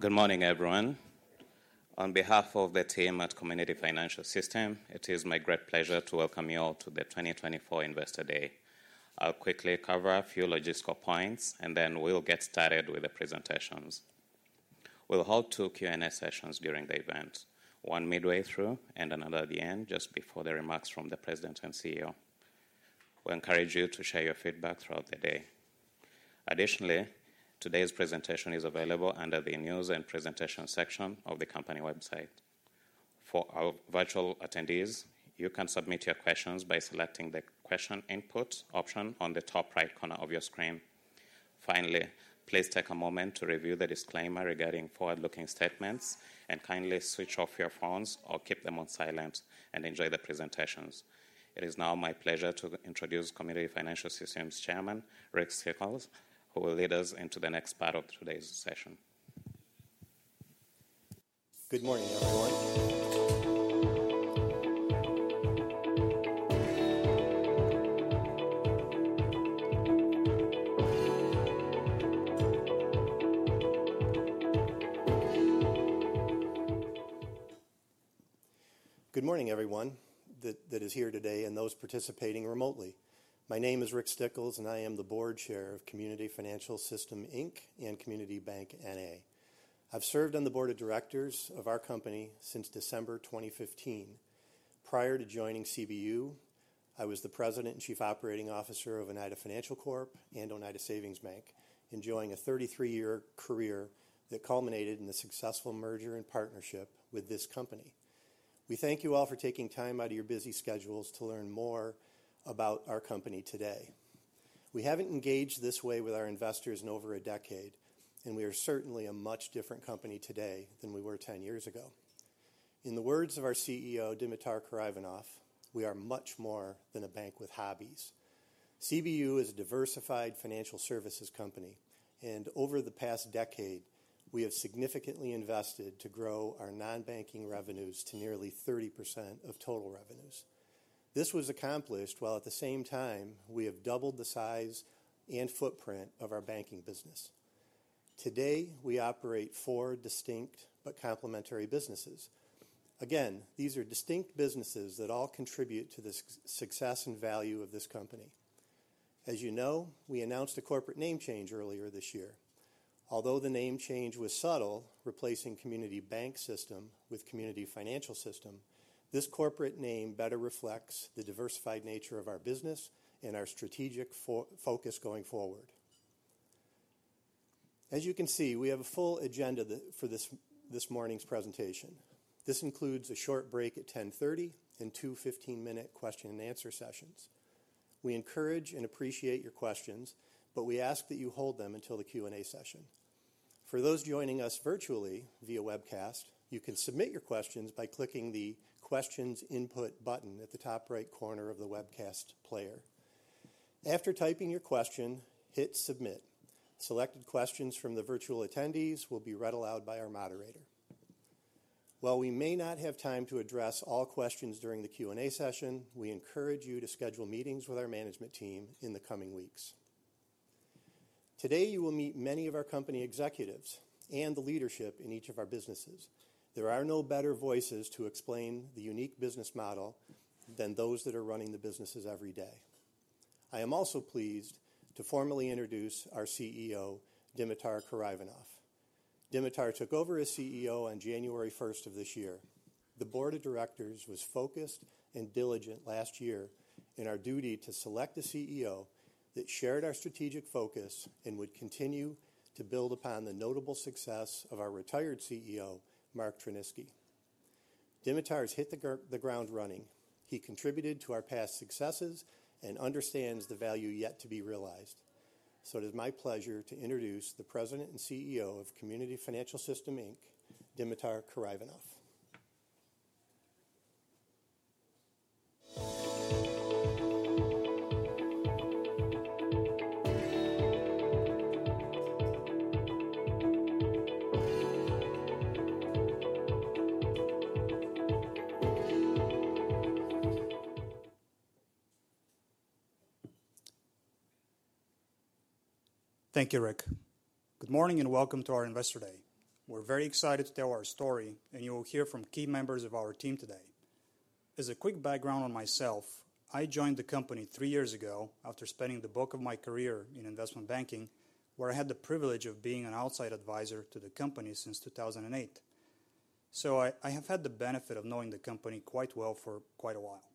Good morning, everyone. On behalf of the team at Community Financial System, it is my great pleasure to welcome you all to the 2024 Investor Day. I'll quickly cover a few logistical points, and then we'll get started with the presentations. We'll hold two Q&A sessions during the event, one midway through and another at the end, just before the remarks from the President and CEO. We encourage you to share your feedback throughout the day. Additionally, today's presentation is available under the News and Presentation section of the company website. For our virtual attendees, you can submit your questions by selecting the Question Input option on the top right corner of your screen. Finally, please take a moment to review the disclaimer regarding forward-looking statements, and kindly switch off your phones or keep them on silent, and enjoy the presentations. It is now my pleasure to introduce Community Financial System Chairman, Ric Stickels, who will lead us into the next part of today's session. Good morning, everyone. Good morning, everyone that is here today and those participating remotely. My name is Ric Stickels, and I am the Board Chair of Community Financial System, Inc., and Community Bank, N.A. I've served on the board of directors of our company since December 2015. Prior to joining CBU, I was the president and chief operating officer of Oneida Financial Corp. and Oneida Savings Bank, enjoying a 33-year career that culminated in the successful merger and partnership with this company. We thank you all for taking time out of your busy schedules to learn more about our company today. We haven't engaged this way with our investors in over a decade, and we are certainly a much different company today than we were 10 years ago. In the words of our CEO, Dimitar Karaivanov, "We are much more than a bank with hobbies." CBU is a diversified financial services company, and over the past decade, we have significantly invested to grow our non-banking revenues to nearly 30% of total revenues. This was accomplished while at the same time we have doubled the size and footprint of our banking business. Today, we operate four distinct but complementary businesses. Again, these are distinct businesses that all contribute to the success and value of this company. As you know, we announced a corporate name change earlier this year. Although the name change was subtle, replacing Community Bank System with Community Financial System, this corporate name better reflects the diversified nature of our business and our strategic focus going forward. As you can see, we have a full agenda for this morning's presentation. This includes a short break at 10:30 A.M. and two 15-minute question and answer sessions. We encourage and appreciate your questions, but we ask that you hold them until the Q&A session. For those joining us virtually via webcast, you can submit your questions by clicking the Questions Input button at the top right corner of the webcast player. After typing your question, hit Submit. Selected questions from the virtual attendees will be read aloud by our moderator. While we may not have time to address all questions during the Q&A session, we encourage you to schedule meetings with our management team in the coming weeks. Today, you will meet many of our company executives and the leadership in each of our businesses. There are no better voices to explain the unique business model than those that are running the businesses every day. I am also pleased to formally introduce our CEO, Dimitar Karaivanov. Dimitar took over as CEO on January 1st of this year. The board of directors was focused and diligent last year in our duty to select a CEO that shared our strategic focus and would continue to build upon the notable success of our retired CEO, Mark Tryniski. Dimitar has hit the ground running. He contributed to our past successes and understands the value yet to be realized. So it is my pleasure to introduce the President and CEO of Community Financial System, Inc., Dimitar Karaivanov. Thank you, Ric. Good morning, and welcome to our Investor Day. We're very excited to tell our story, and you will hear from key members of our team today. As a quick background on myself, I joined the company three years ago after spending the bulk of my career in investment banking, where I had the privilege of being an outside Advisor to the company since two thousand and eight. So I have had the benefit of knowing the company quite well for quite a while.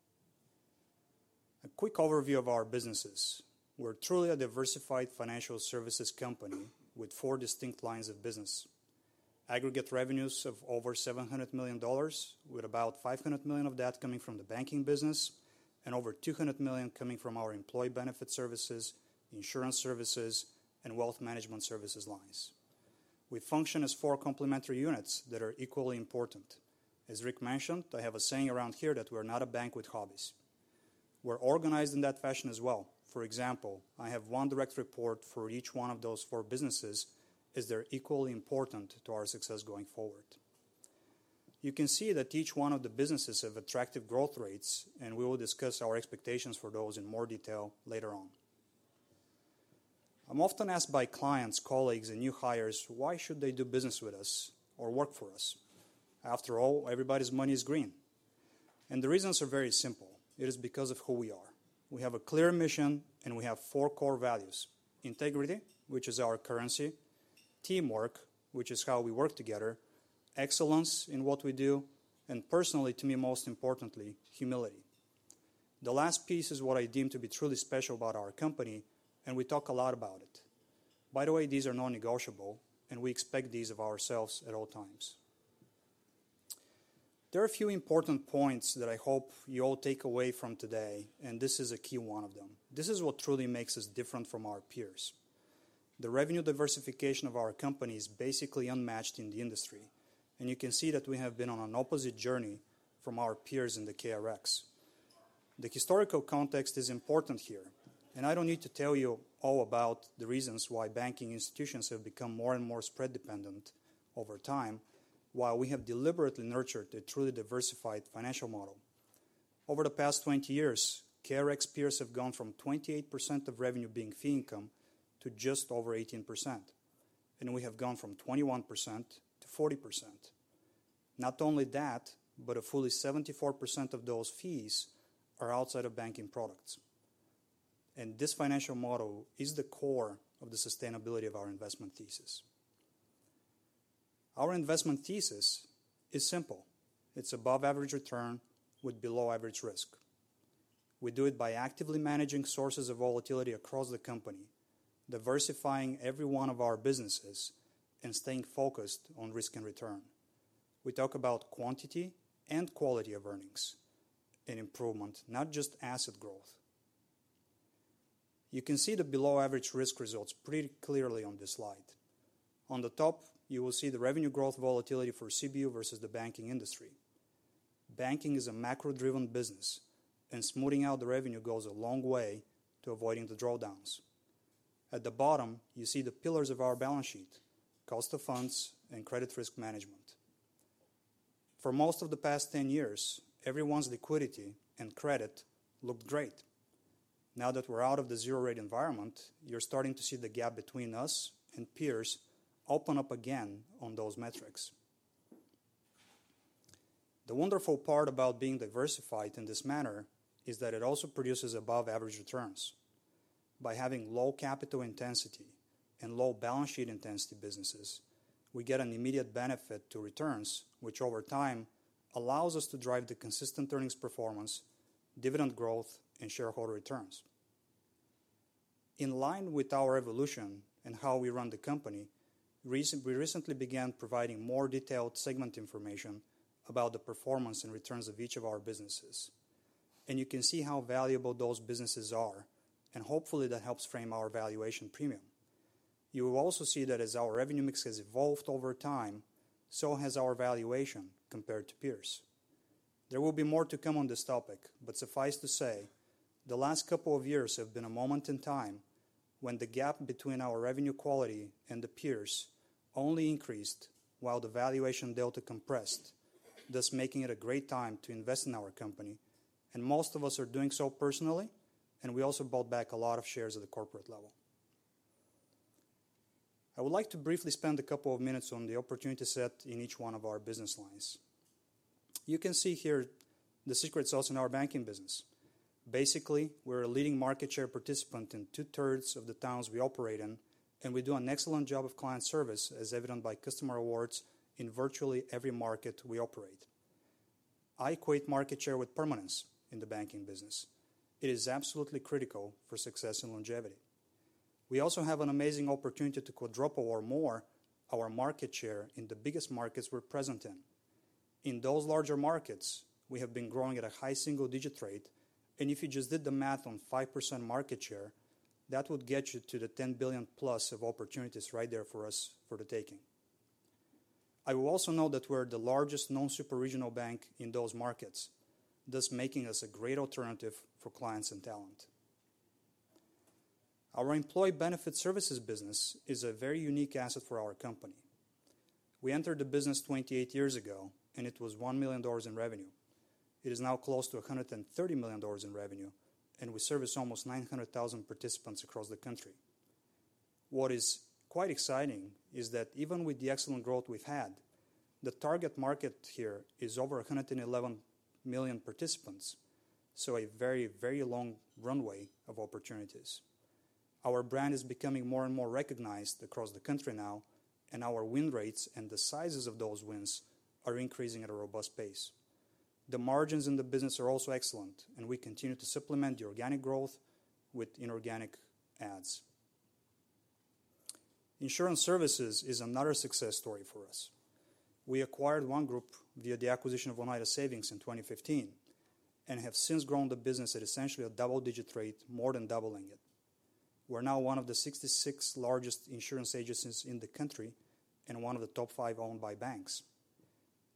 A quick overview of our businesses. We're truly a diversified financial services company with four distinct lines of business. Aggregate revenues of over $700 million, with about $500 million of that coming from the banking business and over $200 million coming from our employee benefit services, insurance services, and wealth management services lines. We function as four complementary units that are equally important. As Ric mentioned, I have a saying around here that we are not a bank with hobbies. We're organized in that fashion as well. For example, I have one direct report for each one of those four businesses, as they're equally important to our success going forward. You can see that each one of the businesses have attractive growth rates, and we will discuss our expectations for those in more detail later on. I'm often asked by clients, colleagues, and new hires, why should they do business with us or work for us? After all, everybody's money is green. And the reasons are very simple. It is because of who we are. We have a clear mission, and we have four core values: integrity, which is our currency. Teamwork, which is how we work together. Excellence in what we do, and personally, to me, most importantly, humility. The last piece is what I deem to be truly special about our company, and we talk a lot about it. By the way, these are non-negotiable, and we expect these of ourselves at all times. There are a few important points that I hope you all take away from today, and this is a key one of them. This is what truly makes us different from our peers. The revenue diversification of our company is basically unmatched in the industry, and you can see that we have been on an opposite journey from our peers in the KRX. The historical context is important here, and I don't need to tell you all about the reasons why banking institutions have become more and more spread dependent over time, while we have deliberately nurtured a truly diversified financial model. Over the past twenty years, KRX peers have gone from 28% of revenue being fee income to just over 18%, and we have gone from 21% to 40%. Not only that, but a fully 74% of those fees are outside of banking products, and this financial model is the core of the sustainability of our investment thesis. Our investment thesis is simple: It's above-average return with below-average risk. We do it by actively managing sources of volatility across the company, diversifying every one of our businesses, and staying focused on risk and return. We talk about quantity and quality of earnings and improvement, not just asset growth. You can see the below-average risk results pretty clearly on this slide. On the top, you will see the revenue growth volatility for CBU versus the banking industry. Banking is a macro-driven business, and smoothing out the revenue goes a long way to avoiding the drawdowns. At the bottom, you see the pillars of our balance sheet, cost of funds, and credit risk management. For most of the past 10 years, everyone's liquidity and credit looked great. Now that we're out of the zero-rate environment, you're starting to see the gap between us and peers open up again on those metrics. The wonderful part about being diversified in this manner is that it also produces above-average returns. By having low capital intensity and low balance sheet intensity businesses, we get an immediate benefit to returns, which over time allows us to drive the consistent earnings performance, dividend growth, and shareholder returns. In line with our evolution and how we run the company, we recently began providing more detailed segment information about the performance and returns of each of our businesses, and you can see how valuable those businesses are, and hopefully that helps frame our valuation premium. You will also see that as our revenue mix has evolved over time, so has our valuation compared to peers. There will be more to come on this topic, but suffice to say, the last couple of years have been a moment in time when the gap between our revenue quality and the peers only increased while the valuation delta compressed, thus making it a great time to invest in our company, and most of us are doing so personally, and we also bought back a lot of shares at the corporate level. I would like to briefly spend a couple of minutes on the opportunity set in each one of our business lines. You can see here the secret sauce in our banking business. Basically, we're a leading market share participant in 2/3 of the towns we operate in, and we do an excellent job of client service, as evident by customer awards in virtually every market we operate. I equate market share with permanence in the banking business. It is absolutely critical for success and longevity. We also have an amazing opportunity to quadruple or more our market share in the biggest markets we're present in. In those larger markets, we have been growing at a high single-digit rate, and if you just did the math on 5% market share, that would get you to the $10 billion plus of opportunities right there for us for the taking. I will also note that we're the largest non-super regional bank in those markets, thus making us a great alternative for clients and talent. Our employee benefit services business is a very unique asset for our company. We entered the business 28 years ago, and it was $1 million in revenue. It is now close to $130 million in revenue, and we service almost 900,000 participants across the country. What is quite exciting is that even with the excellent growth we've had, the target market here is over 111 million participants, so a very, very long runway of opportunities. Our brand is becoming more and more recognized across the country now, and our win rates and the sizes of those wins are increasing at a robust pace. The margins in the business are also excellent, and we continue to supplement the organic growth with inorganic adds. Insurance services is another success story for us. We acquired OneGroup via the acquisition of Oneida Savings in 2015, and have since grown the business at essentially a double-digit rate, more than doubling it. We're now one of the 66 largest insurance agencies in the country and one of the top five owned by banks.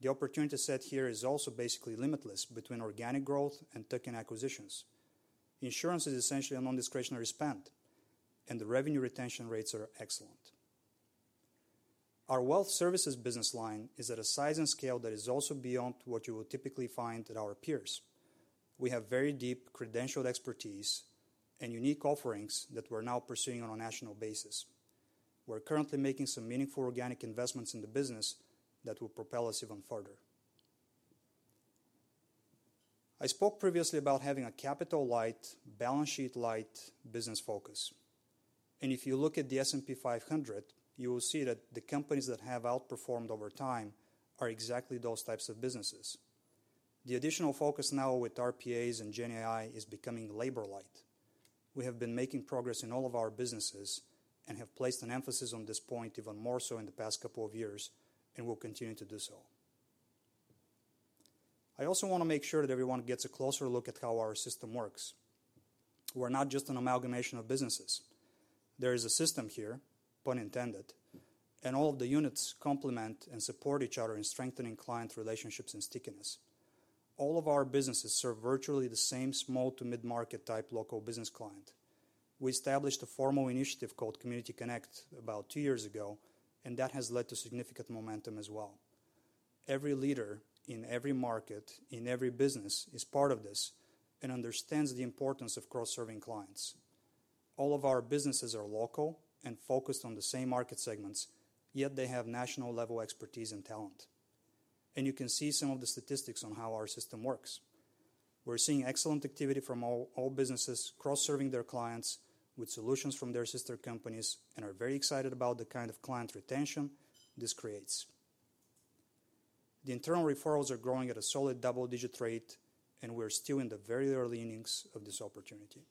The opportunity set here is also basically limitless between organic growth and tuck-in acquisitions. Insurance is essentially a non-discretionary spend, and the revenue retention rates are excellent. Our wealth services business line is at a size and scale that is also beyond what you would typically find at our peers. We have very deep credentialed expertise and unique offerings that we're now pursuing on a national basis. We're currently making some meaningful organic investments in the business that will propel us even further. I spoke previously about having a capital-light, balance sheet-light business focus, and if you look at the S&P 500, you will see that the companies that have outperformed over time are exactly those types of businesses. The additional focus now with RPAs and GenAI is becoming labor-light. We have been making progress in all of our businesses and have placed an emphasis on this point even more so in the past couple of years, and will continue to do so. I also want to make sure that everyone gets a closer look at how our system works. We're not just an amalgamation of businesses. There is a system here, pun intended, and all of the units complement and support each other in strengthening client relationships and stickiness. All of our businesses serve virtually the same small to mid-market type local business client. We established a formal initiative called Community Connect about two years ago, and that has led to significant momentum as well. Every leader in every market, in every business is part of this and understands the importance of cross-serving clients. All of our businesses are local and focused on the same market segments, yet they have national-level expertise and talent, and you can see some of the statistics on how our system works. We're seeing excellent activity from all businesses cross-serving their clients with solutions from their sister companies and are very excited about the kind of client retention this creates. The internal referrals are growing at a solid double-digit rate, and we're still in the very early innings of this opportunity.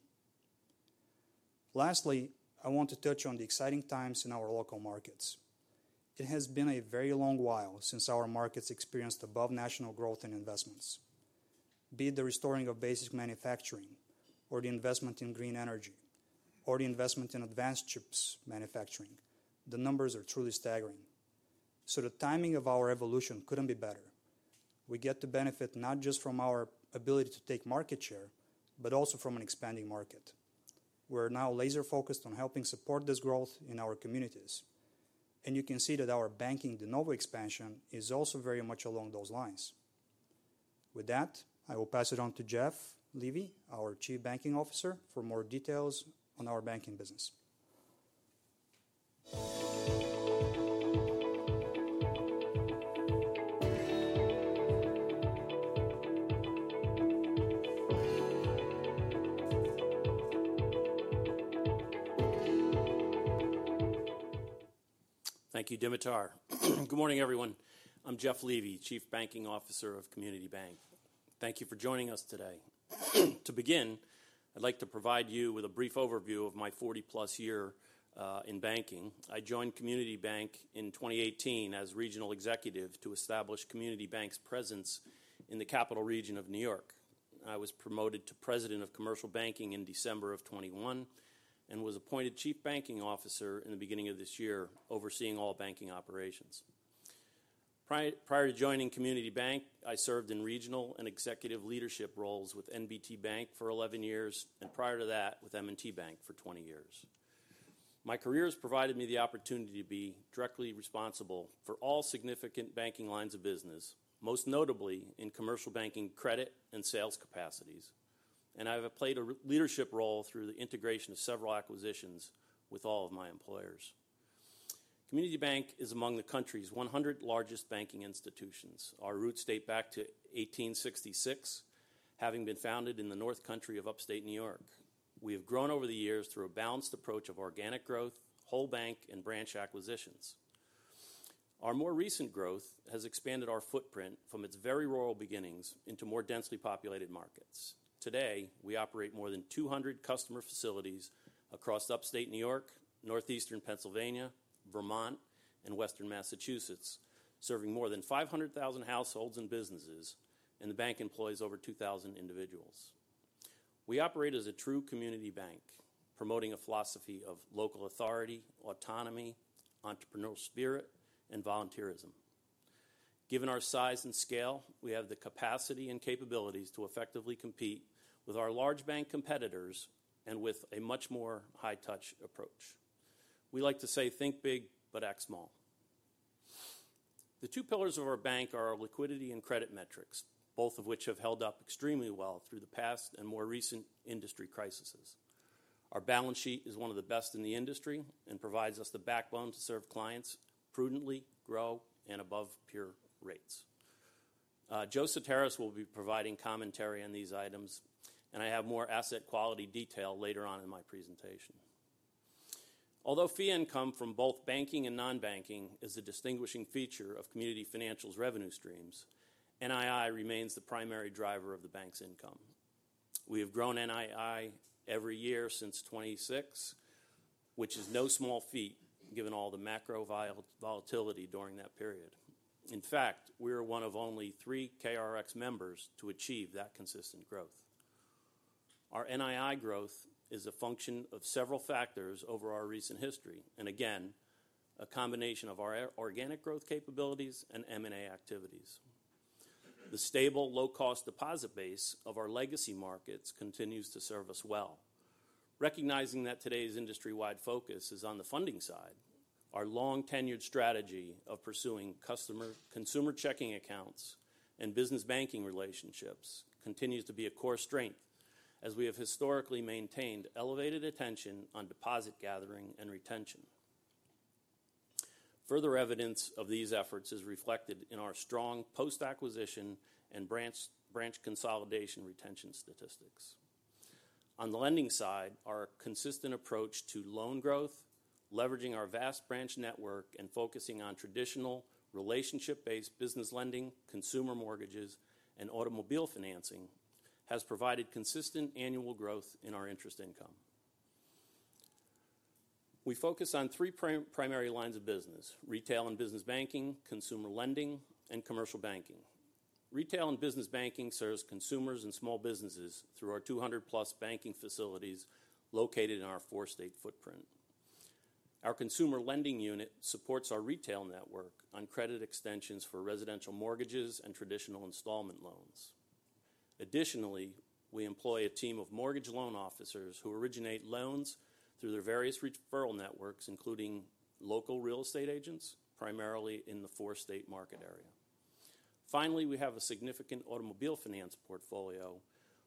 Lastly, I want to touch on the exciting times in our local markets. It has been a very long while since our markets experienced above national growth and investments. Be it the restoring of basic manufacturing, or the investment in green energy, or the investment in advanced chips manufacturing, the numbers are truly staggering, so the timing of our evolution couldn't be better. We get to benefit not just from our ability to take market share, but also from an expanding market. We're now laser-focused on helping support this growth in our communities, and you can see that our banking de novo expansion is also very much along those lines. With that, I will pass it on to Jeff Levy, our Chief Banking Officer, for more details on our banking business. Thank you, Dimitar. Good morning, everyone. I'm Jeff Levy, Chief Banking Officer of Community Bank. Thank you for joining us today. To begin, I'd like to provide you with a brief overview of my 40-plus year in banking. I joined Community Bank in 2018 as Regional Executive to establish Community Bank's presence in the capital region of New York. I was promoted to President of Commercial Banking in December of 2021, and was appointed Chief Banking Officer in the beginning of this year, overseeing all banking operations. Prior to joining Community Bank, I served in regional and executive leadership roles with NBT Bank for 11 years, and prior to that, with M&T Bank for 20 years. My career has provided me the opportunity to be directly responsible for all significant banking lines of business, most notably in commercial banking, credit and sales capacities. I have played a leadership role through the integration of several acquisitions with all of my employers. Community Bank is among the country's 100 largest banking institutions. Our roots date back to 1866, having been founded in the North Country of Upstate New York. We have grown over the years through a balanced approach of organic growth, whole bank, and branch acquisitions. Our more recent growth has expanded our footprint from its very rural beginnings into more densely populated markets. Today, we operate more than 200 customer facilities across Upstate New York, Northeastern Pennsylvania, Vermont, and Western Massachusetts, serving more than 500,000 households and businesses, and the bank employs over 2,000 individuals. We operate as a true community bank, promoting a philosophy of local authority, autonomy, entrepreneurial spirit, and volunteerism. Given our size and scale, we have the capacity and capabilities to effectively compete with our large bank competitors and with a much more high-touch approach. We like to say, "Think big, but act small." The two pillars of our bank are our liquidity and credit metrics, both of which have held up extremely well through the past and more recent industry crises. Our balance sheet is one of the best in the industry and provides us the backbone to serve clients prudently, grow, and above peer rates. Joseph Sutaris will be providing commentary on these items, and I have more asset quality detail later on in my presentation. Although fee income from both banking and non-banking is a distinguishing feature of Community Financial System's revenue streams, NII remains the primary driver of the bank's income. We have grown NII every year since 2016, which is no small feat, given all the macro volatility during that period. In fact, we are one of only three KRX members to achieve that consistent growth. Our NII growth is a function of several factors over our recent history, and again, a combination of our organic growth capabilities and M&A activities. The stable, low-cost deposit base of our legacy markets continues to serve us well. Recognizing that today's industry-wide focus is on the funding side, our long-tenured strategy of pursuing customer consumer checking accounts and business banking relationships continues to be a core strength, as we have historically maintained elevated attention on deposit gathering and retention. Further evidence of these efforts is reflected in our strong post-acquisition and branch consolidation retention statistics. On the lending side, our consistent approach to loan growth, leveraging our vast branch network, and focusing on traditional relationship-based business lending, consumer mortgages, and automobile financing, has provided consistent annual growth in our interest income. We focus on three primary lines of business: retail and business banking, consumer lending, and commercial banking. Retail and business banking serves consumers and small businesses through our 200-plus banking facilities located in our four-state footprint. Our consumer lending unit supports our retail network on credit extensions for residential mortgages and traditional installment loans. Additionally, we employ a team of mortgage loan officers who originate loans through their various referral networks, including local real estate agents, primarily in the four-state market area. Finally, we have a significant automobile finance portfolio,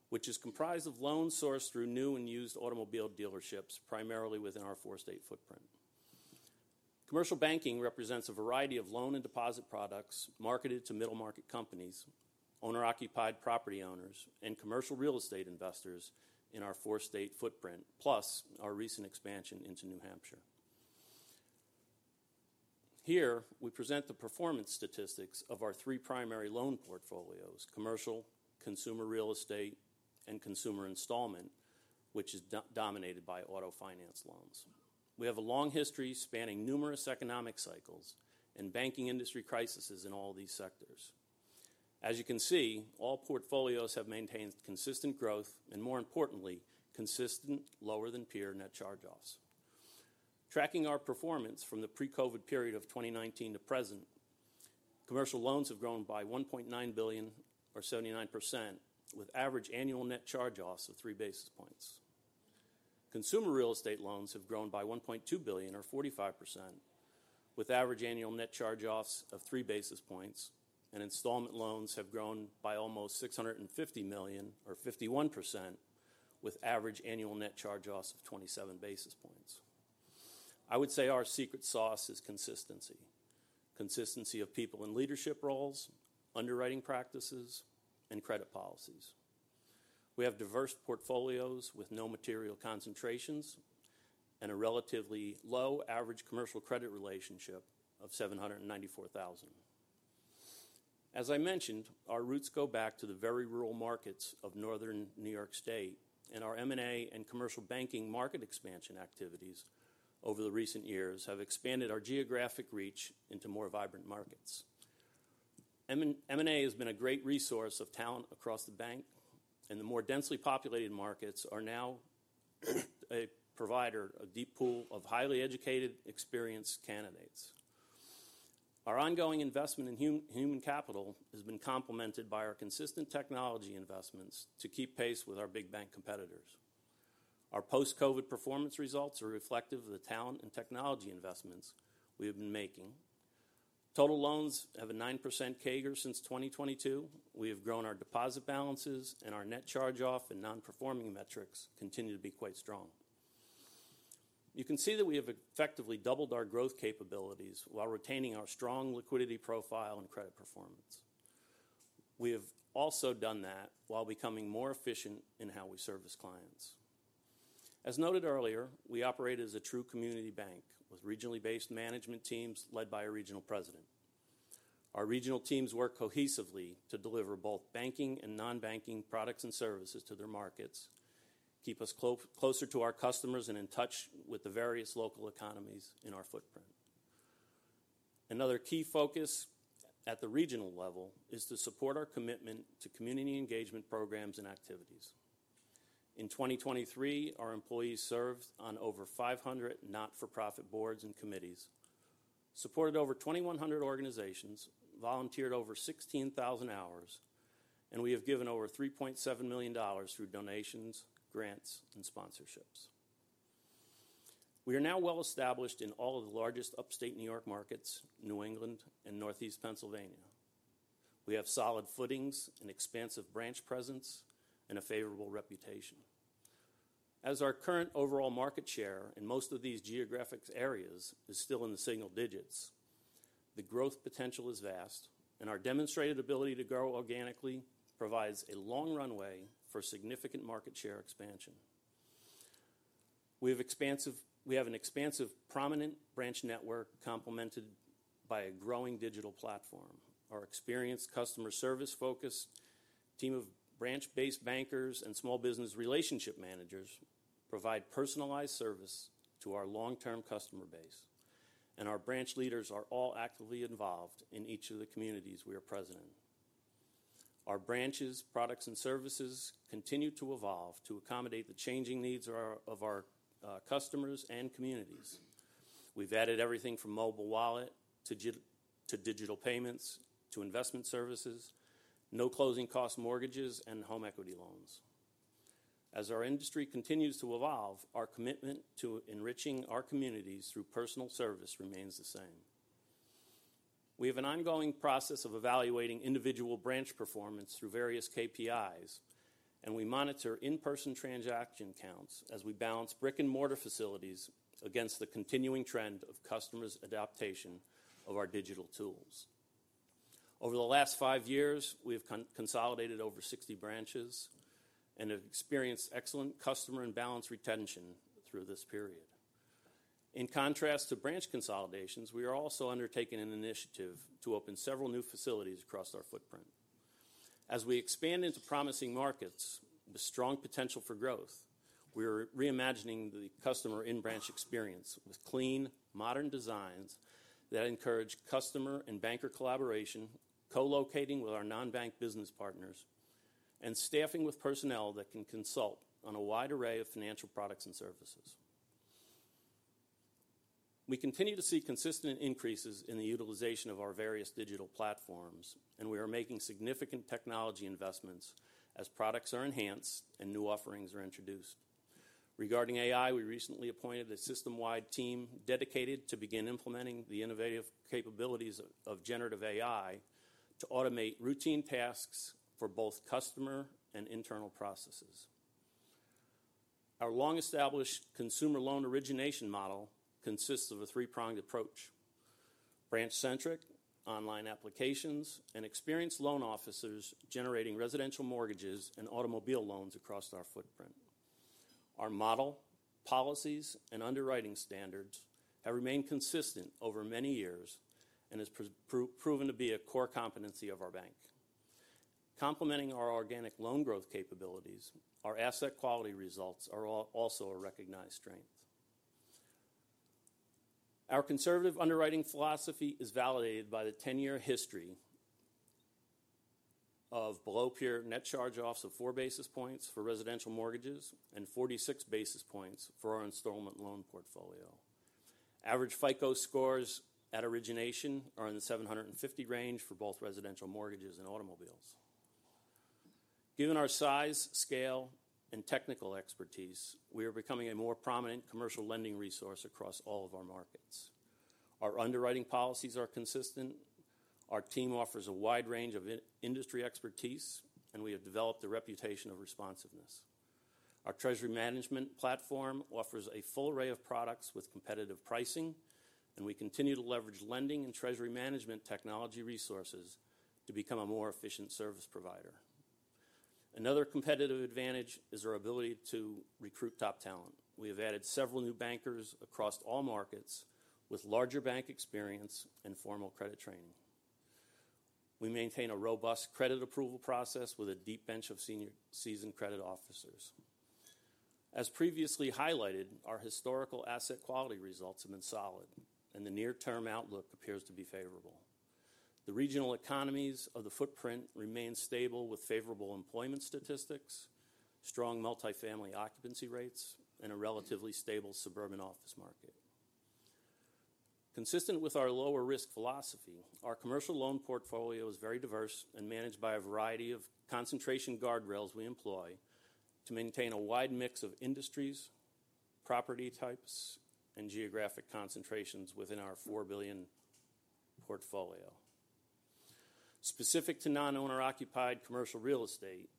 which is comprised of loans sourced through new and used automobile dealerships, primarily within our four-state footprint. Commercial banking represents a variety of loan and deposit products marketed to middle-market companies, owner-occupied property owners, and commercial real estate investors in our four-state footprint, plus our recent expansion into New Hampshire. Here, we present the performance statistics of our three primary loan portfolios: commercial, consumer real estate, and consumer installment, which is dominated by auto finance loans. We have a long history spanning numerous economic cycles and banking industry crises in all these sectors. As you can see, all portfolios have maintained consistent growth and, more importantly, consistent lower-than-peer net charge-offs. Tracking our performance from the pre-COVID period of 2019 to present, commercial loans have grown by $1.9 billion, or 79%, with average annual net charge-offs of three basis points. Consumer real estate loans have grown by $1.2 billion, or 45%, with average annual net charge-offs of 3 basis points, and installment loans have grown by almost $650 million, or 51%, with average annual net charge-offs of 27 basis points. I would say our secret sauce is consistency. Consistency of people in leadership roles, underwriting practices, and credit policies. We have diverse portfolios with no material concentrations and a relatively low average commercial credit relationship of $794,000. As I mentioned, our roots go back to the very rural markets of northern New York State, and our M&A and commercial banking market expansion activities over the recent years have expanded our geographic reach into more vibrant markets. M&A has been a great resource of talent across the bank, and the more densely populated markets are now a provider, a deep pool of highly educated, experienced candidates. Our ongoing investment in human capital has been complemented by our consistent technology investments to keep pace with our big bank competitors. Our post-COVID performance results are reflective of the talent and technology investments we have been making. Total loans have a 9% CAGR since 2022. We have grown our deposit balances, and our net charge-off and non-performing metrics continue to be quite strong. You can see that we have effectively doubled our growth capabilities while retaining our strong liquidity profile and credit performance. We have also done that while becoming more efficient in how we service clients. As noted earlier, we operate as a true community bank with regionally based management teams led by a regional president. Our regional teams work cohesively to deliver both banking and non-banking products and services to their markets, keep us closer to our customers, and in touch with the various local economies in our footprint. Another key focus at the regional level is to support our commitment to community engagement programs and activities. In 2023, our employees served on over 500 not-for-profit boards and committees, supported over 2,100 organizations, volunteered over 16,000 hours, and we have given over $3.7 million through donations, grants, and sponsorships. We are now well-established in all of the largest Upstate New York markets, New England, and Northeastern Pennsylvania. We have solid footings, an expansive branch presence, and a favorable reputation. As our current overall market share in most of these geographic areas is still in the single digits, the growth potential is vast, and our demonstrated ability to grow organically provides a long runway for significant market share expansion. We have an expansive, prominent branch network complemented by a growing digital platform. Our experienced, customer service-focused team of branch-based bankers and small business relationship managers provide personalized service to our long-term customer base, and our branch leaders are all actively involved in each of the communities we are present in. Our branches, products, and services continue to evolve to accommodate the changing needs of our customers and communities. We've added everything from mobile wallet to digital payments, to investment services, no closing cost mortgages, and home equity loans. As our industry continues to evolve, our commitment to enriching our communities through personal service remains the same. We have an ongoing process of evaluating individual branch performance through various KPIs, and we monitor in-person transaction counts as we balance brick-and-mortar facilities against the continuing trend of customers' adaptation of our digital tools. Over the last five years, we have consolidated over 60 branches and have experienced excellent customer and balance retention through this period. In contrast to branch consolidations, we are also undertaking an initiative to open several new facilities across our footprint. As we expand into promising markets with strong potential for growth, we are reimagining the customer in-branch experience with clean, modern designs that encourage customer and banker collaboration, co-locating with our non-bank business partners, and staffing with personnel that can consult on a wide array of financial products and services. We continue to see consistent increases in the utilization of our various digital platforms, and we are making significant technology investments as products are enhanced and new offerings are introduced. Regarding AI, we recently appointed a system-wide team dedicated to begin implementing the innovative capabilities of generative AI to automate routine tasks for both customer and internal processes. Our long-established consumer loan origination model consists of a three-pronged approach: branch-centric, online applications, and experienced loan officers generating residential mortgages and automobile loans across our footprint. Our model, policies, and underwriting standards have remained consistent over many years and has proven to be a core competency of our bank. Complementing our organic loan growth capabilities, our asset quality results are also a recognized strength. Our conservative underwriting philosophy is validated by the 10-year history of below-peer net charge-offs of 4 basis points for residential mortgages and 46 basis points for our installment loan portfolio. Average FICO scores at origination are in the seven hundred and fifty range for both residential mortgages and automobiles. Given our size, scale, and technical expertise, we are becoming a more prominent commercial lending resource across all of our markets. Our underwriting policies are consistent, our team offers a wide range of in-industry expertise, and we have developed a reputation of responsiveness. Our treasury management platform offers a full array of products with competitive pricing, and we continue to leverage lending and treasury management technology resources to become a more efficient service provider. Another competitive advantage is our ability to recruit top talent. We have added several new bankers across all markets with larger bank experience and formal credit training. We maintain a robust credit approval process with a deep bench of senior seasoned credit officers. As previously highlighted, our historical asset quality results have been solid, and the near-term outlook appears to be favorable. The regional economies of the footprint remain stable, with favorable employment statistics, strong multifamily occupancy rates, and a relatively stable suburban office market. Consistent with our lower risk philosophy, our commercial loan portfolio is very diverse and managed by a variety of concentration guardrails we employ to maintain a wide mix of industries, property types, and geographic concentrations within our $4 billion portfolio. Specific to non-owner-occupied commercial real estate,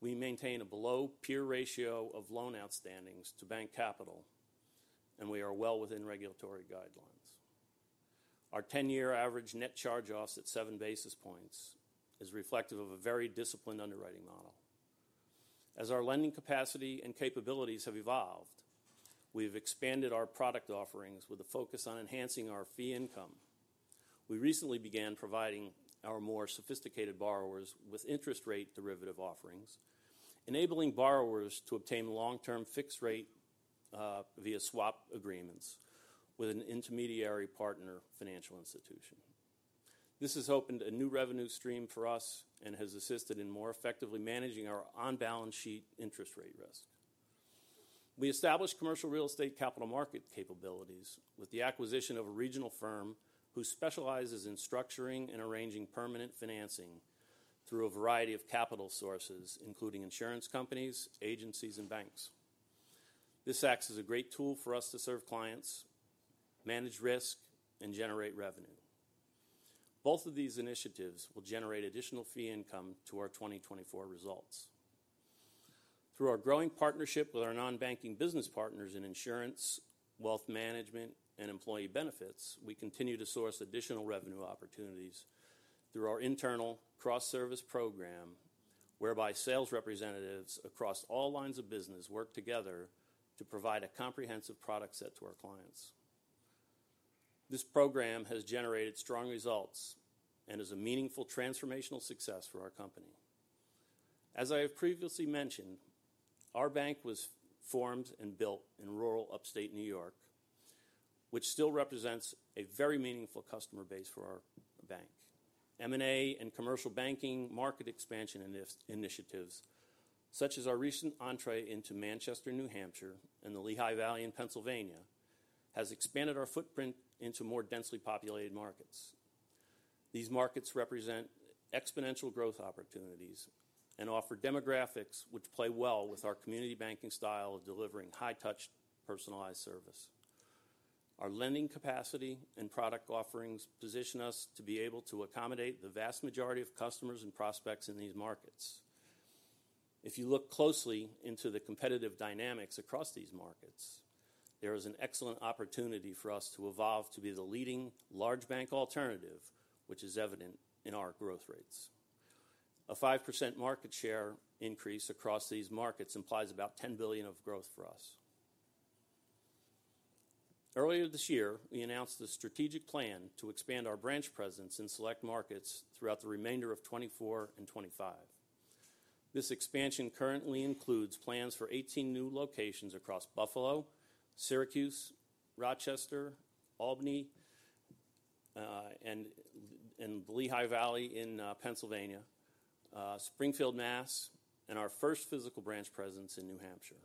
we maintain a below-peer ratio of loan outstandings to bank capital, and we are well within regulatory guidelines. Our 10-year average net charge-offs at 7 basis points is reflective of a very disciplined underwriting model. As our lending capacity and capabilities have evolved, we've expanded our product offerings with a focus on enhancing our fee income. We recently began providing our more sophisticated borrowers with interest rate derivative offerings, enabling borrowers to obtain long-term fixed rate via swap agreements with an intermediary partner financial institution. This has opened a new revenue stream for us and has assisted in more effectively managing our on-balance sheet interest rate risk. We established commercial real estate capital market capabilities with the acquisition of a regional firm who specializes in structuring and arranging permanent financing through a variety of capital sources, including insurance companies, agencies, and banks. This acts as a great tool for us to serve clients, manage risk, and generate revenue. Both of these initiatives will generate additional fee income to our 2024 results. Through our growing partnership with our non-banking business partners in insurance, wealth management, and employee benefits, we continue to source additional revenue opportunities through our internal cross-service program, whereby sales representatives across all lines of business work together to provide a comprehensive product set to our clients. This program has generated strong results and is a meaningful transformational success for our company. As I have previously mentioned, our bank was formed and built in rural Upstate New York, which still represents a very meaningful customer base for our bank. M&A and commercial banking market expansion initiatives such as our recent entry into Manchester, New Hampshire, and the Lehigh Valley in Pennsylvania has expanded our footprint into more densely populated markets. These markets represent exponential growth opportunities and offer demographics which play well with our community banking style of delivering high-touch, personalized service. Our lending capacity and product offerings position us to be able to accommodate the vast majority of customers and prospects in these markets. If you look closely into the competitive dynamics across these markets, there is an excellent opportunity for us to evolve to be the leading large bank alternative, which is evident in our growth rates. A 5% market share increase across these markets implies about $10 billion of growth for us. Earlier this year, we announced a strategic plan to expand our branch presence in select markets throughout the remainder of 2024 and 2025. This expansion currently includes plans for 18 new locations across Buffalo, Syracuse, Rochester, Albany, and Lehigh Valley in Pennsylvania, Springfield, Mass., and our first physical branch presence in New Hampshire.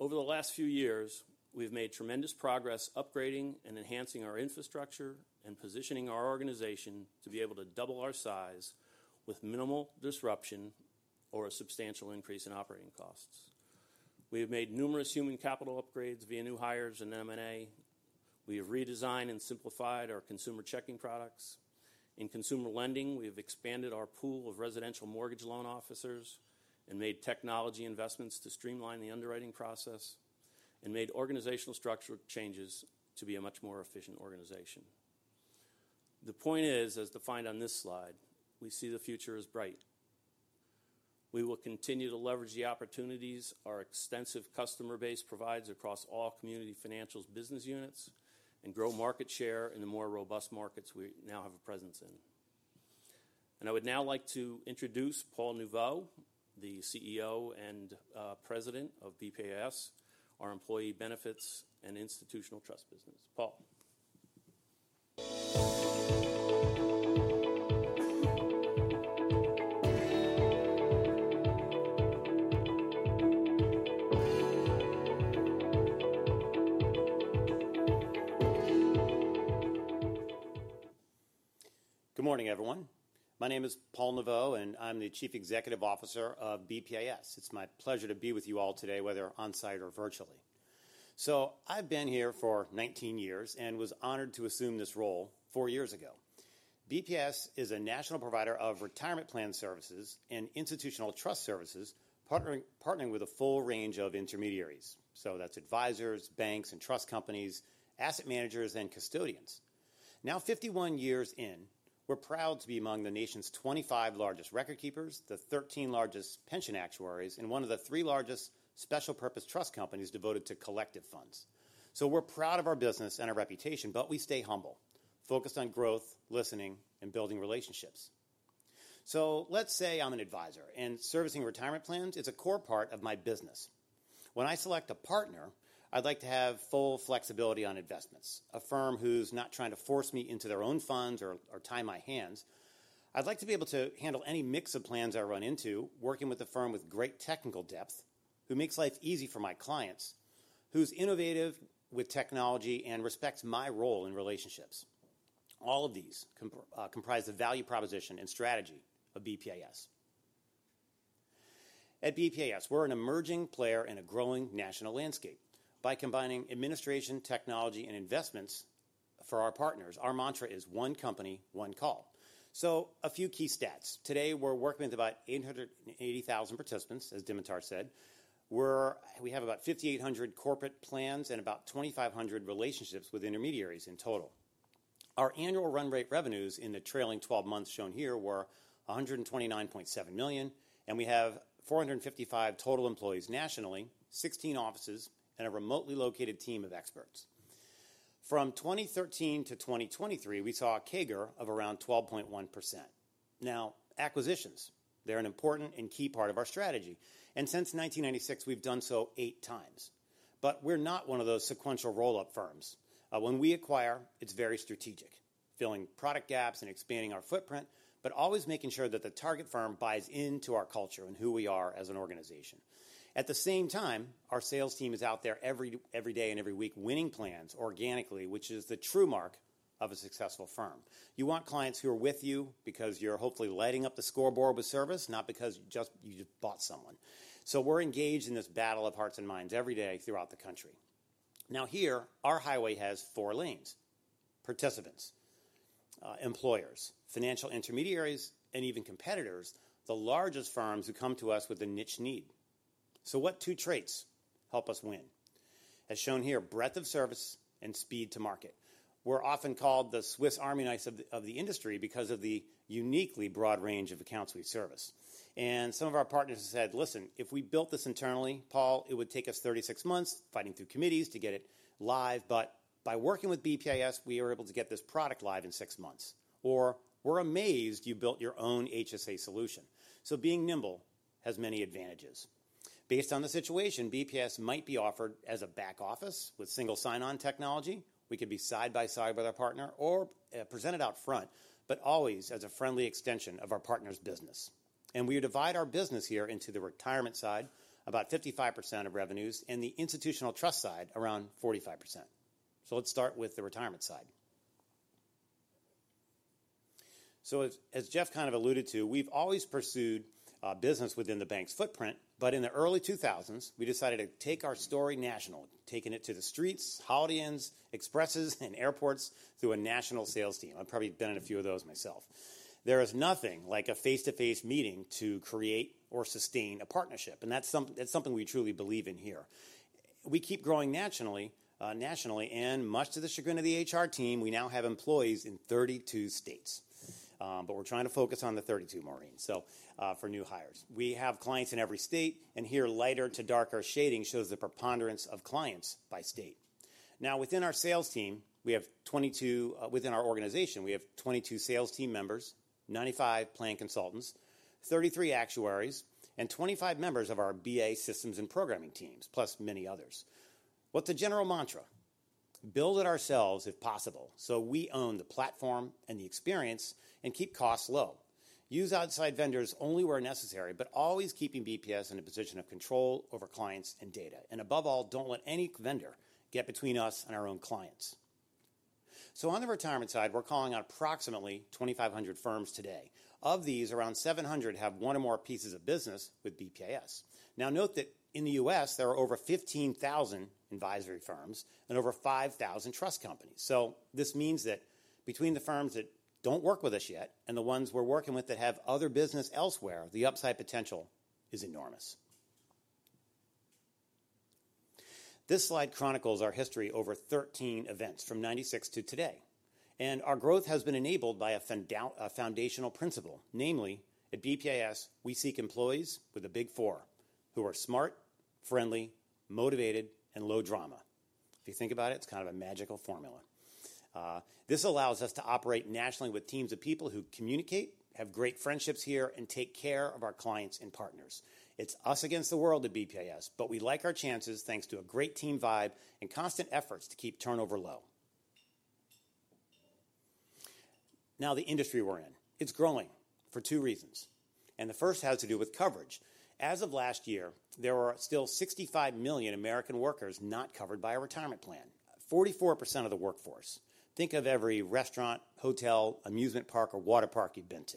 Over the last few years, we've made tremendous progress upgrading and enhancing our infrastructure and positioning our organization to be able to double our size with minimal disruption or a substantial increase in operating costs. We have made numerous human capital upgrades via new hires and M&A. We have redesigned and simplified our consumer checking products. In consumer lending, we have expanded our pool of residential mortgage loan officers and made technology investments to streamline the underwriting process and made organizational structural changes to be a much more efficient organization. The point is, as defined on this slide, we see the future as bright. We will continue to leverage the opportunities our extensive customer base provides across all Community Financial System's business units and grow market share in the more robust markets we now have a presence in. I would now like to introduce Paul Neveu, the CEO and President of BPAS, our employee benefits and institutional trust business. Paul? Good morning, everyone. My name is Paul Neveu, and I'm the Chief Executive Officer of BPAS. It's my pleasure to be with you all today, whether on-site or virtually. I've been here for 19 years and was honored to assume this role four years ago. BPAS is a national provider of retirement plan services and institutional trust services, partnering with a full range of intermediaries. That's advisors, banks and trust companies, asset managers and custodians. Now, 51 years in, we're proud to be among the nation's 25 largest record keepers, the 13 largest pension actuaries, and one of the three largest special purpose trust companies devoted to collective funds. We're proud of our business and our reputation, but we stay humble, focused on growth, listening, and building relationships. Let's say I'm an advisor, and servicing retirement plans is a core part of my business. When I select a partner, I'd like to have full flexibility on investments. A firm who's not trying to force me into their own funds or tie my hands. I'd like to be able to handle any mix of plans I run into, working with a firm with great technical depth, who makes life easy for my clients, who's innovative with technology and respects my role in relationships. All of these comprise the value proposition and strategy of BPAS. At BPAS, we're an emerging player in a growing national landscape. By combining administration, technology, and investments for our partners, our mantra is one company, one call. A few key stats. Today, we're working with about 880,000 participants, as Dimitar said. We have about 5,800 corporate plans and about 2,500 relationships with intermediaries in total. Our annual run rate revenues in the trailing 12 months shown here were $129.7 million, and we have 455 total employees nationally, 16 offices, and a remotely located team of experts. From 2013 to 2023, we saw a CAGR of around 12.1%. Now, acquisitions, they're an important and key part of our strategy, and since 1996, we've done so eight times. But we're not one of those sequential roll-up firms. When we acquire, it's very strategic, filling product gaps and expanding our footprint, but always making sure that the target firm buys into our culture and who we are as an organization. At the same time, our sales team is out there every day and every week, winning plans organically, which is the true mark of a successful firm. You want clients who are with you because you're hopefully lighting up the scoreboard with service, not because you just bought someone. So we're engaged in this battle of hearts and minds every day throughout the country. Now here, our highway has four lanes: participants, employers, financial intermediaries, and even competitors, the largest firms who come to us with a niche need. So what two traits help us win? As shown here, breadth of service and speed to market. We're often called the Swiss Army knives of the industry because of the uniquely broad range of accounts we service. And some of our partners have said, "Listen, if we built this internally, Paul, it would take us 36 months fighting through committees to get it live, but by working with BPAS, we are able to get this product live in six months." Or, "We're amazed you built your own HSA solution." So being nimble has many advantages. Based on the situation, BPAS might be offered as a back office with single sign-on technology. We could be side by side with our partner or presented out front, but always as a friendly extension of our partner's business. And we divide our business here into the retirement side, about 55% of revenues, and the institutional trust side, around 45%. So let's start with the retirement side. So as Jeff kind of alluded to, we've always pursued business within the bank's footprint, but in the early 2000s, we decided to take our story national, taking it to the streets, Holiday Inns, Expresses, and airports through a national sales team. I've probably been in a few of those myself. There is nothing like a face-to-face meeting to create or sustain a partnership, and that's something we truly believe in here. We keep growing nationally, and much to the chagrin of the HR team, we now have employees in 32 states. But we're trying to focus on the 32, Maureen, so for new hires. We have clients in every state, and here, lighter to darker shading shows the preponderance of clients by state. Now, within our sales team, we have 22. Within our organization, we have 22 sales team members, 95 plan consultants, 33 actuaries, and 25 members of our BA systems and programming teams, plus many others. What's the general mantra? Build it ourselves if possible, so we own the platform and the experience and keep costs low. Use outside vendors only where necessary, but always keeping BPAS in a position of control over clients and data. And above all, don't let any vendor get between us and our own clients. So on the retirement side, we're calling on approximately 2,500 firms today. Of these, around 700 have one or more pieces of business with BPAS. Now, note that in the U.S., there are over 15,000 advisory firms and over 5,000 trust companies. So this means that between the firms that don't work with us yet and the ones we're working with that have other business elsewhere, the upside potential is enormous. This slide chronicles our history over thirteen events, from 1996 to today, and our growth has been enabled by a foundational principle. Namely, at BPAS, we seek employees with the Big Four, who are smart, friendly, motivated, and low drama. If you think about it, it's kind of a magical formula. This allows us to operate nationally with teams of people who communicate, have great friendships here, and take care of our clients and partners. It's us against the world at BPAS, but we like our chances, thanks to a great team vibe and constant efforts to keep turnover low. Now, the industry we're in, it's growing for two reasons, and the first has to do with coverage. As of last year, there were still 65 million American workers not covered by a retirement plan, 44% of the workforce. Think of every restaurant, hotel, amusement park, or water park you've been to.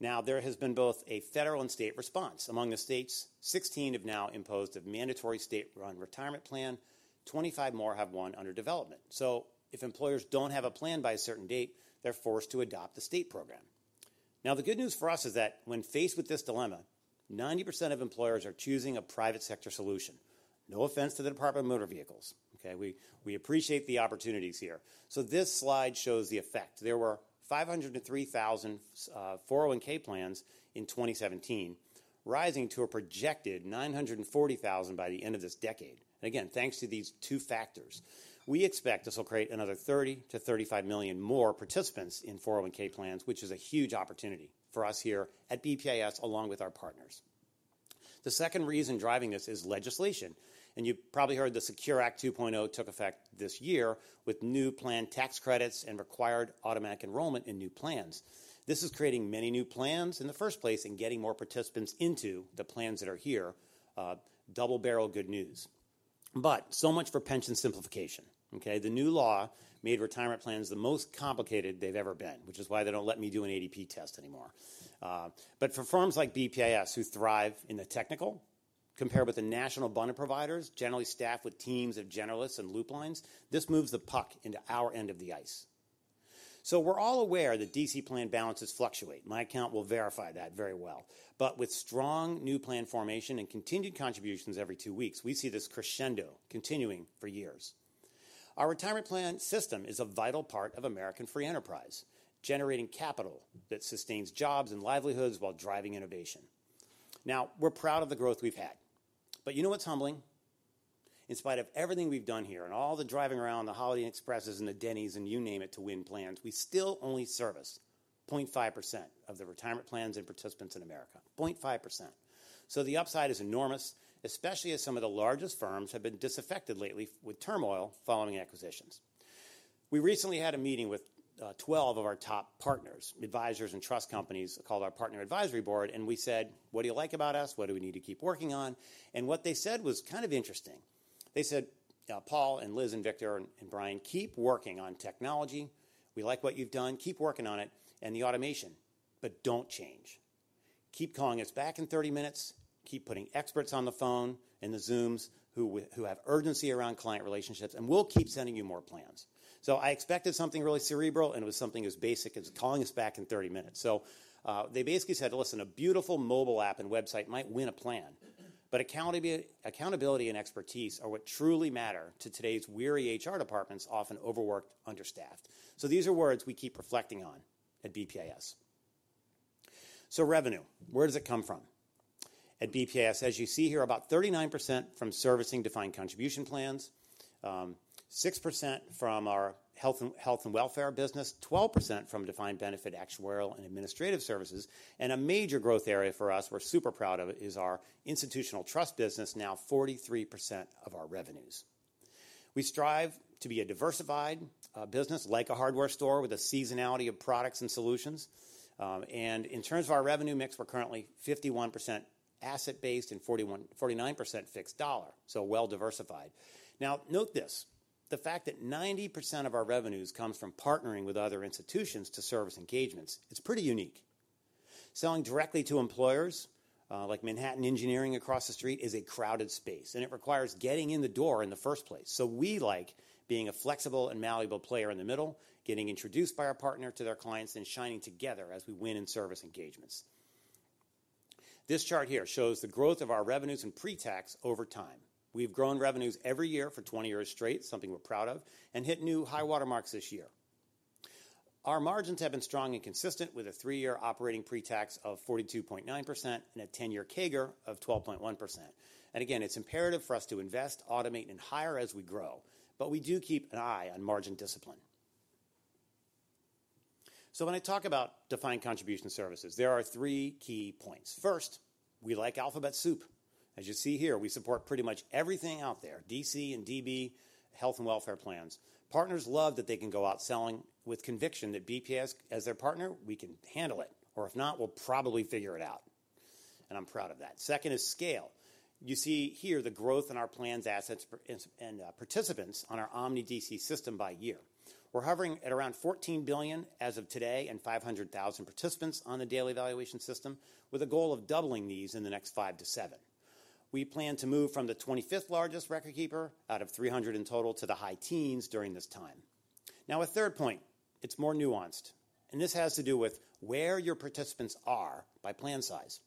Now, there has been both a federal and state response. Among the states, 16 have now imposed a mandatory state-run retirement plan, 25 more have one under development. So if employers don't have a plan by a certain date, they're forced to adopt the state program. Now, the good news for us is that when faced with this dilemma, 90% of employers are choosing a private sector solution. No offense to the Department of Motor Vehicles, okay? We appreciate the opportunities here. So this slide shows the effect. There were 503,000 401(k) plans in 2017, rising to a projected 940,000 by the end of this decade. Again, thanks to these two factors. We expect this will create another 30-35 million more participants in 401(k) plans, which is a huge opportunity for us here at BPAS, along with our partners. The second reason driving this is legislation, and you've probably heard the SECURE 2.0 Act took effect this year with new plan tax credits and required automatic enrollment in new plans. This is creating many new plans in the first place and getting more participants into the plans that are here. Double-barrel good news. But so much for pension simplification, okay? The new law made retirement plans the most complicated they've ever been, which is why they don't let me do an ADP test anymore. But for firms like BPAS, who thrive in the technical, compared with the national bundle providers, generally staffed with teams of generalists and loop lines, this moves the puck into our end of the ice. So we're all aware that DC plan balances fluctuate. My account will verify that very well. But with strong new plan formation and continued contributions every two weeks, we see this crescendo continuing for years. Our retirement plan system is a vital part of American free enterprise, generating capital that sustains jobs and livelihoods while driving innovation. Now, we're proud of the growth we've had, but you know what's humbling? In spite of everything we've done here and all the driving around, the Holiday Inn Expresses, and the Denny's, and you name it, to win plans, we still only service 0.5% of the retirement plans and participants in America. 0.5%. So the upside is enormous, especially as some of the largest firms have been disaffected lately with turmoil following acquisitions. We recently had a meeting with 12 of our top partners, advisors, and trust companies called our Partner Advisory Board, and we said, "What do you like about us? What do we need to keep working on?" And what they said was kind of interesting. They said, "Paul and Liz and Victor and, and Brian, keep working on technology. We like what you've done. Keep working on it and the automation, but don't change. Keep calling us back in 30 minutes. Keep putting experts on the phone and the Zooms who have urgency around client relationships, and we'll keep sending you more plans." So I expected something really cerebral, and it was something as basic as calling us back in 30 minutes. So, they basically said, "Listen, a beautiful mobile app and website might win a plan, but accountability and expertise are what truly matter to today's weary HR departments, often overworked, understaffed." So these are words we keep reflecting on at BPAS. So revenue, where does it come from? At BPAS, as you see here, about 39% from servicing defined contribution plans, 6% from our health and welfare business, 12% from defined benefit actuarial and administrative services, and a major growth area for us, we're super proud of it, is our institutional trust business, now 43% of our revenues. We strive to be a diversified business, like a hardware store, with a seasonality of products and solutions. And in terms of our revenue mix, we're currently 51% asset-based and 49% fixed dollar, so well diversified. Now, note this, the fact that 90% of our revenues comes from partnering with other institutions to service engagements, it's pretty unique. Selling directly to employers, like Manhattan Engineering across the street, is a crowded space, and it requires getting in the door in the first place. So we like being a flexible and malleable player in the middle, getting introduced by our partner to their clients, and shining together as we win in service engagements. This chart here shows the growth of our revenues and pre-tax over time. We've grown revenues every year for 20 years straight, something we're proud of, and hit new high water marks this year. Our margins have been strong and consistent, with a three-year operating pre-tax of 42.9% and a 10-year CAGR of 12.1%. And again, it's imperative for us to invest, automate, and hire as we grow, but we do keep an eye on margin discipline. So when I talk about defined contribution services, there are three key points. First, we like alphabet soup. As you see here, we support pretty much everything out there, DC and DB, health and welfare plans. Partners love that they can go out selling with conviction that BPAS as their partner, we can handle it, or if not, we'll probably figure it out, and I'm proud of that. Second is scale. You see here the growth in our plans, assets, participants on our Omni DC system by year. We're hovering at around $14 billion as of today, and 500,000 participants on the daily valuation system, with a goal of doubling these in the next five to seven. We plan to move from the 25th largest record keeper out of 300 in total to the high teens during this time. Now, a third point, it's more nuanced, and this has to do with where your participants are by plan size.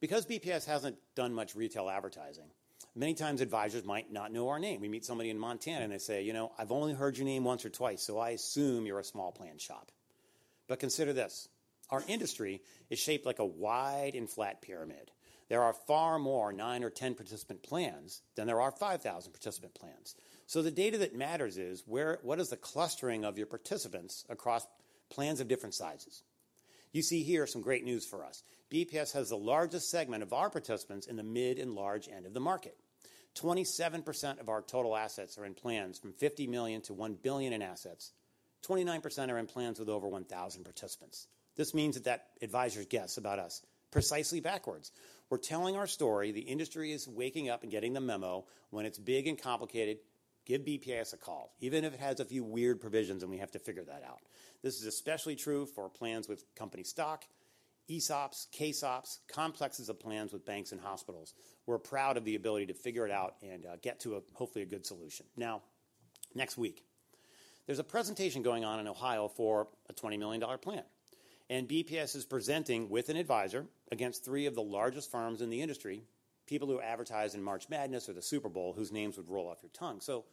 Because BPAS hasn't done much retail advertising, many times advisors might not know our name. We meet somebody in Montana, and they say, "You know, I've only heard your name once or twice, so I assume you're a small plan shop." But consider this, our industry is shaped like a wide and flat pyramid. There are far more 9 or 10 participant plans than there are 5,000 participant plans. So the data that matters is where, what is the clustering of your participants across plans of different sizes? You see here some great news for us. BPAS has the largest segment of our participants in the mid and large end of the market. 27% of our total assets are in plans from 50 million to 1 billion in assets. 29% are in plans with over 1,000 participants. This means that that advisor's guess about us, precisely backwards. We're telling our story. The industry is waking up and getting the memo. When it's big and complicated, give BPAS a call, even if it has a few weird provisions and we have to figure that out. This is especially true for plans with company stock, ESOPs, KSOPs, complexes of plans with banks and hospitals. We're proud of the ability to figure it out and get to, hopefully, a good solution. Now, next week, there's a presentation going on in Ohio for a $20 million plan, and BPAS is presenting with an advisor against three of the largest firms in the industry, people who advertise in March Madness or the Super Bowl, whose names would roll off your tongue. So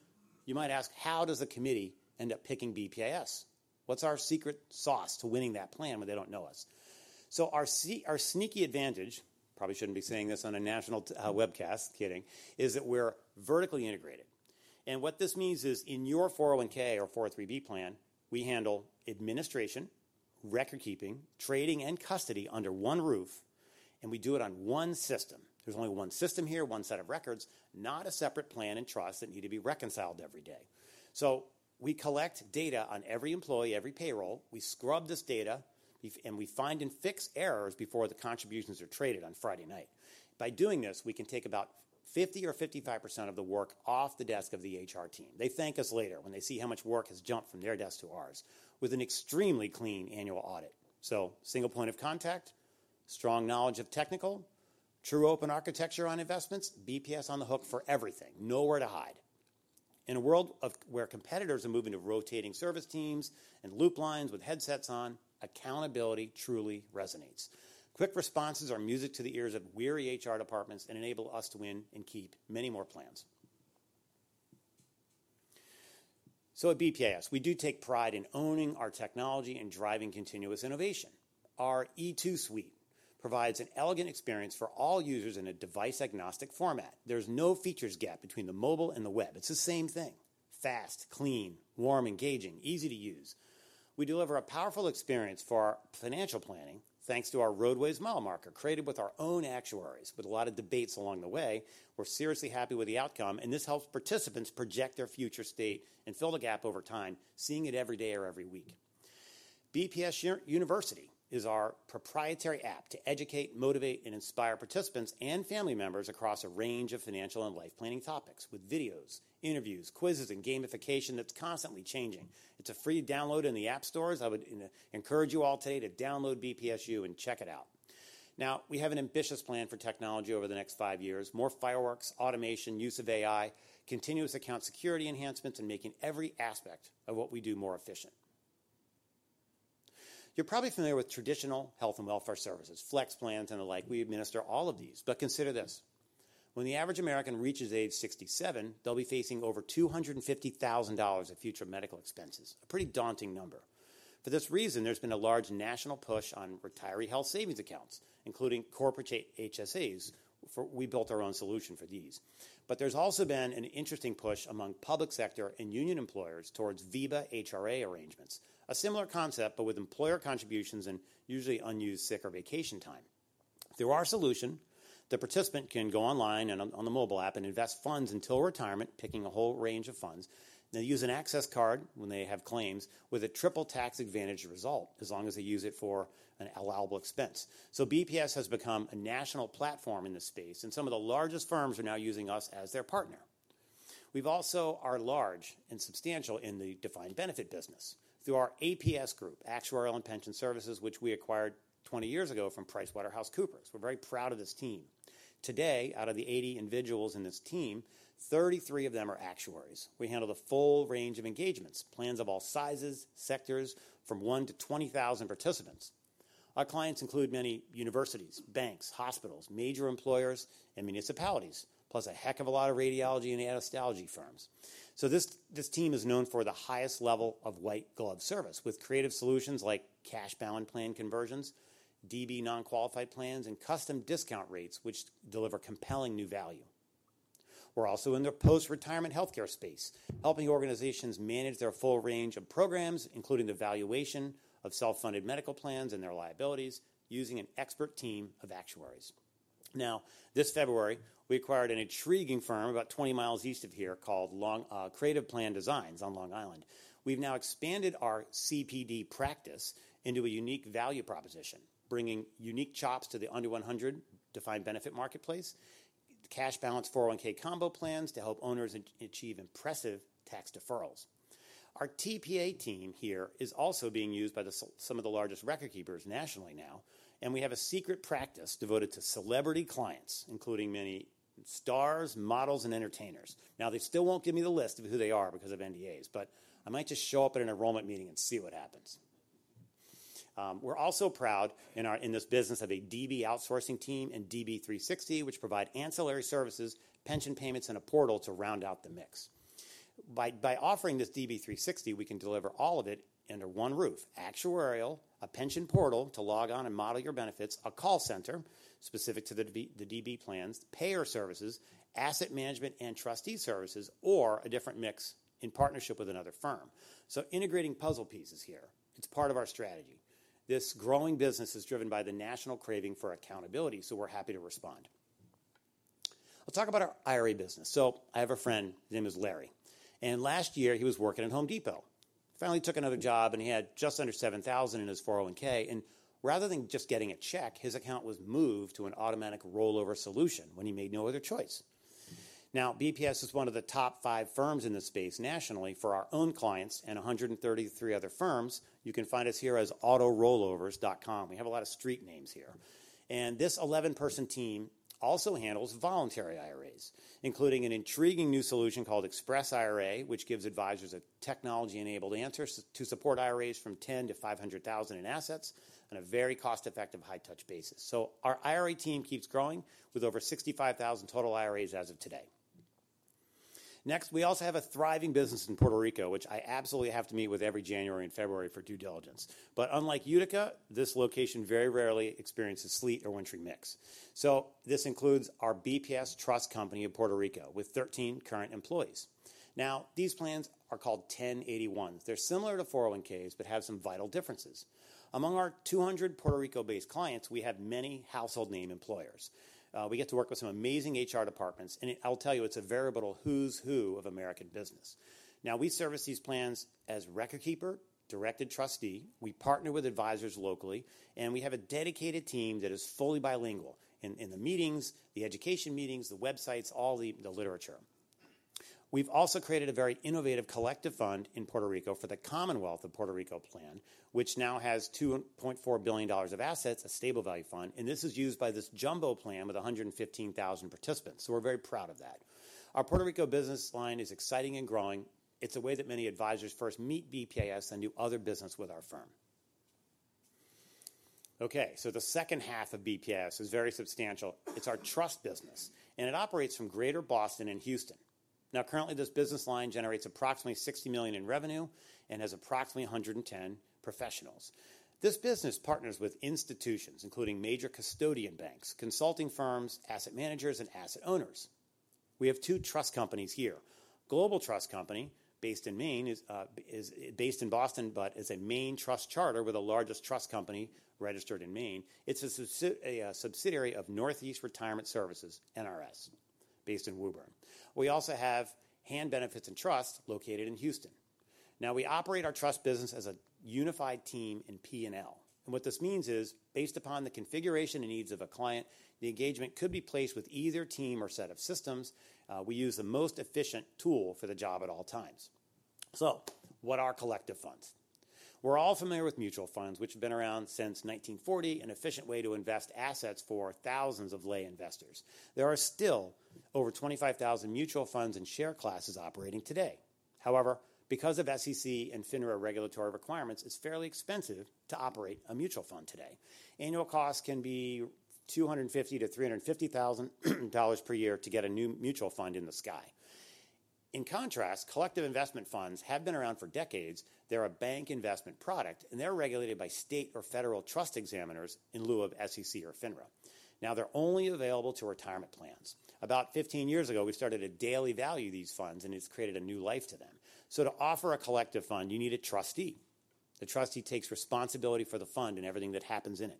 you might ask, how does the committee end up picking BPAS? What's our secret sauce to winning that plan when they don't know us? So our sneaky advantage, probably shouldn't be saying this on a national webcast, kidding, is that we're vertically integrated. And what this means is, in your 401(k) or 403(b) plan, we handle administration, record keeping, trading, and custody under one roof, and we do it on one system. There's only one system here, one set of records, not a separate plan and trust that need to be reconciled every day. So we collect data on every employee, every payroll. We scrub this data, and we find and fix errors before the contributions are traded on Friday night. By doing this, we can take about 50% or 55% of the work off the desk of the HR team. They thank us later when they see how much work has jumped from their desk to ours, with an extremely clean annual audit. So single point of contact, strong knowledge of technical, true open architecture on investments, BPAS on the hook for everything, nowhere to hide. In a world where competitors are moving to rotating service teams and loop lines with headsets on, accountability truly resonates. Quick responses are music to the ears of weary HR departments and enable us to win and keep many more plans. So at BPAS, we do take pride in owning our technology and driving continuous innovation. Our E2 suite provides an elegant experience for all users in a device-agnostic format. There's no features gap between the mobile and the web. It's the same thing, fast, clean, warm, engaging, easy to use. We deliver a powerful experience for our financial planning, thanks to our Roadways Mile Marker, created with our own actuaries, with a lot of debates along the way. We're seriously happy with the outcome, and this helps participants project their future state and fill the gap over time, seeing it every day or every week. BPAS University is our proprietary app to educate, motivate, and inspire participants and family members across a range of financial and life planning topics, with videos, interviews, quizzes, and gamification that's constantly changing. It's a free download in the app stores. I would encourage you all today to download BPAS U and check it out. Now, we have an ambitious plan for technology over the next five years: more fireworks, automation, use of AI, continuous account security enhancements, and making every aspect of what we do more efficient. You're probably familiar with traditional health and welfare services, flex plans, and the like. We administer all of these. But consider this, when the average American reaches age 67, they'll be facing over $250,000 of future medical expenses, a pretty daunting number. For this reason, there's been a large national push on retiree health savings accounts, including corporate HSAs. For we built our own solution for these. But there's also been an interesting push among public sector and union employers towards VEBA HRA arrangements, a similar concept, but with employer contributions and usually unused sick or vacation time. Through our solution, the participant can go online and on the mobile app and invest funds until retirement, picking a whole range of funds. They use an access card when they have claims, with a triple tax advantage result, as long as they use it for an allowable expense. So BPAS has become a national platform in this space, and some of the largest firms are now using us as their partner. We are also large and substantial in the defined benefit business. Through our APS group, Actuarial and Pension Services, which we acquired 20 years ago from PricewaterhouseCoopers. We're very proud of this team. Today, out of the 80 individuals in this team, 33 of them are actuaries. We handle the full range of engagements, plans of all sizes, sectors, from one to 20,000 participants. Our clients include many universities, banks, hospitals, major employers, and municipalities, plus a heck of a lot of radiology and anesthesiology firms. So this, this team is known for the highest level of white-glove service, with creative solutions like cash balance plan conversions, DB non-qualified plans, and custom discount rates, which deliver compelling new value. We're also in the post-retirement healthcare space, helping organizations manage their full range of programs, including the valuation of self-funded medical plans and their liabilities, using an expert team of actuaries. Now, this February, we acquired an intriguing firm about 20 miles east of here called Creative Plan Designs on Long Island. We've now expanded our CPD practice into a unique value proposition, bringing unique chops to the under one hundred defined benefit marketplace, cash balance 401(k) combo plans to help owners achieve impressive tax deferrals. Our TPA team here is also being used by some of the largest record keepers nationally now, and we have a secret practice devoted to celebrity clients, including many stars, models, and entertainers. Now, they still won't give me the list of who they are because of NDAs, but I might just show up at an enrollment meeting and see what happens. We're also proud in this business of a DB outsourcing team and DB 360, which provide ancillary services, pension payments, and a portal to round out the mix. By offering this DB 360, we can deliver all of it under one roof: actuarial, a pension portal to log on and model your benefits, a call center specific to the DB plans, payer services, asset management and trustee services, or a different mix in partnership with another firm. So integrating puzzle pieces here, it's part of our strategy. This growing business is driven by the national craving for accountability, so we're happy to respond. Let's talk about our IRA business. So I have a friend, his name is Larry, and last year he was working at Home Depot. Finally, he took another job, and he had just under $7,000 in his 401(k), and rather than just getting a check, his account was moved to an automatic rollover solution when he made no other choice. Now, BPAS is one of the top five firms in this space nationally for our own clients and 133 other firms. You can find us here as AutoRollovers.com. We have a lot of street names here. And this 11-person team also handles voluntary IRAs, including an intriguing new solution called Express IRA, which gives advisors a technology-enabled answers to support IRAs from $10 to $500,000 in assets on a very cost-effective, high-touch basis. So our IRA team keeps growing with over 65,000 total IRAs as of today. Next, we also have a thriving business in Puerto Rico, which I absolutely have to meet with every January and February for due diligence. But unlike Utica, this location very rarely experiences sleet or wintry mix. So this includes our BPAS Trust Company of Puerto Rico, with 13 current employees. Now, these plans are called 1081. They're similar to 401(k)s but have some vital differences. Among our 200 Puerto Rico-based clients, we have many household name employers. We get to work with some amazing HR departments, and I'll tell you, it's a veritable who's who of American business. Now, we service these plans as record keeper, directed trustee. We partner with advisors locally, and we have a dedicated team that is fully bilingual in the meetings, the education meetings, the websites, all the literature. We've also created a very innovative collective fund in Puerto Rico for the Commonwealth of Puerto Rico Plan, which now has $2.4 billion of assets, a stable value fund, and this is used by this jumbo plan with 115,000 participants, so we're very proud of that. Our Puerto Rico business line is exciting and growing. It's a way that many advisors first meet BPAS and do other business with our firm. Okay, so the second half of BPAS is very substantial. It's our trust business, and it operates from Greater Boston and Houston. Now, currently, this business line generates approximately $60 million in revenue and has approximately 110 professionals. This business partners with institutions, including major custodian banks, consulting firms, asset managers, and asset owners. We have two trust companies here. Global Trust Company, based in Maine, is based in Boston, but is a Maine trust charter with the largest trust company registered in Maine. It's a subsidiary of Northeast Retirement Services, NRS, based in Woburn. We also have Hand Benefits and Trust, located in Houston. Now, we operate our trust business as a unified team in P&L, and what this means is, based upon the configuration and needs of a client, the engagement could be placed with either team or set of systems. We use the most efficient tool for the job at all times. So, what are collective funds? We're all familiar with mutual funds, which have been around since 1940, an efficient way to invest assets for thousands of lay investors. There are still over 25,000 mutual funds and share classes operating today. However, because of SEC and FINRA regulatory requirements, it's fairly expensive to operate a mutual fund today. Annual costs can be $250,000-$350,000 per year to get a new mutual fund in the sky. In contrast, collective investment funds have been around for decades. They're a bank investment product, and they're regulated by state or federal trust examiners in lieu of SEC or FINRA. Now, they're only available to retirement plans. About 15 years ago, we started to daily value these funds, and it's created a new life to them. So to offer a collective fund, you need a trustee. The trustee takes responsibility for the fund and everything that happens in it.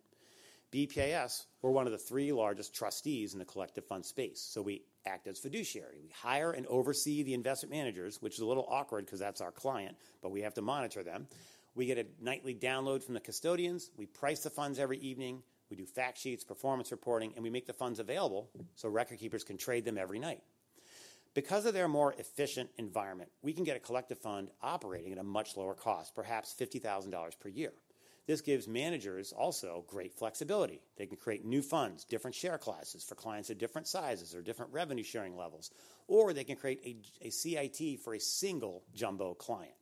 BPAS, we're one of the three largest trustees in the collective fund space, so we act as fiduciary. We hire and oversee the investment managers, which is a little awkward because that's our client, but we have to monitor them. We get a nightly download from the custodians. We price the funds every evening. We do fact sheets, performance reporting, and we make the funds available so record keepers can trade them every night. Because of their more efficient environment, we can get a collective fund operating at a much lower cost, perhaps $50,000 per year. This gives managers also great flexibility. They can create new funds, different share classes for clients of different sizes or different revenue sharing levels, or they can create a CIT for a single jumbo client.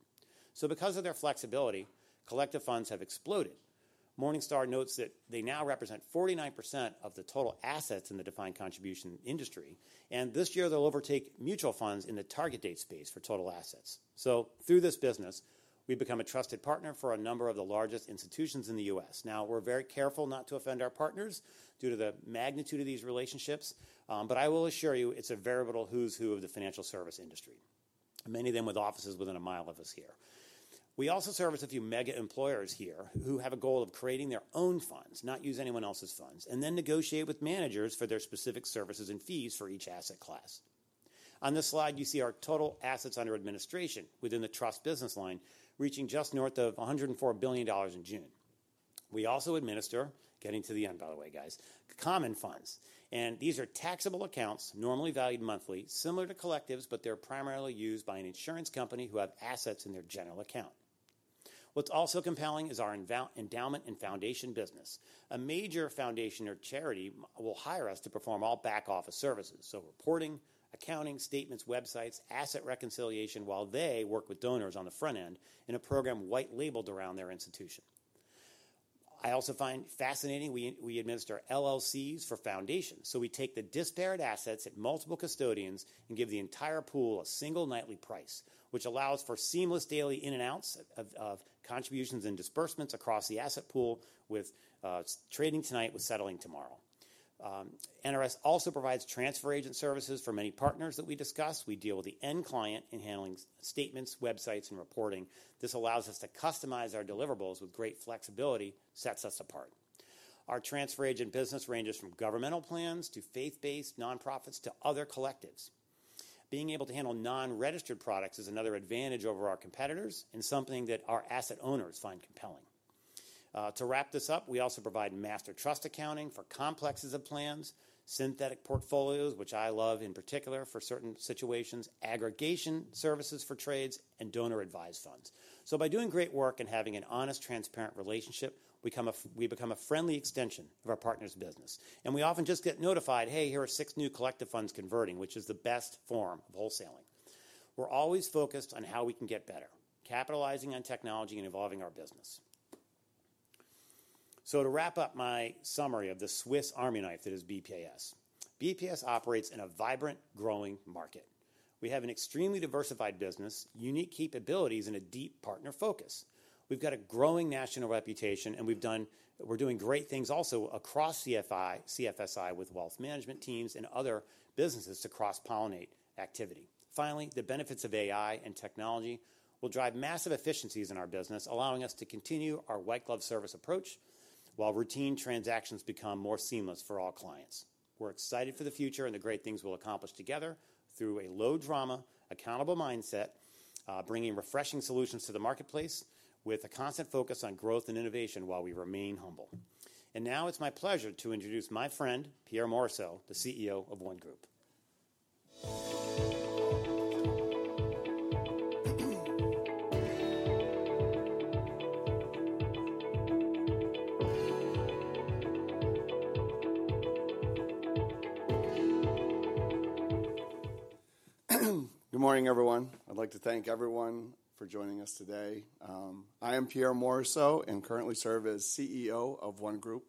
So because of their flexibility, collective funds have exploded. Morningstar notes that they now represent 49% of the total assets in the defined contribution industry, and this year they'll overtake mutual funds in the target date space for total assets. So through this business, we've become a trusted partner for a number of the largest institutions in the U.S. Now, we're very careful not to offend our partners due to the magnitude of these relationships, but I will assure you, it's a veritable who's who of the financial services industry, many of them with offices within a mile of us here. We also service a few mega employers here who have a goal of creating their own funds, not use anyone else's funds, and then negotiate with managers for their specific services and fees for each asset class. On this slide, you see our total assets under administration within the trust business line, reaching just north of $104 billion in June. We also administer, getting to the end, by the way, guys, common funds, and these are taxable accounts, normally valued monthly, similar to collectives, but they're primarily used by an insurance company who have assets in their general account. What's also compelling is our endowment and foundation business. A major foundation or charity will hire us to perform all back office services, so reporting, accounting, statements, websites, asset reconciliation, while they work with donors on the front end in a program white labeled around their institution. I also find fascinating, we administer LLCs for foundations. So we take the disparate assets at multiple custodians and give the entire pool a single nightly price, which allows for seamless daily in and outs of contributions and disbursements across the asset pool with trading tonight, with settling tomorrow. NRS also provides transfer agent services for many partners that we discuss. We deal with the end client in handling statements, websites, and reporting. This allows us to customize our deliverables with great flexibility, sets us apart. Our transfer agent business ranges from governmental plans to faith-based nonprofits to other collectives. Being able to handle non-registered products is another advantage over our competitors and something that our asset owners find compelling. To wrap this up, we also provide master trust accounting for complexes of plans, synthetic portfolios, which I love in particular for certain situations, aggregation services for trades, and donor-advised funds. So by doing great work and having an honest, transparent relationship, we become a friendly extension of our partner's business, and we often just get notified, "Hey, here are six new collective funds converting," which is the best form of wholesaling. We're always focused on how we can get better, capitalizing on technology and evolving our business. To wrap up my summary of the Swiss Army knife that is BPAS. BPAS operates in a vibrant, growing market. We have an extremely diversified business, unique capabilities, and a deep partner focus. We've got a growing national reputation, and we've done... We're doing great things also across CFI, CFSI, with wealth management teams and other businesses to cross-pollinate activity. Finally, the benefits of AI and technology will drive massive efficiencies in our business, allowing us to continue our white glove service approach, while routine transactions become more seamless for all clients. We're excited for the future and the great things we'll accomplish together through a low drama, accountable mindset, bringing refreshing solutions to the marketplace with a constant focus on growth and innovation while we remain humble. And now it's my pleasure to introduce my friend, Pierre Morrisseau, the CEO of OneGroup. Good morning, everyone. I'd like to thank everyone for joining us today. I am Pierre Morrisseau and currently serve as CEO of OneGroup.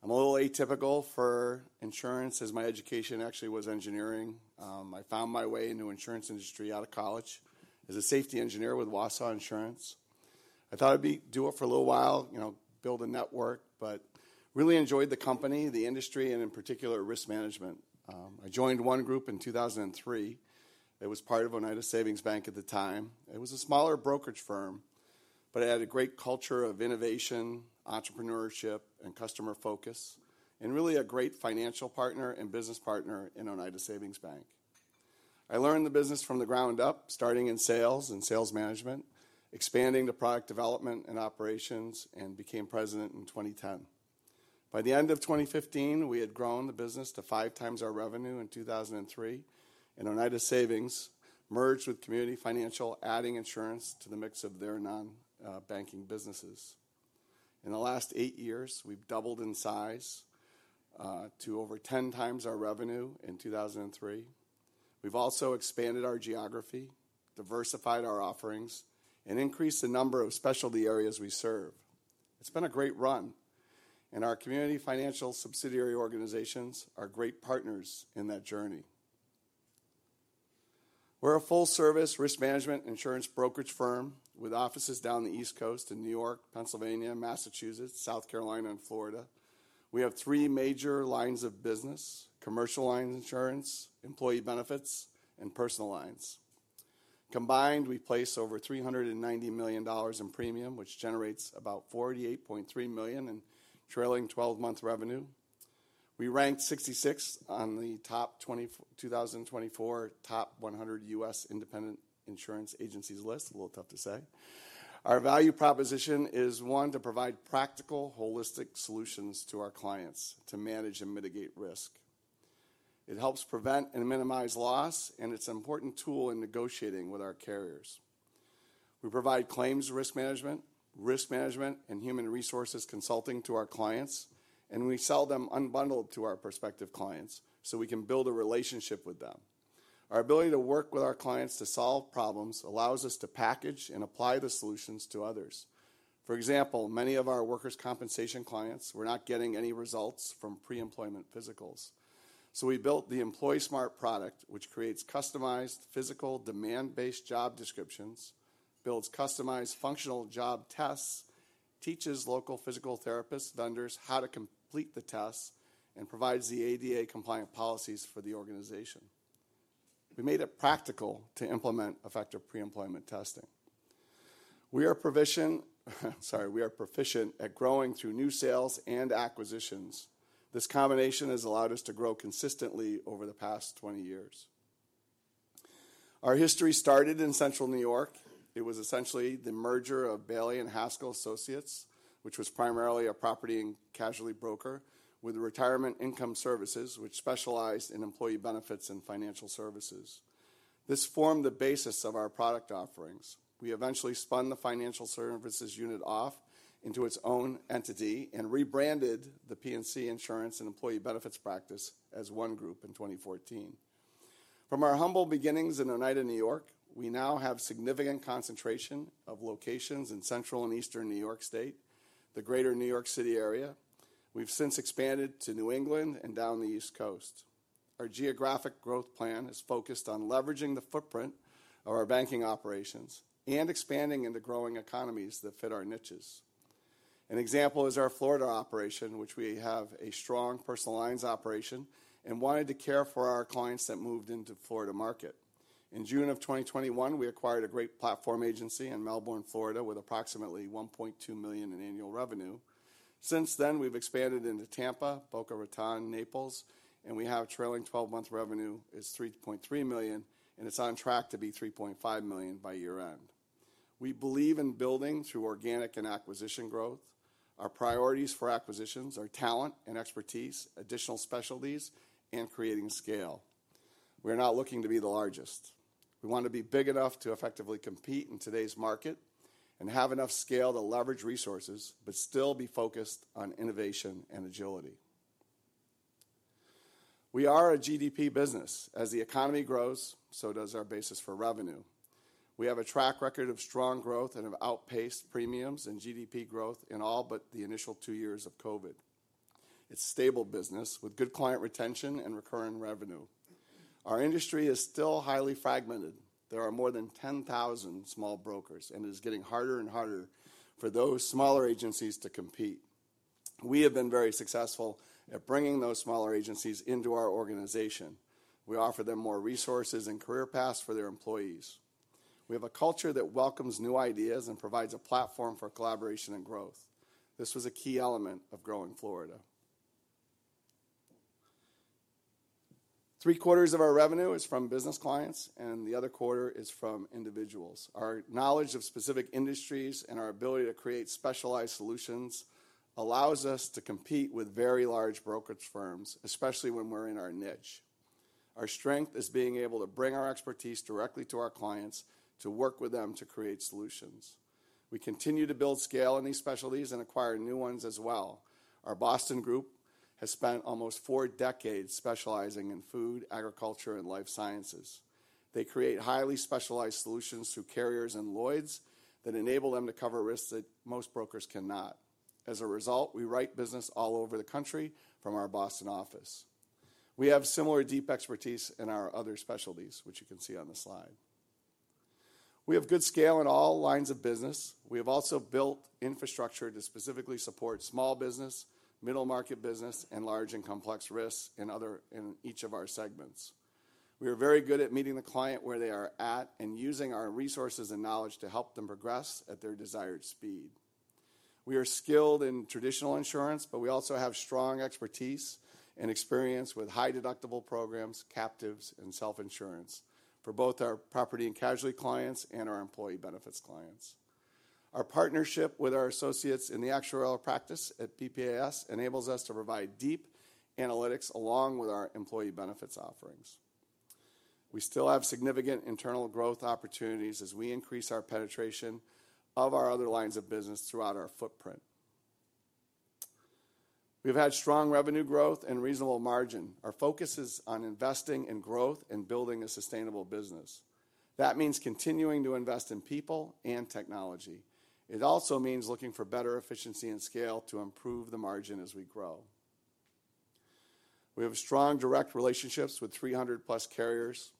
I'm a little atypical for insurance, as my education actually was engineering. I found my way into insurance industry out of college as a Safety Engineer with Wausau Insurance. I thought I'd do it for a little while, you know, build a network, but really enjoyed the company, the industry, and in particular, risk management. I joined OneGroup in 2003. It was part of Oneida Savings Bank at the time. It was a smaller brokerage firm, but it had a great culture of innovation, entrepreneurship, and customer focus, and really a great financial partner and business partner in Oneida Savings Bank. I learned the business from the ground up, starting in sales and sales management, expanding to product development and operations, and became President in 2010. By the end of 2015, we had grown the business to five times our revenue in 2003, and Oneida Savings merged with Community Financial System, adding insurance to the mix of their non-banking businesses. In the last eight years, we've doubled in size to over 10 times our revenue in 2003. We've also expanded our geography, diversified our offerings, and increased the number of specialty areas we serve. It's been a great run, and our Community Financial System subsidiary organizations are great partners in that journey. We're a full-service risk management insurance brokerage firm with offices down the East Coast in New York, Pennsylvania, Massachusetts, South Carolina, and Florida. We have three major lines of business: commercial line insurance, employee benefits, and personal lines. Combined, we place over $390 million in premium, which generates about $48.3 million in trailing 12-month revenue. We ranked 66 on the 2024 top 100 U.S. independent insurance agencies list. A little tough to say. Our value proposition is, one, to provide practical, holistic solutions to our clients to manage and mitigate risk. It helps prevent and minimize loss, and it's an important tool in negotiating with our carriers. We provide claims risk management, risk management, and human resources consulting to our clients, and we sell them unbundled to our prospective clients, so we can build a relationship with them. Our ability to work with our clients to solve problems allows us to package and apply the solutions to others. For example, many of our workers' compensation clients were not getting any results from pre-employment physicals. So we built the EmploySmart product, which creates customized physical, demand-based job descriptions, builds customized functional job tests, teaches local physical therapists, vendors how to complete the tests, and provides the ADA-compliant policies for the organization. We made it practical to implement effective pre-employment testing. We are, sorry, we are proficient at growing through new sales and acquisitions. This combination has allowed us to grow consistently over the past 20 years. Our history started in central New York. It was essentially the merger of Bailey & Haskell Associates, which was primarily a property and casualty broker, with Retirement Income Services, which specialized in employee benefits and financial services. This formed the basis of our product offerings. We eventually spun the financial services unit off into its own entity and rebranded the P&C insurance and employee benefits practice as OneGroup in 2014. From our humble beginnings in Oneida, New York, we now have significant concentration of locations in central and eastern New York State, the greater New York City area. We've since expanded to New England and down the East Coast. Our geographic growth plan is focused on leveraging the footprint of our banking operations and expanding into growing economies that fit our niches. An example is our Florida operation, which we have a strong personal lines operation and wanted to care for our clients that moved into Florida market. In June of 2021, we acquired a great platform agency in Melbourne, Florida, with approximately $1.2 million in annual revenue. Since then, we've expanded into Tampa, Boca Raton, Naples, and we have trailing 12-month revenue is $3.3 million, and it's on track to be $3.5 million by year-end. We believe in building through organic and acquisition growth. Our priorities for acquisitions are talent and expertise, additional specialties, and creating scale. We're not looking to be the largest. We want to be big enough to effectively compete in today's market and have enough scale to leverage resources, but still be focused on innovation and agility. We are a GDP business. As the economy grows, so does our basis for revenue. We have a track record of strong growth and have outpaced premiums and GDP growth in all but the initial two years of COVID. It's stable business with good client retention and recurring revenue. Our industry is still highly fragmented. There are more than 10,000 small brokers, and it is getting harder and harder for those smaller agencies to compete. We have been very successful at bringing those smaller agencies into our organization. We offer them more resources and career paths for their employees. We have a culture that welcomes new ideas and provides a platform for collaboration and growth. This was a key element of growing Florida. 3/4 of our revenue is from business clients, and the other quarter is from individuals. Our knowledge of specific industries and our ability to create specialized solutions allows us to compete with very large brokerage firms, especially when we're in our niche. Our strength is being able to bring our expertise directly to our clients to work with them to create solutions. We continue to build scale in these specialties and acquire new ones as well. Our Boston group has spent almost four decades specializing in food, agriculture, and life sciences. They create highly specialized solutions through carriers and Lloyd's that enable them to cover risks that most brokers cannot. As a result, we write business all over the country from our Boston office. We have similar deep expertise in our other specialties, which you can see on the slide. We have good scale in all lines of business. We have also built infrastructure to specifically support small business, middle-market business, and large and complex risks in each of our segments. We are very good at meeting the client where they are at and using our resources and knowledge to help them progress at their desired speed. We are skilled in traditional insurance, but we also have strong expertise and experience with high-deductible programs, captives, and self-insurance for both our property and casualty clients and our employee benefits clients. Our partnership with our associates in the actuarial practice at BPAS enables us to provide deep analytics along with our employee benefits offerings. We still have significant internal growth opportunities as we increase our penetration of our other lines of business throughout our footprint. We've had strong revenue growth and reasonable margin. Our focus is on investing in growth and building a sustainable business. That means continuing to invest in people and technology. It also means looking for better efficiency and scale to improve the margin as we grow. We have strong direct relationships with three hundred plus carriers.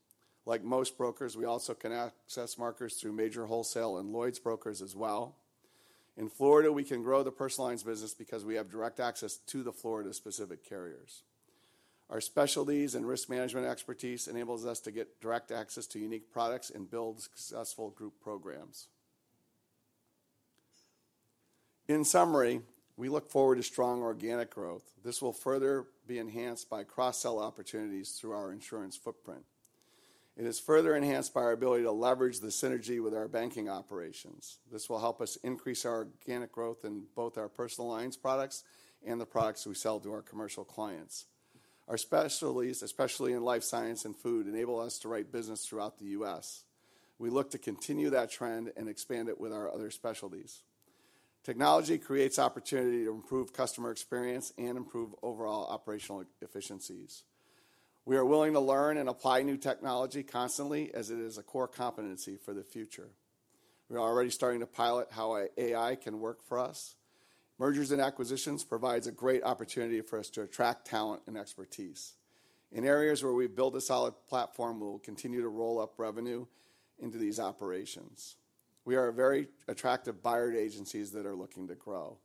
Like most brokers, we also can access markets through major wholesale and Lloyd's brokers as well. In Florida, we can grow the personal lines business because we have direct access to the Florida-specific carriers. Our specialties and risk management expertise enables us to get direct access to unique products and build successful group programs. In summary, we look forward to strong organic growth. This will further be enhanced by cross-sell opportunities through our insurance footprint. It is further enhanced by our ability to leverage the synergy with our banking operations. This will help us increase our organic growth in both our personal lines products and the products we sell to our commercial clients. Our specialties, especially in life science and food, enable us to write business throughout the U.S. We look to continue that trend and expand it with our other specialties. Technology creates opportunity to improve customer experience and improve overall operational efficiencies. We are willing to learn and apply new technology constantly as it is a core competency for the future. We are already starting to pilot how AI can work for us. Mergers and acquisitions provides a great opportunity for us to attract talent and expertise. In areas where we've built a solid platform, we will continue to roll up revenue into these operations. We are a very attractive buyer to agencies that are looking to grow.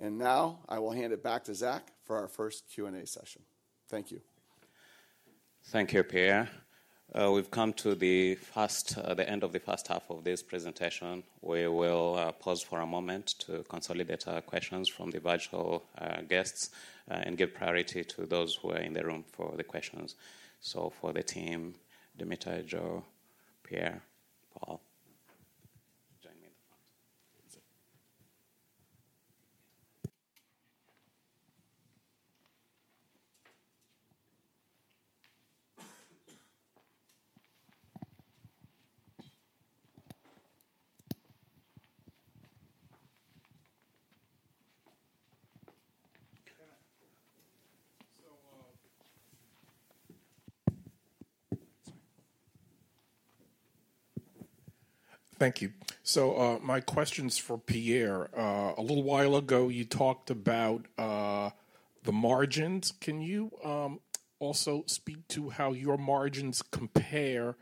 And now I will hand it back to Zach for our first Q&A session. Thank you. Thank you, Pierre. We've come to the end of the first half of this presentation. We will pause for a moment to consolidate our questions from the virtual guests, and give priority to those who are in the room for the questions. So for the team, Dimitar, Joe, Pierre, Paul, join me in the front. Thank you. My question's for Pierre. A little while ago, you talked about the margins. Can you also speak to how your margins compare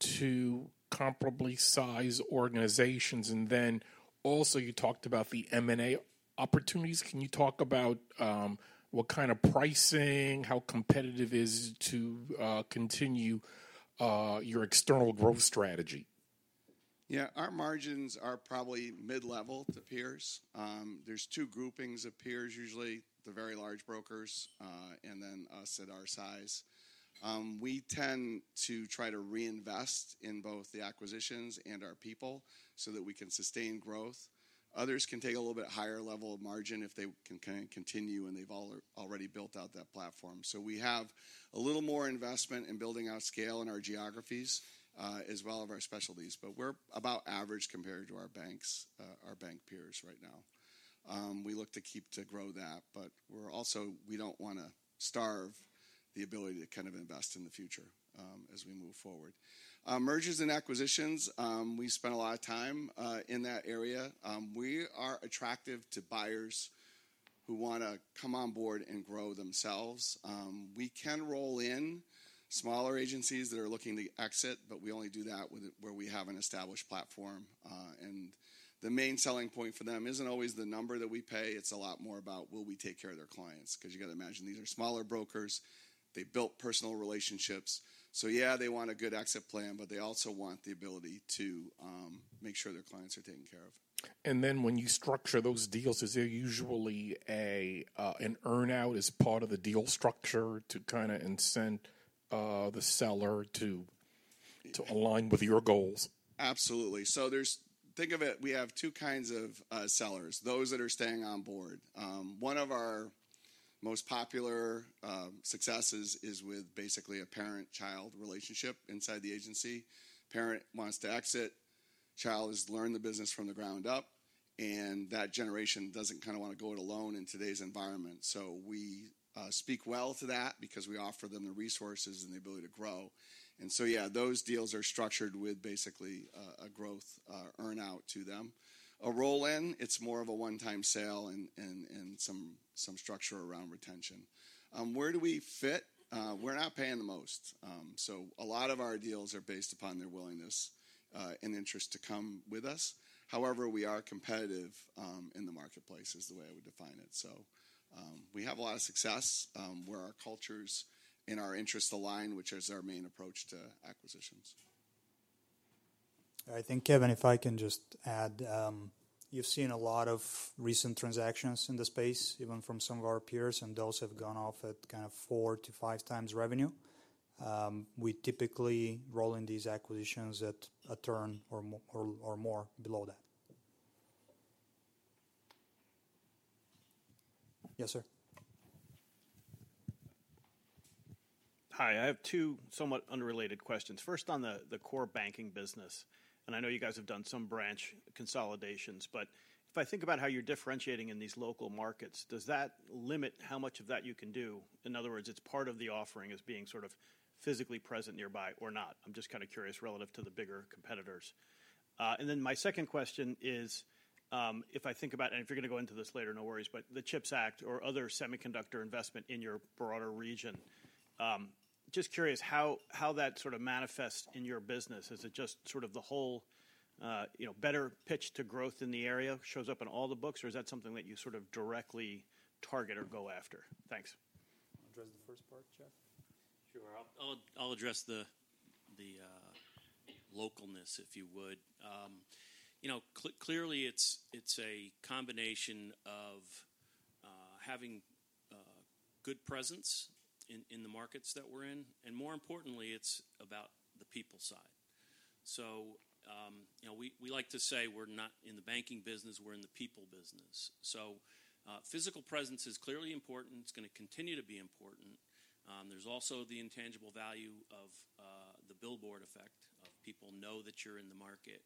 to comparably sized organizations? And then also, you talked about the M&A opportunities. Can you talk about what kind of pricing, how competitive it is to continue your external growth strategy? Yeah, our margins are probably mid-level to peers. There's two groupings of peers, usually the very large brokers, and then us at our size. We tend to try to reinvest in both the acquisitions and our people so that we can sustain growth. Others can take a little bit higher level of margin if they can kind of continue, and they've already built out that platform. So we have a little more investment in building out scale in our geographies, as well as our specialties. But we're about average compared to our banks, our bank peers right now. We look to keep to grow that, but we're also we don't wanna starve the ability to kind of invest in the future, as we move forward. Mergers and acquisitions, we spent a lot of time in that area. We are attractive to buyers who wanna come on board and grow themselves. We can roll in smaller agencies that are looking to exit, but we only do that with where we have an established platform, and the main selling point for them isn't always the number that we pay, it's a lot more about will we take care of their clients? 'Cause you gotta imagine, these are smaller brokers. They built personal relationships. So yeah, they want a good exit plan, but they also want the ability to make sure their clients are taken care of. And then when you structure those deals, is there usually an earn-out as part of the deal structure to kind of incent the seller to align with your goals? Absolutely. So there's. Think of it, we have two kinds of sellers, those that are staying on board. One of our most popular successes is with basically a parent-child relationship inside the agency. Parent wants to exit, child has learned the business from the ground up, and that generation doesn't kind of want to go it alone in today's environment. So we speak well to that because we offer them the resources and the ability to grow. And so yeah, those deals are structured with basically a growth earn-out to them. A roll-in, it's more of a one-time sale and some structure around retention. Where do we fit? We're not paying the most. So a lot of our deals are based upon their willingness and interest to come with us. However, we are competitive in the marketplace, is the way I would define it. So, we have a lot of success where our cultures and our interests align, which is our main approach to acquisitions. I think, Kevin, if I can just add, you've seen a lot of recent transactions in the space, even from some of our peers, and those have gone off at kind of four to five times revenue. We typically roll in these acquisitions at a turn or more below that. Yes, sir. Hi, I have two somewhat unrelated questions. First, on the core banking business, and I know you guys have done some branch consolidations, but if I think about how you're differentiating in these local markets, does that limit how much of that you can do? In other words, it's part of the offering as being sort of physically present nearby or not. I'm just kind of curious relative to the bigger competitors. And then my second question is, if you're gonna go into this later, no worries, but the CHIPS Act or other semiconductor investment in your broader region, just curious how that sort of manifests in your business. Is it just sort of the whole, you know, better pitch to growth in the area shows up in all the books, or is that something that you sort of directly target or go after? Thanks.... address the first part, Jeff? Sure, I'll address the localness, if you would. You know, clearly, it's a combination of having good presence in the markets that we're in, and more importantly, it's about the people side. So, you know, we like to say we're not in the banking business, we're in the people business. So, physical presence is clearly important. It's gonna continue to be important. There's also the intangible value of the billboard effect of people know that you're in the market.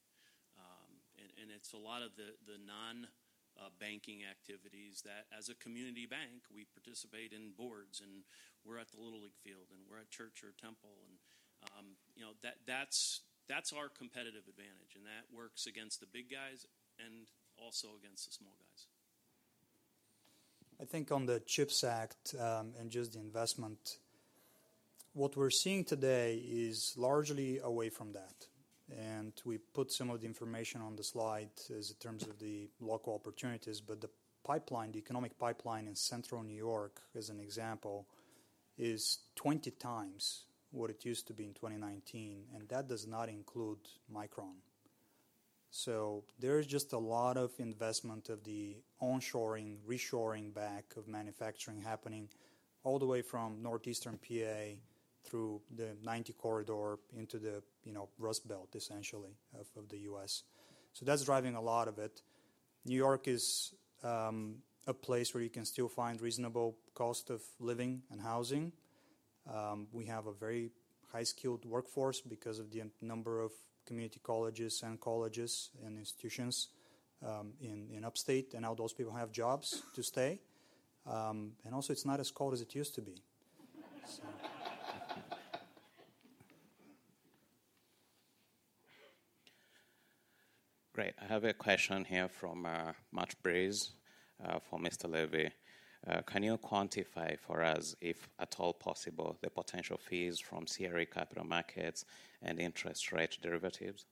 It's a lot of the non-banking activities that, as a community bank, we participate in boards, and we're at the Little League field, and we're at church or temple, and you know, that's our competitive advantage, and that works against the big guys and also against the small guys. I think on the CHIPS Act, and just the investment, what we're seeing today is largely away from that, and we put some of the information on the slide as in terms of the local opportunities. But the pipeline, the economic pipeline in Central New York, as an example, is 20 times what it used to be in 2019, and that does not include Micron. So there is just a lot of investment of the onshoring, reshoring back of manufacturing happening all the way from Northeastern PA through the 90 Corridor into the, you know, Rust Belt, essentially, of the U.S. So that's driving a lot of it. New York is a place where you can still find reasonable cost of living and housing. We have a very high-skilled workforce because of the number of community colleges and colleges and institutions in Upstate, and now those people have jobs to stay. And also, it's not as cold as it used to be. So... Great. I have a question here from Matt Breeze for Mr. Levy. Can you quantify for us, if at all possible, the potential fees from CRA capital markets and interest rate derivatives?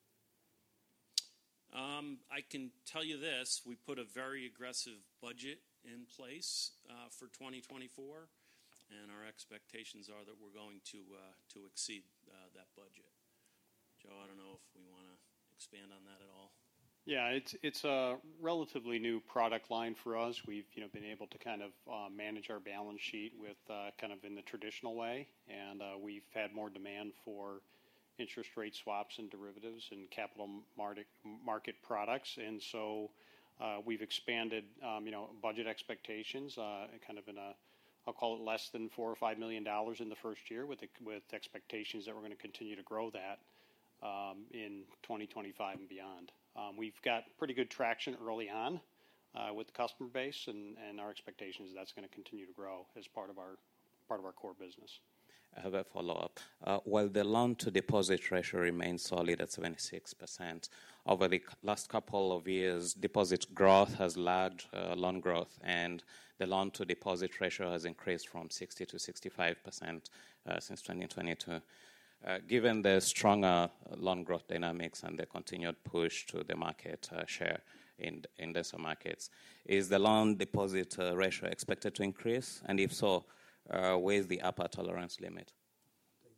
I can tell you this: We put a very aggressive budget in place for 2024, and our expectations are that we're going to exceed that budget. Joe, I don't know if we wanna expand on that at all. Yeah, it's a relatively new product line for us. We've you know been able to kind of manage our balance sheet with kind of in the traditional way, and we've had more demand for interest rate swaps and derivatives and capital market products. And so we've expanded you know budget expectations kind of in a... I'll call it less than $4 million-$5 million in the first year, with expectations that we're gonna continue to grow that in 2025 and beyond. We've got pretty good traction early on with the customer base, and our expectation is that's gonna continue to grow as part of our core business. I have a follow-up. While the loan to deposit ratio remains solid at 76%, over the last couple of years, deposit growth has lagged loan growth, and the loan to deposit ratio has increased from 60%-65% since 2022. Given the stronger loan growth dynamics and the continued push to the market share in those markets, is the loan deposit ratio expected to increase? And if so, where is the upper tolerance limit? Take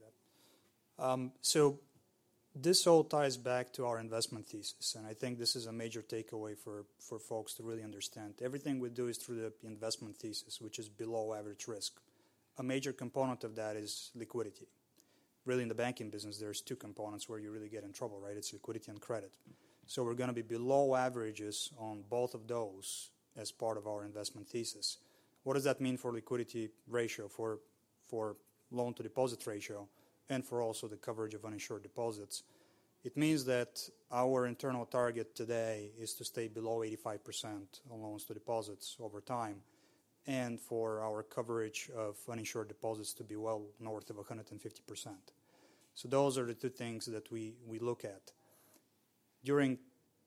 that. So this all ties back to our investment thesis, and I think this is a major takeaway for folks to really understand. Everything we do is through the investment thesis, which is below-average risk. A major component of that is liquidity. Really, in the banking business, there's two components where you really get in trouble, right? It's liquidity and credit. So we're gonna be below averages on both of those as part of our investment thesis. What does that mean for liquidity ratio, for loan to deposit ratio, and for also the coverage of uninsured deposits? It means that our internal target today is to stay below 85% on loans to deposits over time, and for our coverage of uninsured deposits to be well north of 150%. So those are the two things that we look at. During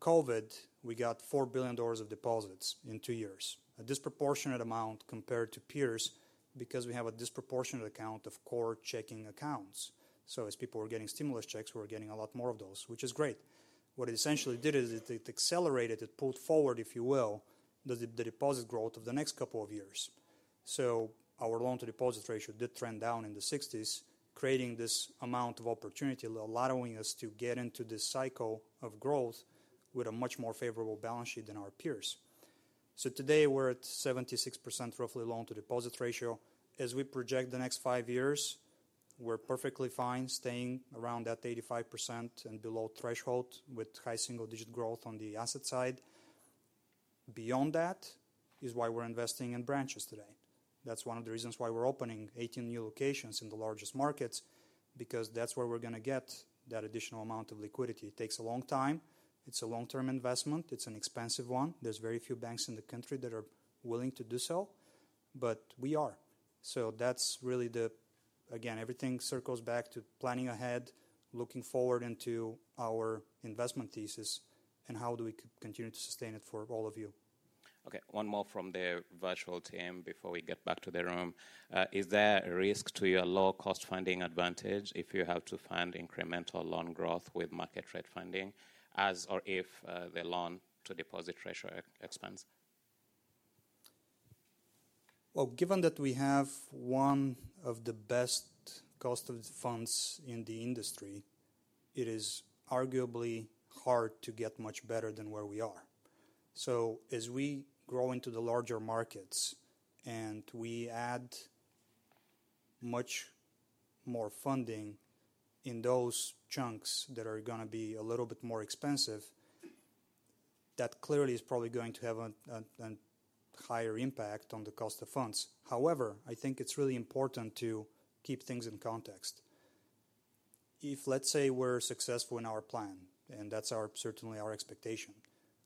COVID, we got $4 billion of deposits in two years, a disproportionate amount compared to peers because we have a disproportionate account of core checking accounts. So as people were getting stimulus checks, we were getting a lot more of those, which is great. What it essentially did is it accelerated, it pulled forward, if you will, the deposit growth of the next couple of years. So our loan to deposit ratio did trend down in the 60s, creating this amount of opportunity, allowing us to get into this cycle of growth with a much more favorable balance sheet than our peers. So today, we're at 76%, roughly, loan to deposit ratio. As we project the next five years, we're perfectly fine staying around that 85% and below threshold, with high single-digit growth on the asset side. Beyond that is why we're investing in branches today. That's one of the reasons why we're opening 18 new locations in the largest markets, because that's where we're gonna get that additional amount of liquidity. It takes a long time. It's a long-term investment. It's an expensive one. There's very few banks in the country that are willing to do so, but we are. So that's really the... Again, everything circles back to planning ahead, looking forward into our investment thesis, and how do we continue to sustain it for all of you? Okay, one more from the virtual team before we get back to the room. Is there a risk to your low-cost funding advantage if you have to fund incremental loan growth with market rate funding, as or if the loan-to-deposit ratio expands? Well, given that we have one of the best cost of funds in the industry, it is arguably hard to get much better than where we are. So as we grow into the larger markets, and we add much more funding in those chunks that are gonna be a little bit more expensive, that clearly is probably going to have a higher impact on the cost of funds. However, I think it's really important to keep things in context. If, let's say, we're successful in our plan, and that's certainly our expectation,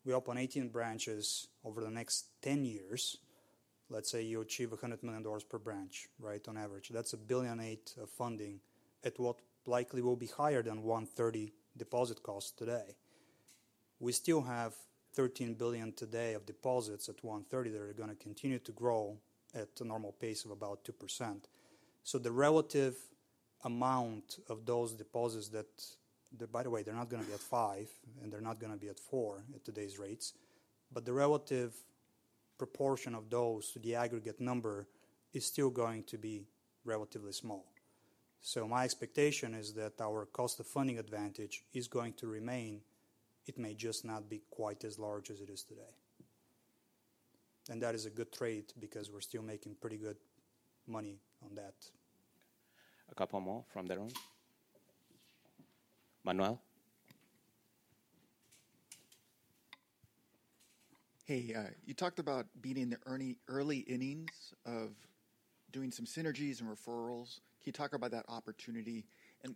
we open 18 branches over the next 10 years. Let's say you achieve $100 million per branch, right? On average. That's $1.8 billion of funding at what likely will be higher than 1.30% deposit costs today. We still have $13 billion today of deposits at 1.30% that are gonna continue to grow at a normal pace of about 2%. So the relative amount of those deposits that... By the way, they're not gonna be at 5%, and they're not gonna be at 4% at today's rates, but the relative proportion of those to the aggregate number is still going to be relatively small. So my expectation is that our cost of funding advantage is going to remain. It may just not be quite as large as it is today. That is a good trade because we're still making pretty good money on that. A couple more from the room. Manuel? Hey, you talked about being in the early innings of doing some synergies and referrals. Can you talk about that opportunity, and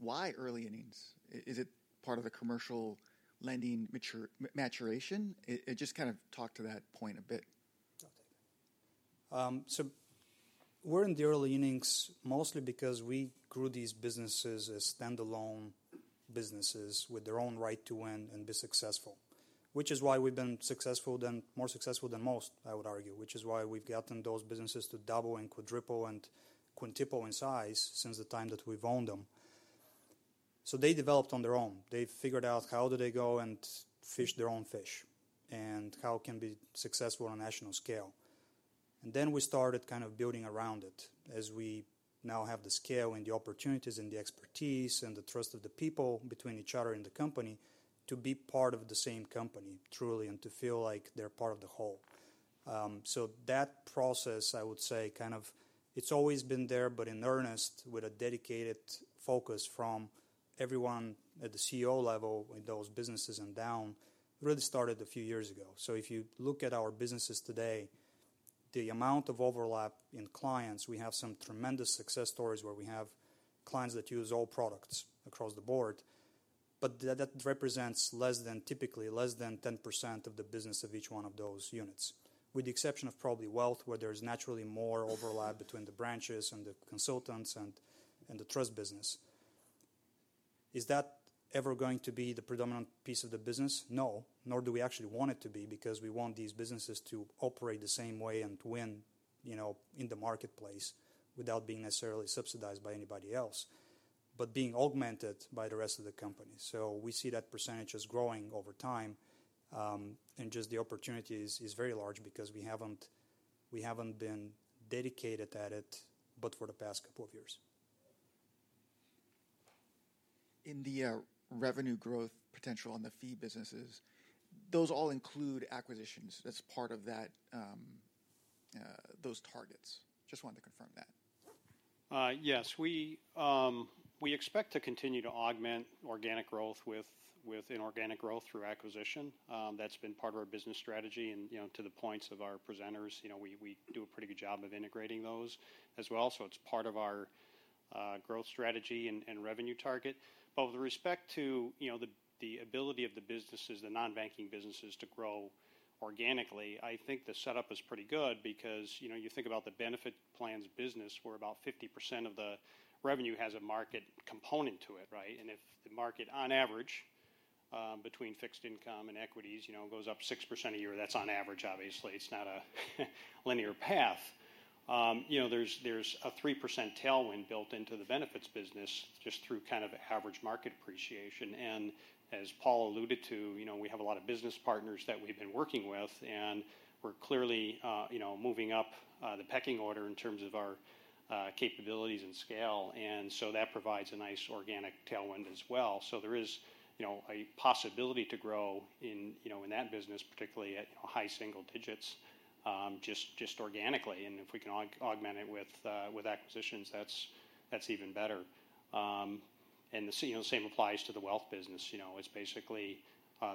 why early innings? Is it part of the commercial lending maturation? And just kind of talk to that point a bit. So we're in the early innings mostly because we grew these businesses as standalone businesses with their own right to win and be successful, which is why we've been more successful than most, I would argue. Which is why we've gotten those businesses to double and quadruple and quintuple in size since the time that we've owned them. So they developed on their own. They figured out how do they go and fish their own fish and how can we be successful on a national scale. And then we started kind of building around it, as we now have the scale and the opportunities and the expertise and the trust of the people between each other and the company, to be part of the same company, truly, and to feel like they're part of the whole. So that process, I would say, kind of, it's always been there, but in earnest, with a dedicated focus from everyone at the CEO level in those businesses and down, really started a few years ago. So if you look at our businesses today, the amount of overlap in clients, we have some tremendous success stories where we have clients that use all products across the board, but that represents less than, typically less than 10% of the business of each one of those units, with the exception of probably wealth, where there is naturally more overlap between the branches and the consultants and the trust business. Is that ever going to be the predominant piece of the business? No, nor do we actually want it to be, because we want these businesses to operate the same way and to win, you know, in the marketplace without being necessarily subsidized by anybody else, but being augmented by the rest of the company, so we see that percentage as growing over time, and just the opportunity is very large because we haven't been dedicated at it, but for the past couple of years. In the revenue growth potential on the fee businesses, those all include acquisitions as part of that, those targets? Just wanted to confirm that. Yes. We expect to continue to augment organic growth with inorganic growth through acquisition. That's been part of our business strategy and, you know, to the points of our presenters, you know, we do a pretty good job of integrating those as well. So it's part of our growth strategy and revenue target. But with respect to, you know, the ability of the businesses, the non-banking businesses, to grow organically, I think the setup is pretty good because, you know, you think about the benefit plans business, where about 50% of the revenue has a market component to it, right? And if the market, on average, between fixed income and equities, you know, goes up 6% a year, that's on average, obviously, it's not a linear path. You know, there's a 3% tailwind built into the benefits business just through kind of average market appreciation. And as Paul alluded to, you know, we have a lot of business partners that we've been working with, and we're clearly, you know, moving up the pecking order in terms of our capabilities and scale, and so that provides a nice organic tailwind as well. So there is, you know, a possibility to grow in, you know, in that business, particularly at high single digits, just organically. And if we can augment it with acquisitions, that's even better. And the same, you know, same applies to the wealth business. You know, it's basically,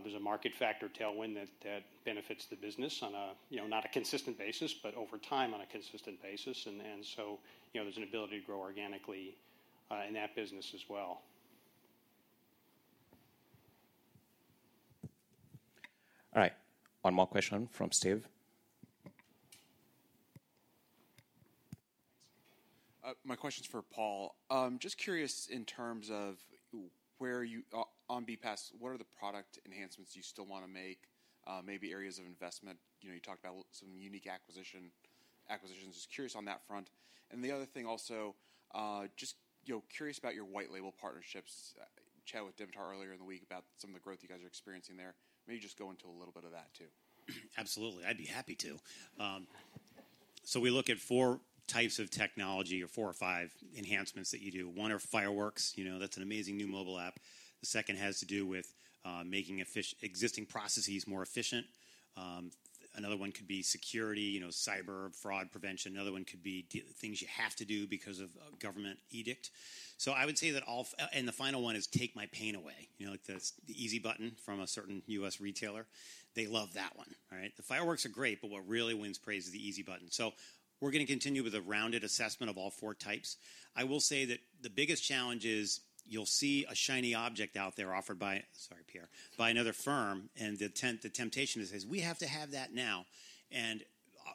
there's a market factor tailwind that benefits the business on a, you know, not a consistent basis, but over time, on a consistent basis, and so, you know, there's an ability to grow organically in that business as well. All right. One more question from Steve. My question's for Paul. Just curious, in terms of where you on BPAS, what are the product enhancements you still want to make, maybe areas of investment? You know, you talked about some unique acquisitions. Just curious on that front. And the other thing also, you know, curious about your white label partnerships.... chatted with Dimitar earlier in the week about some of the growth you guys are experiencing there. Maybe just go into a little bit of that, too. Absolutely, I'd be happy to. So we look at four types of technology or four or five enhancements that you do. One are fireworks, you know, that's an amazing new mobile app. The second has to do with making existing processes more efficient. Another one could be security, you know, cyber fraud prevention. Another one could be things you have to do because of government edict. So I would say that all four, and the final one is take my pain away. You know, like the Easy Button from a certain U.S. retailer, they love that one, all right? The fireworks are great, but what really wins praise is the Easy Button. So we're gonna continue with a rounded assessment of all four types. I will say that the biggest challenge is you'll see a shiny object out there offered by, sorry, Pierre, by another firm, and the temptation is, "We have to have that now." And,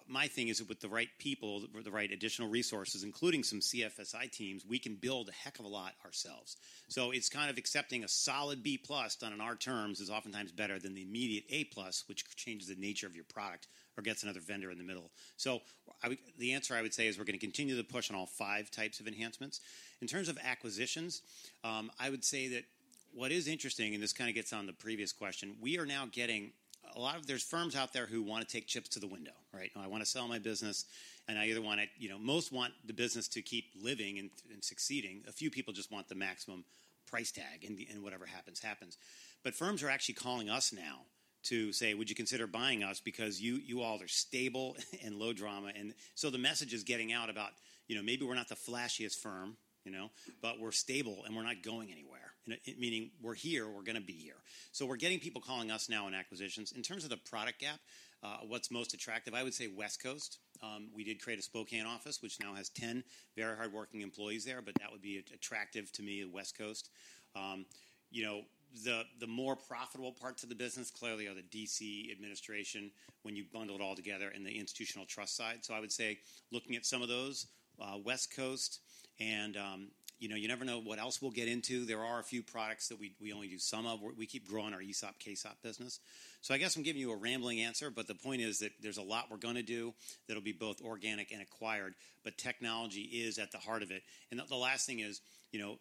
my thing is that with the right people, with the right additional resources, including some CFSI teams, we can build a heck of a lot ourselves. So it's kind of accepting a solid B+ done on our terms is oftentimes better than the immediate A+, which changes the nature of your product or gets another vendor in the middle. So the answer I would say is we're gonna continue to push on all five types of enhancements. In terms of acquisitions, I would say that what is interesting, and this kinda gets on the previous question, we are now getting a lot of... There's firms out there who wanna take chips to the window, right? "I wanna sell my business, and I either wanna," you know, most want the business to keep living and succeeding. A few people just want the maximum price tag, and whatever happens, happens, but firms are actually calling us now to say, "Would you consider buying us? Because you, you all are stable and low drama," and so the message is getting out about, you know, maybe we're not the flashiest firm, you know, but we're stable, and we're not going anywhere, and it, it meaning we're here, we're gonna be here, so we're getting people calling us now on acquisitions. In terms of the product gap, what's most attractive? I would say West Coast. We did create a Spokane office, which now has ten very hardworking employees there, but that would be attractive to me, the West Coast. You know, the more profitable parts of the business clearly are the DC administration, when you bundle it all together in the institutional trust side, so I would say, looking at some of those, West Coast, and you know, you never know what else we'll get into. There are a few products that we only do some of, where we keep growing our ESOP, KSOP business, so I guess I'm giving you a rambling answer, but the point is that there's a lot we're gonna do that'll be both organic and acquired, but technology is at the heart of it. And the last thing is, you know.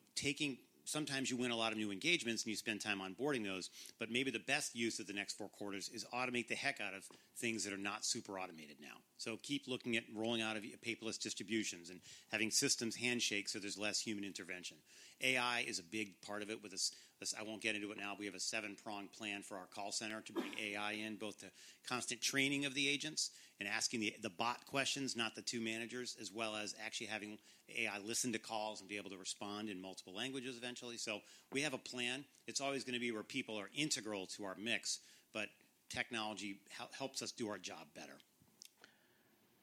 Sometimes you win a lot of new engagements, and you spend time onboarding those, but maybe the best use of the next four quarters is automate the heck out of things that are not super automated now. So keep looking at rolling out of paperless distributions and having systems handshake, so there's less human intervention. AI is a big part of it with this. I won't get into it now. We have a seven-pronged plan for our call center to bring AI in, both to constant training of the agents and asking the bot questions, not the two managers, as well as actually having AI listen to calls and be able to respond in multiple languages eventually. So we have a plan. It's always gonna be where people are integral to our mix, but technology helps us do our job better.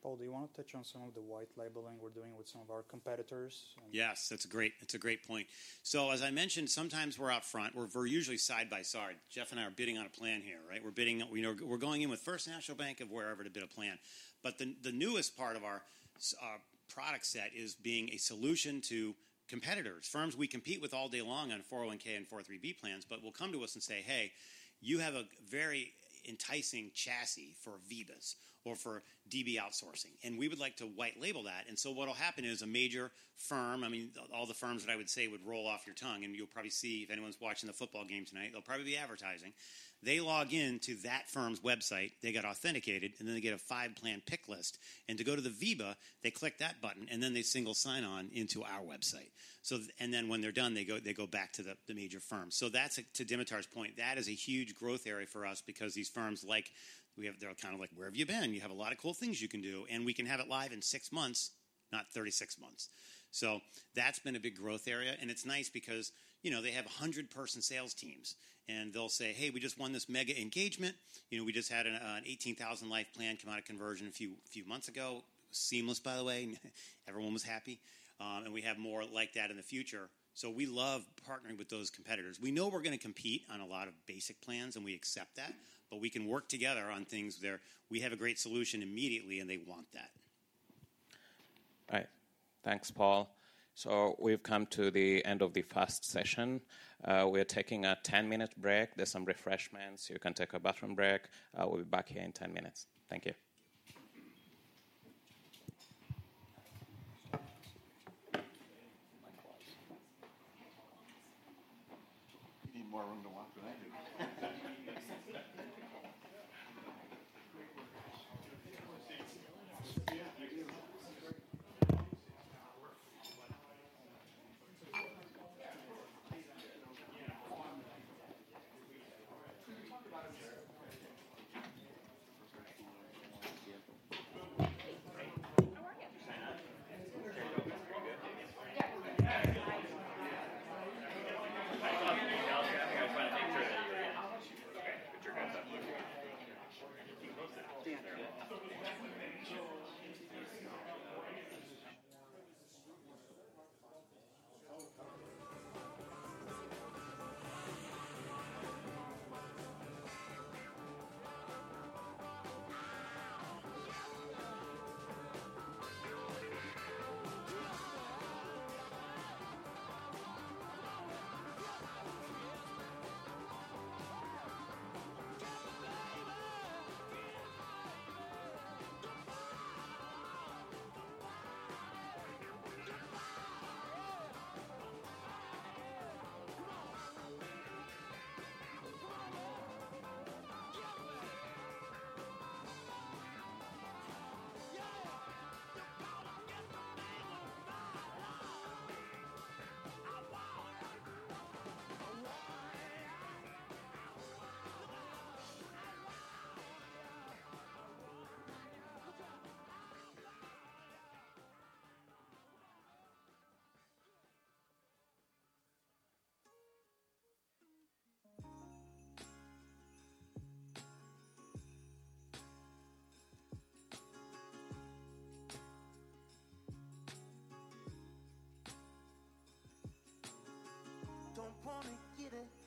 Paul, do you wanna touch on some of the white labeling we're doing with some of our competitors? And- Yes, that's a great-- that's a great point. So as I mentioned, sometimes we're out front. We're, we're usually side by side. Jeff and I are bidding on a plan here, right? We're bidding, you know, we're going in with First National Bank of wherever to bid a plan. But the, the newest part of our s- our product set is being a solution to competitors, firms we compete with all day long on 401(k) and 403(b) plans, but will come to us and say, "Hey, you have a very enticing chassis for VEBAs or for DB outsourcing, and we would like to white label that." And so what'll happen is a major firm, I mean, all the firms that I would say would roll off your tongue, and you'll probably see, if anyone's watching the football game tonight, they'll probably be advertising. They log in to that firm's website, they get authenticated, and then they get a five-plan pick list, and to go to the VEBA, they click that button, and then they single sign on into our website. So, and then when they're done, they go, they go back to the, the major firm. So that's, to Dimitar's point, that is a huge growth area for us because these firms like, we have. They're kind of like: "Where have you been? You have a lot of cool things you can do," and we can have it live in six months, not 36 months. So that's been a big growth area, and it's nice because, you know, they have a 100-person sales teams, and they'll say, "Hey, we just won this mega engagement. You know, we just had an, an 18,000-life plan come out of conversion a few, few months ago. Seamless, by the way, everyone was happy, and we have more like that in the future. So we love partnering with those competitors. We know we're gonna compete on a lot of basic plans, and we accept that, but we can work together on things where we have a great solution immediately, and they want that. Right. Thanks, Paul. So we've come to the end of the first session. We are taking a ten-minute break. There's some refreshments. You can take a bathroom break. We'll be back here in ten minutes. Thank you. You need more room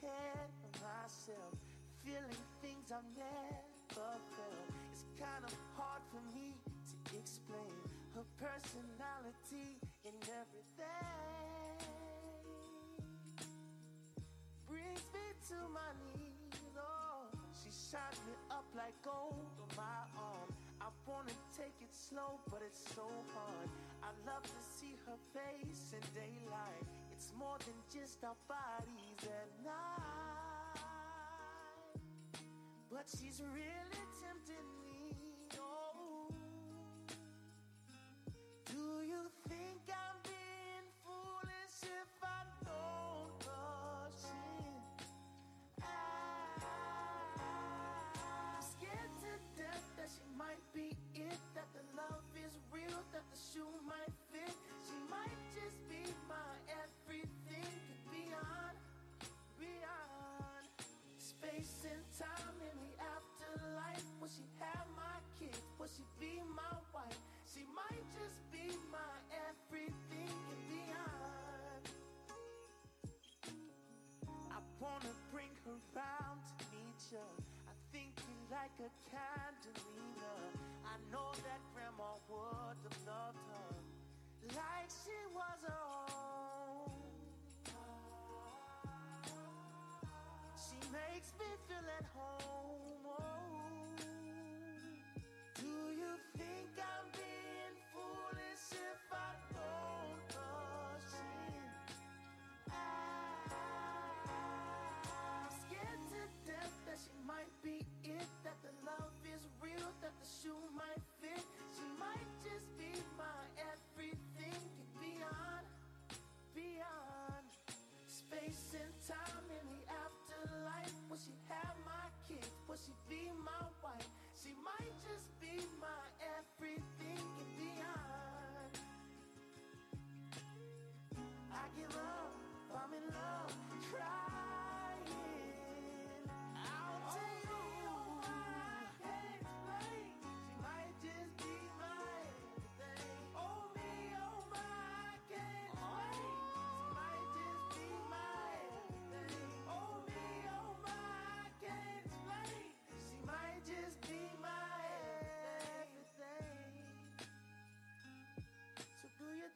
to walk than I do. ...Get wild! Come on. Come on, y'all. Get wild. Yeah, just gonna get my thing on. I want you, I want you, I want you, I want you, I want you. Watch out. I want you, I want you. Don't wanna get ahead of myself, feeling things I've never felt. It's kinda hard for me to explain. Her personality and everything brings me to my knees, oh. She shines me up like gold on my arm. I wanna take it slow, but it's so hard. I love to see her face in daylight. It's more than just our bodies at night. But she's really tempting me,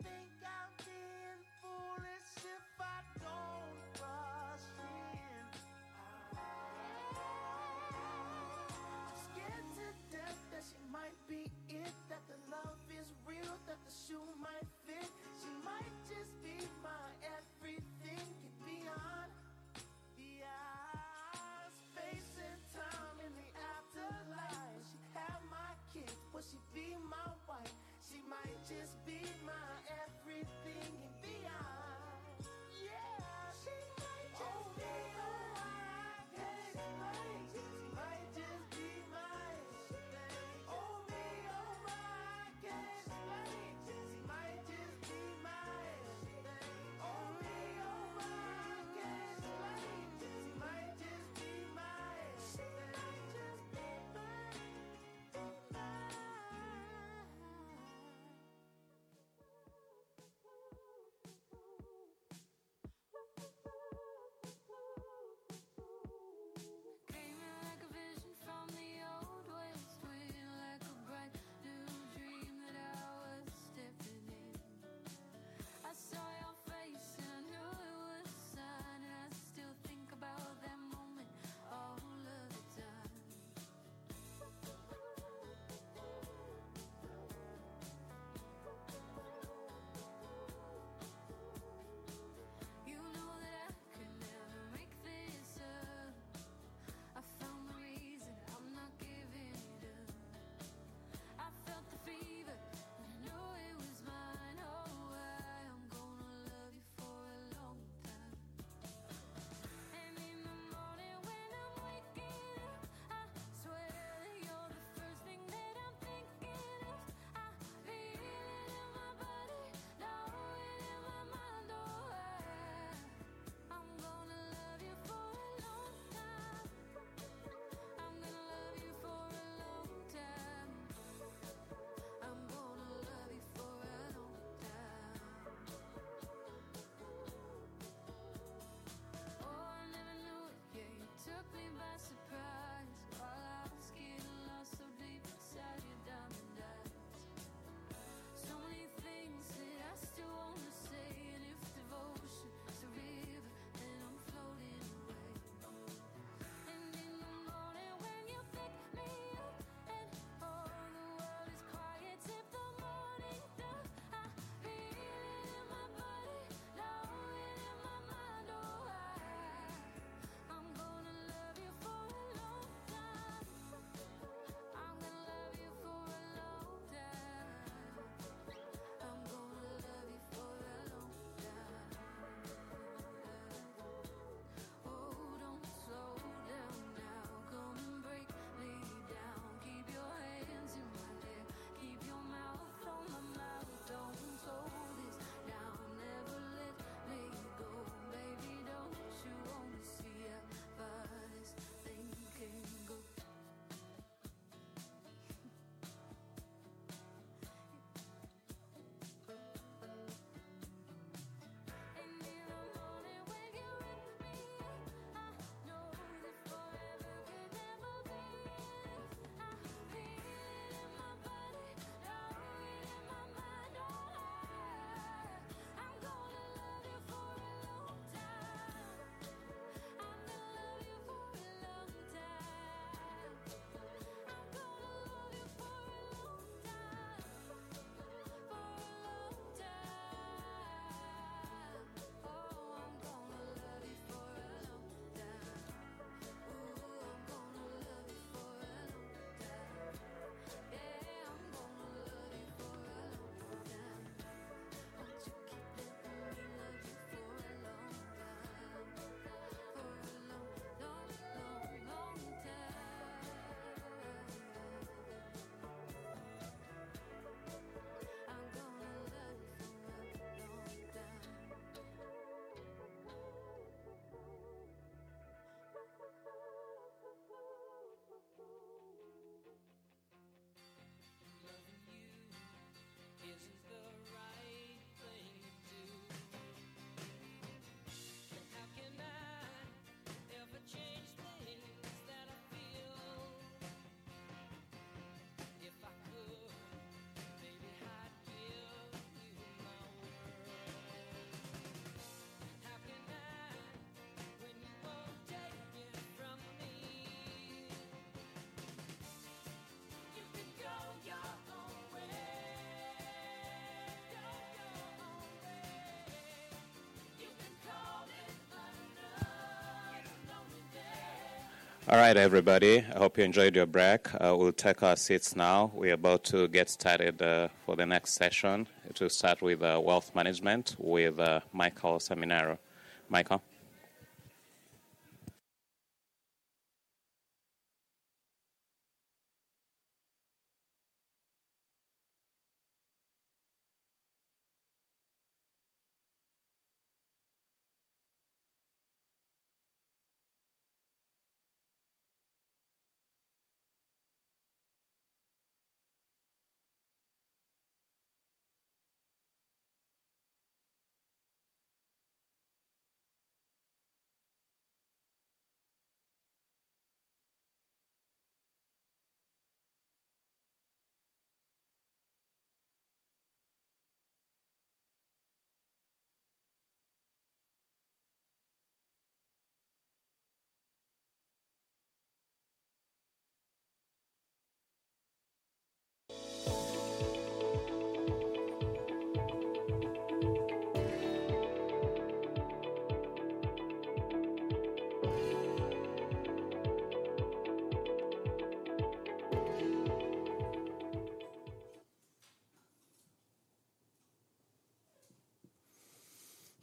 oh. Do you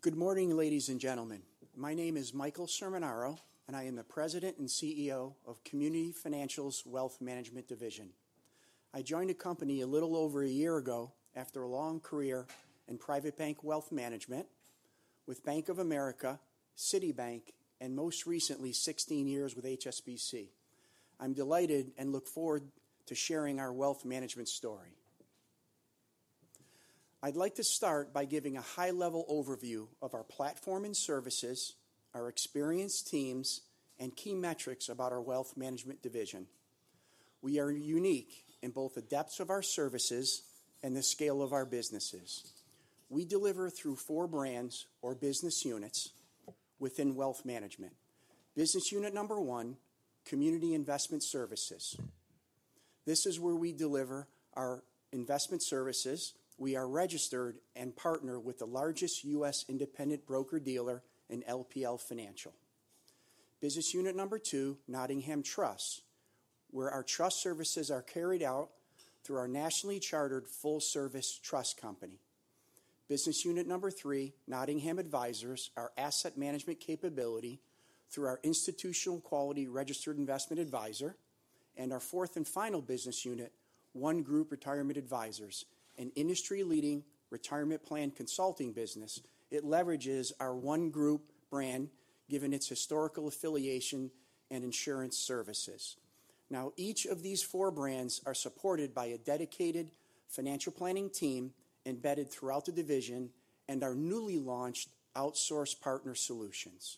Good morning, ladies and gentlemen. My name is Michael Cerminaro, and I am the President and CEO of Community Financial's Wealth Management Division. I joined the company a little over a year ago after a long career in private bank wealth management with Bank of America, Citibank, and most recently, 16 years with HSBC. I'm delighted and look forward to sharing our wealth management story. I'd like to start by giving a high-level overview of our platform and services, our experienced teams, and key metrics about our wealth management division. We are unique in both the depth of our services and the scale of our businesses. We deliver through four brands or business units within wealth management. Business unit number one, Community Investment Services. This is where we deliver our investment services. We are registered and partner with the largest U.S. independent broker-dealer in LPL Financial. Business unit number two, Nottingham Trust, where our trust services are carried out through our nationally chartered, full-service trust company. Business unit number three, Nottingham Advisors, our asset management capability through our institutional quality registered investment advisor. And our fourth and final business unit, OneGroup Retirement Advisors, an industry-leading retirement plan consulting business. It leverages our OneGroup brand, given its historical affiliation and insurance services. Now, each of these four brands are supported by a dedicated financial planning team embedded throughout the division and our newly launched outsourced partner solutions.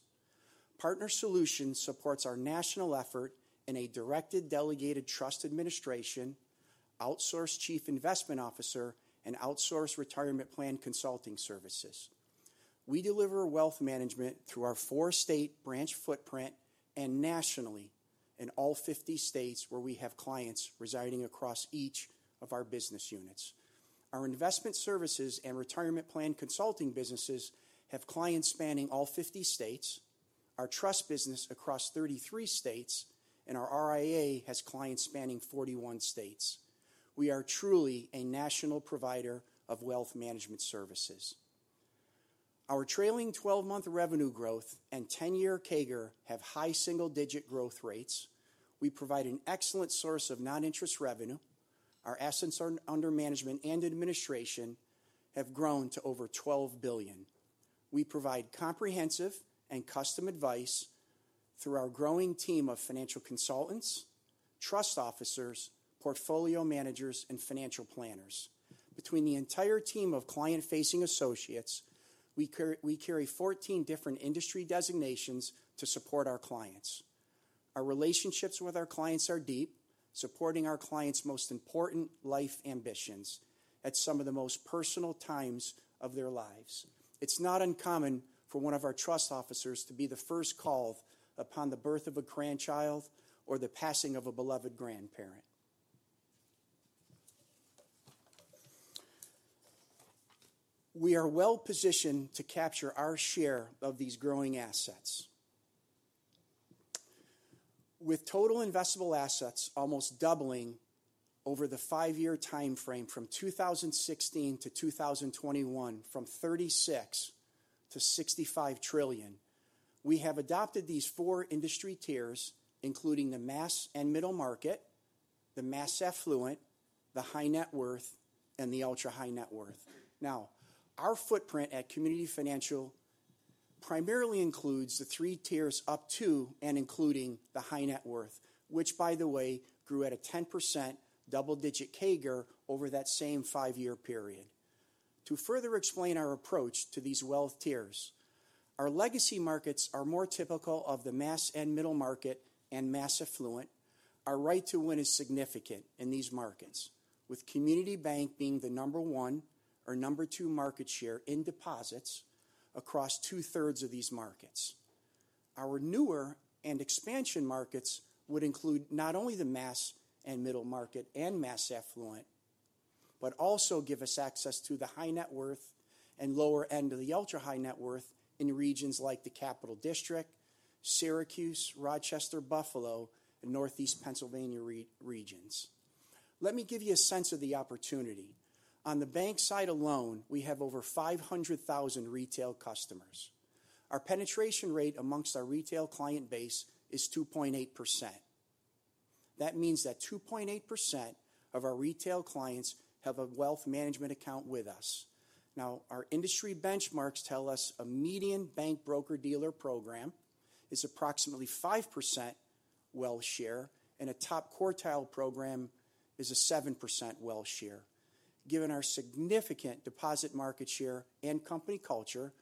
Partner Solutions supports our national effort in a directed, delegated trust administration, outsourced chief investment officer, and outsourced retirement plan consulting services.... We deliver wealth management through our four-state branch footprint and nationally in all fifty states where we have clients residing across each of our business units. Our investment services and retirement plan consulting businesses have clients spanning all 50 states, our trust business across 33 states, and our RIA has clients spanning 41 states. We are truly a national provider of wealth management services. Our trailing 12-month revenue growth and 10-year CAGR have high single-digit growth rates. We provide an excellent source of non-interest revenue. Our assets under management and administration have grown to over $12 billion. We provide comprehensive and custom advice through our growing team of financial consultants, trust officers, portfolio managers, and financial planners. Between the entire team of client-facing associates, we carry 14 different industry designations to support our clients. Our relationships with our clients are deep, supporting our clients' most important life ambitions at some of the most personal times of their lives. It's not uncommon for one of our trust officers to be the first call upon the birth of a grandchild or the passing of a beloved grandparent. We are well-positioned to capture our share of these growing assets. With total investable assets almost doubling over the five-year timeframe from 2016 to 2021, from $36 trillion-$65 trillion, we have adopted these four industry tiers, including the mass and middle market, the mass affluent, the high net worth, and the ultra-high net worth. Now, our footprint at Community Financial primarily includes the three tiers up to and including the high net worth, which by the way, grew at a 10% double-digit CAGR over that same five-year period. To further explain our approach to these wealth tiers, our legacy markets are more typical of the mass and middle market and mass affluent. Our right to win is significant in these markets, with Community Bank being the number one or number two market share in deposits across two-thirds of these markets. Our newer and expansion markets would include not only the mass and middle market and mass affluent, but also give us access to the high net worth and lower end of the ultra-high net worth in regions like the Capital District, Syracuse, Rochester, Buffalo, and Northeast Pennsylvania regions. Let me give you a sense of the opportunity. On the bank side alone, we have over 500,000 retail customers. Our penetration rate amongst our retail client base is 2.8%. That means that 2.8% of our retail clients have a wealth management account with us. Now, our industry benchmarks tell us a median bank broker-dealer program is approximately 5% wealth share, and a top quartile program is a 7% wealth share. Given our significant deposit market share and company culture,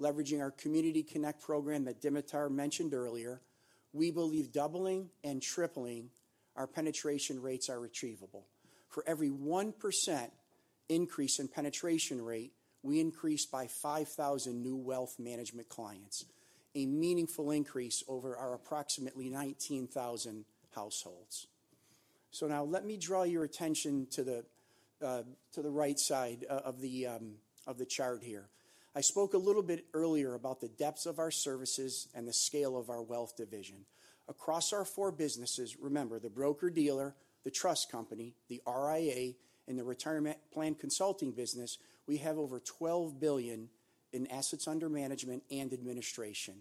leveraging our Community Connect program that Dimitar mentioned earlier, we believe doubling and tripling our penetration rates are retrievable. For every 1% increase in penetration rate, we increase by 5,000 new wealth management clients, a meaningful increase over our approximately 19,000 households. So now let me draw your attention to the right side of the chart here. I spoke a little bit earlier about the depths of our services and the scale of our wealth division. Across our four businesses, remember, the broker-dealer, the trust company, the RIA, and the retirement plan consulting business, we have over 12 billion in assets under management and administration.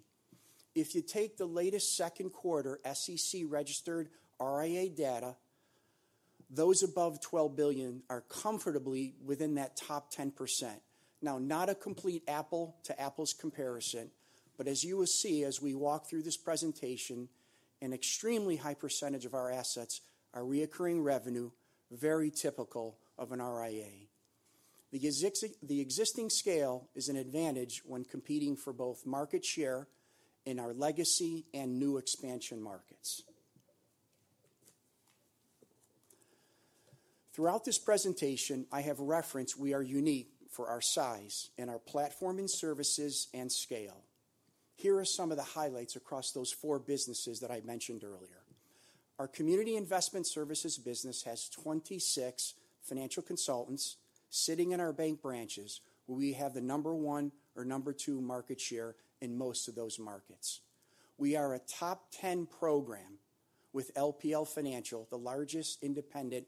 If you take the latest second quarter SEC-registered RIA data, those above 12 billion are comfortably within that top 10%. Now, not a complete apple-to-apples comparison, but as you will see as we walk through this presentation, an extremely high percentage of our assets are recurring revenue, very typical of an RIA. The existing scale is an advantage when competing for both market share in our legacy and new expansion markets. Throughout this presentation, I have referenced we are unique for our size and our platform and services and scale. Here are some of the highlights across those four businesses that I mentioned earlier. Our community investment services business has 26 financial consultants sitting in our bank branches, where we have the number one or number two market share in most of those markets. We are a top 10 program with LPL Financial, the largest independent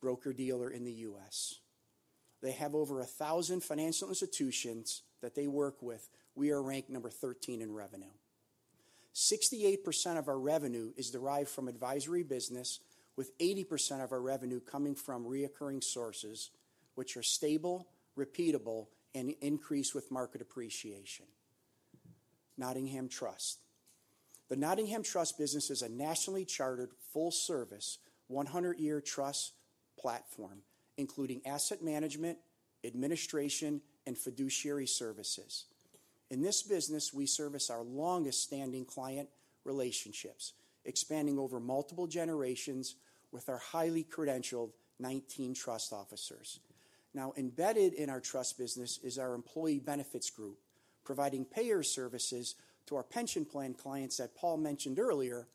broker-dealer in the U.S. They have over 1,000 financial institutions that they work with. We are ranked number 13 in revenue. 68% of our revenue is derived from advisory business, with 80% of our revenue coming from recurring sources, which are stable, repeatable, and increase with market appreciation. Nottingham Trust. The Nottingham Trust business is a nationally chartered, full-service, 100-year trust platform, including asset management, administration, and fiduciary services. In this business, we service our longest-standing client relationships, expanding over multiple generations with our highly credentialed 19 trust officers.... Now, embedded in our trust business is our employee benefits group, providing payer services to our pension plan clients that Paul mentioned earlier.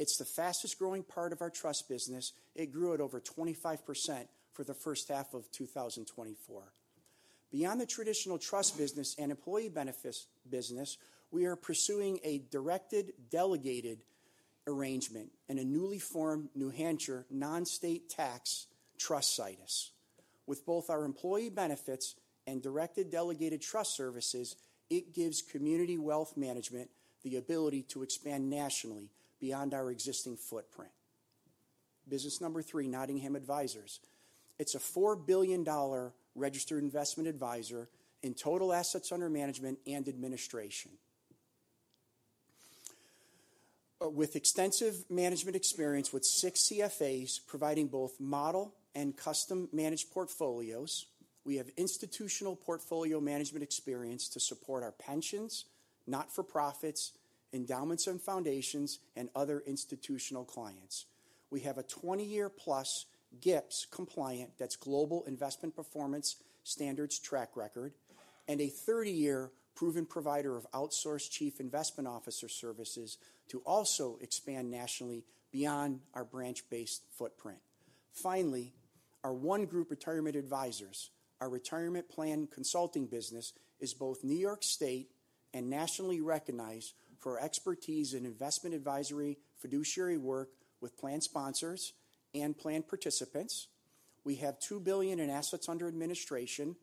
It's the fastest-growing part of our trust business. It grew at over 25% for the first half of 2024. Beyond the traditional trust business and employee benefits business, we are pursuing a directed, delegated arrangement in a newly formed New Hampshire non-state tax trust situs. With both our employee benefits and directed delegated trust services, it gives Community Wealth Management the ability to expand nationally beyond our existing footprint. Business number three, Nottingham Advisors. It's a $4 billion registered investment advisor in total assets under management and administration. With extensive management experience with six CFAs providing both model and custom managed portfolios, we have institutional portfolio management experience to support our pensions, not-for-profits, endowments and foundations, and other institutional clients. We have a 20-year-plus GIPS compliant, that's Global Investment Performance Standards track record, and a 30-year proven provider of outsourced chief investment officer services to also expand nationally beyond our branch-based footprint. Finally, our OneGroup Retirement Advisors, our retirement plan consulting business, is both New York State and nationally recognized for expertise in investment advisory, fiduciary work with plan sponsors and plan participants. We have $2 billion in assets under administration,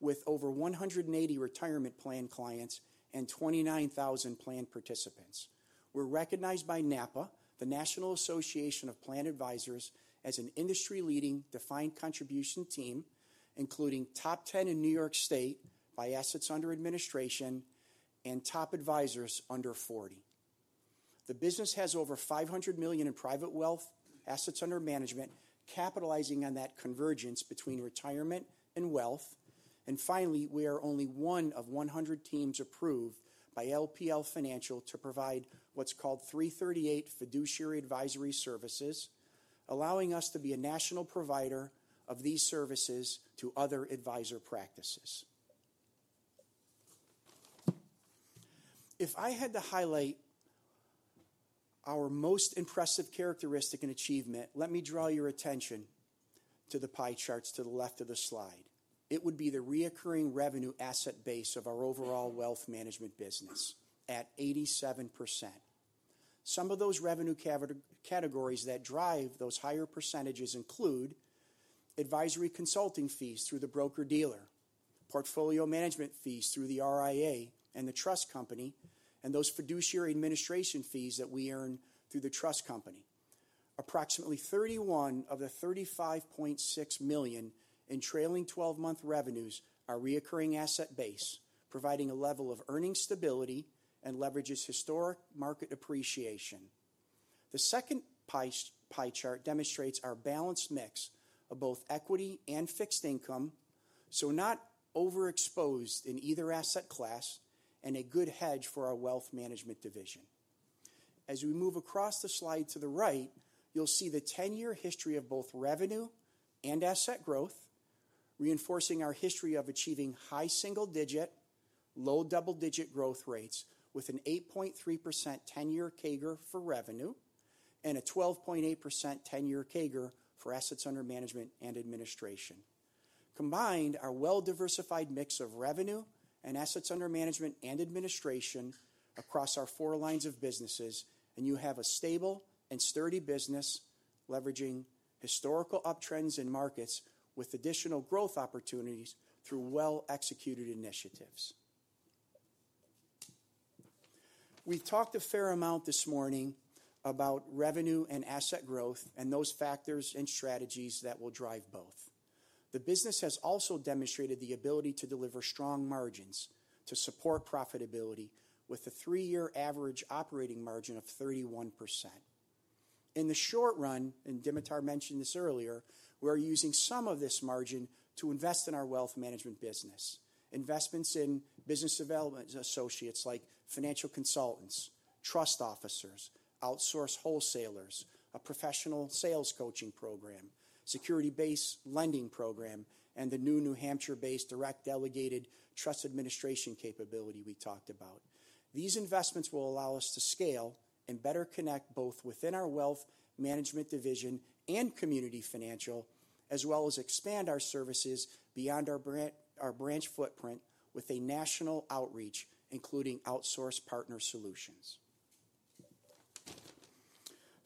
with over 180 retirement plan clients and 29,000 plan participants. We're recognized by NAPA, the National Association of Plan Advisors, as an industry-leading defined contribution team, including top 10 in New York State by assets under administration and top advisors under 40. The business has over $500 million in private wealth assets under management, capitalizing on that convergence between retirement and wealth. Finally, we are only one of 100 teams approved by LPL Financial to provide what's called 3(38) Fiduciary advisory services, allowing us to be a national provider of these services to other advisor practices. If I had to highlight our most impressive characteristic and achievement, let me draw your attention to the pie charts to the left of the slide. It would be the recurring revenue asset base of our overall wealth management business at 87%. Some of those revenue categories that drive those higher percentages include advisory consulting fees through the broker-dealer, portfolio management fees through the RIA and the trust company, and those fiduciary administration fees that we earn through the trust company. Approximately $31 million of the $35.6 million in trailing 12-month revenues are recurring asset base, providing a level of earning stability and leverages historic market appreciation. The second pie chart demonstrates our balanced mix of both equity and fixed income, so not overexposed in either asset class and a good hedge for our wealth management division. As we move across the slide to the right, you'll see the 10-year history of both revenue and asset growth, reinforcing our history of achieving high single digit, low double-digit growth rates with an 8.3% 10-year CAGR for revenue and a 12.8% 10-year CAGR for assets under management and administration. Combined, our well-diversified mix of revenue and assets under management and administration across our four lines of businesses, and you have a stable and sturdy business leveraging historical uptrends in markets with additional growth opportunities through well-executed initiatives. We've talked a fair amount this morning about revenue and asset growth and those factors and strategies that will drive both. The business has also demonstrated the ability to deliver strong margins to support profitability with a three-year average operating margin of 31%. In the short run, and Dimitar mentioned this earlier, we are using some of this margin to invest in our wealth management business. Investments in business development associates like financial consultants, trust officers, outsource wholesalers, a professional sales coaching program, security-based lending program, and the new New Hampshire-based direct delegated trust administration capability we talked about. These investments will allow us to scale and better connect both within our wealth management division and Community Financial, as well as expand our services beyond our branch footprint with a national outreach, including outsource partner solutions.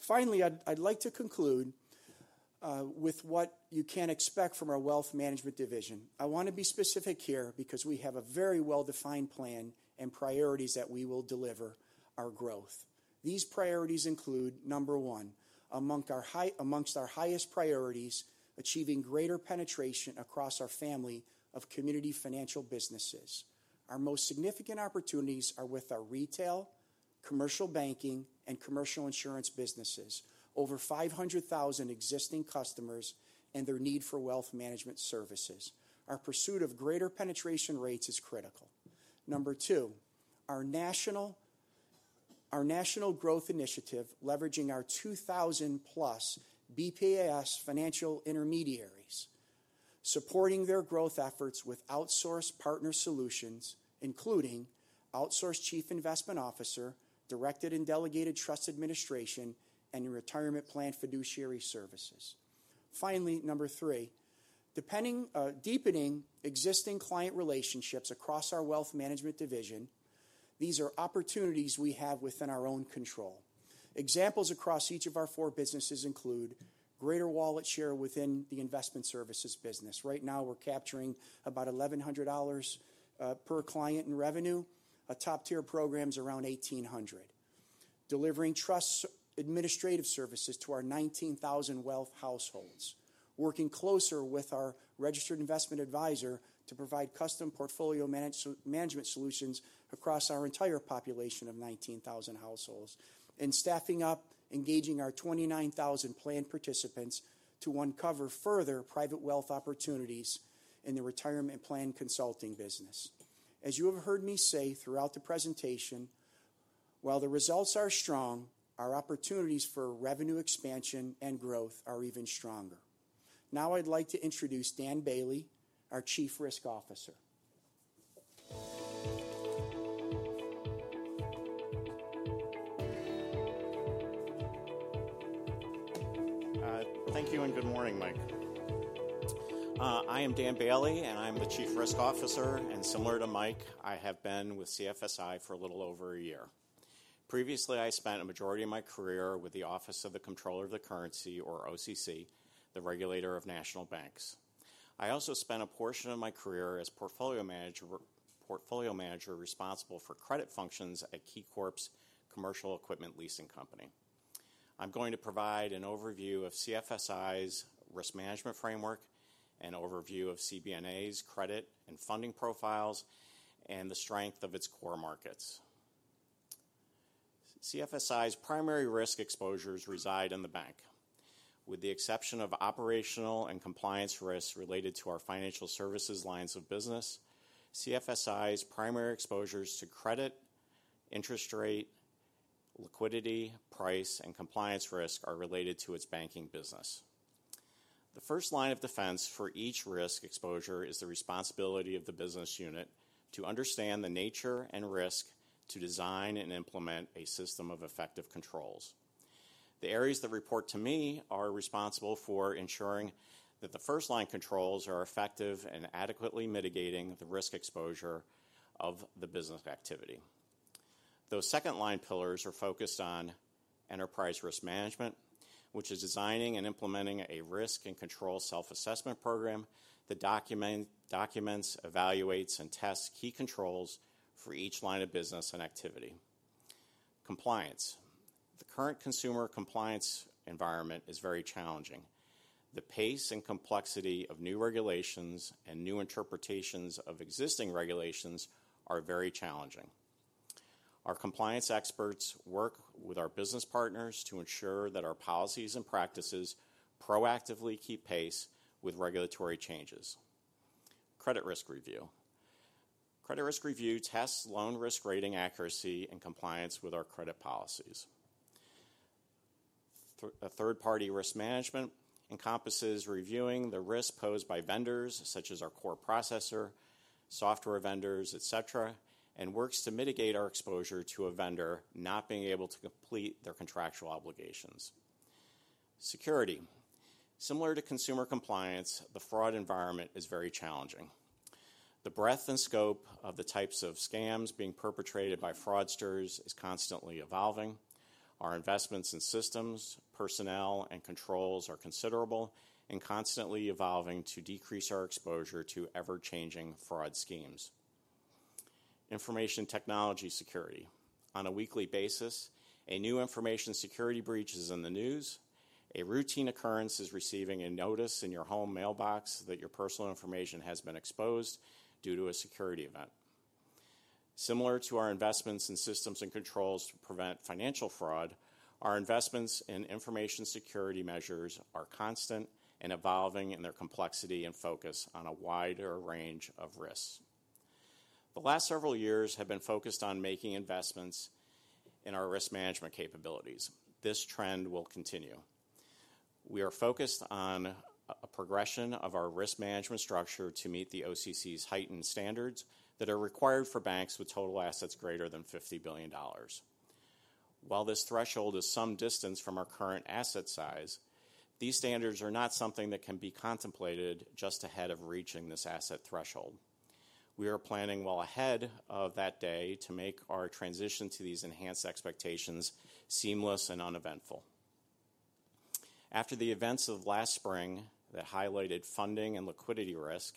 Finally, I'd like to conclude with what you can expect from our wealth management division. I want to be specific here because we have a very well-defined plan and priorities that we will deliver our growth. These priorities include, number one, amongst our high- amongst our highest priorities, achieving greater penetration across our family of community financial businesses. Our most significant opportunities are with our retail, commercial banking, and commercial insurance businesses, over 500,000 existing customers and their need for wealth management services. Our pursuit of greater penetration rates is critical. Number two, our national growth initiative, leveraging our 2,000 plus BPAS financial intermediaries, supporting their growth efforts with outsourced partner solutions, including outsourced chief investment officer, directed and delegated trust administration, and retirement plan fiduciary services. Finally, number three, depending, deepening existing client relationships across our wealth management division. These are opportunities we have within our own control. Examples across each of our four businesses include greater wallet share within the investment services business. Right now, we're capturing about $1,100 per client in revenue. A top-tier program is around $1,800. Delivering trust administrative services to our 19,000 wealth households. Working closer with our registered investment advisor to provide custom portfolio management solutions across our entire population of 19,000 households. And staffing up, engaging our 29,000 plan participants to uncover further private wealth opportunities in the retirement plan consulting business. As you have heard me say throughout the presentation, while the results are strong, our opportunities for revenue expansion and growth are even stronger. Now, I'd like to introduce Dan Bailey, our Chief Risk Officer. Thank you, and good morning, Mike. I am Dan Bailey, and I'm the Chief Risk Officer, and similar to Mike, I have been with CFSI for a little over a year. Previously, I spent a majority of my career with the Office of the Comptroller of the Currency, or OCC, the regulator of national banks. I also spent a portion of my career as portfolio manager responsible for credit functions at KeyCorp's commercial equipment leasing company. I'm going to provide an overview of CFSI's risk management framework, an overview of CBNA's credit and funding profiles, and the strength of its core markets. CFSI's primary risk exposures reside in the bank. With the exception of operational and compliance risks related to our financial services lines of business, CFSI's primary exposures to credit, interest rate, liquidity, price, and compliance risk are related to its banking business. The first line of defense for each risk exposure is the responsibility of the business unit to understand the nature and risk, to design and implement a system of effective controls. The areas that report to me are responsible for ensuring that the first line controls are effective and adequately mitigating the risk exposure of the business activity. Those second line pillars are focused on enterprise risk management, which is designing and implementing a risk and control self-assessment program that documents, evaluates, and tests key controls for each line of business and activity. Compliance. The current consumer compliance environment is very challenging. The pace and complexity of new regulations and new interpretations of existing regulations are very challenging. Our compliance experts work with our business partners to ensure that our policies and practices proactively keep pace with regulatory changes. Credit risk review. Credit risk review tests loan risk rating accuracy, and compliance with our credit policies. A third-party risk management encompasses reviewing the risk posed by vendors, such as our core processor, software vendors, et cetera, and works to mitigate our exposure to a vendor not being able to complete their contractual obligations. Security. Similar to consumer compliance, the fraud environment is very challenging. The breadth and scope of the types of scams being perpetrated by fraudsters is constantly evolving. Our investments in systems, personnel, and controls are considerable and constantly evolving to decrease our exposure to ever-changing fraud schemes. Information technology security. On a weekly basis, a new information security breach is in the news. A routine occurrence is receiving a notice in your home mailbox that your personal information has been exposed due to a security event. Similar to our investments in systems and controls to prevent financial fraud, our investments in information security measures are constant and evolving in their complexity and focus on a wider range of risks. The last several years have been focused on making investments in our risk management capabilities. This trend will continue. We are focused on a progression of our risk management structure to meet the OCC's heightened standards that are required for banks with total assets greater than $50 billion. While this threshold is some distance from our current asset size, these standards are not something that can be contemplated just ahead of reaching this asset threshold. We are planning well ahead of that day to make our transition to these enhanced expectations seamless and uneventful. After the events of last spring that highlighted funding and liquidity risk,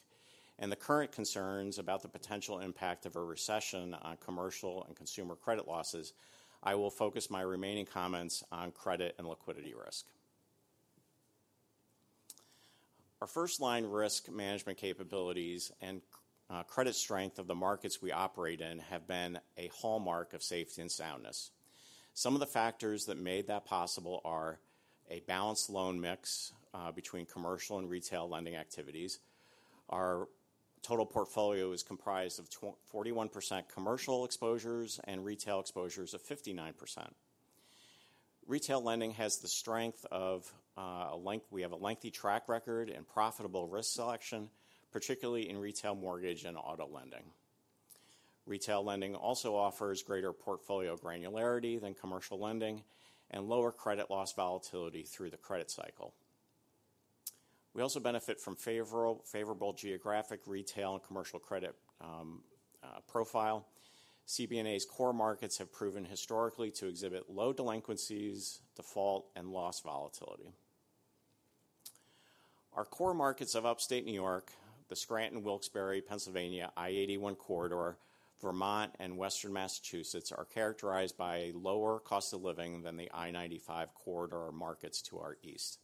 and the current concerns about the potential impact of a recession on commercial and consumer credit losses, I will focus my remaining comments on credit and liquidity risk. Our first-line risk management capabilities and credit strength of the markets we operate in have been a hallmark of safety and soundness. Some of the factors that made that possible are a balanced loan mix between commercial and retail lending activities. Total portfolio is comprised of 41% commercial exposures and retail exposures of 59%. Retail lending has the strength of a lengthy track record and profitable risk selection, particularly in retail mortgage and auto lending. Retail lending also offers greater portfolio granularity than commercial lending and lower credit loss volatility through the credit cycle. We also benefit from favorable geographic, retail, and commercial credit profile. CBNA's core markets have proven historically to exhibit low delinquencies, default, and loss volatility. Our core markets of Upstate New York, the Scranton/Wilkes-Barre, Pennsylvania, I-81 Corridor, Vermont, and Western Massachusetts, are characterized by a lower cost of living than the I-95 Corridor markets to our east,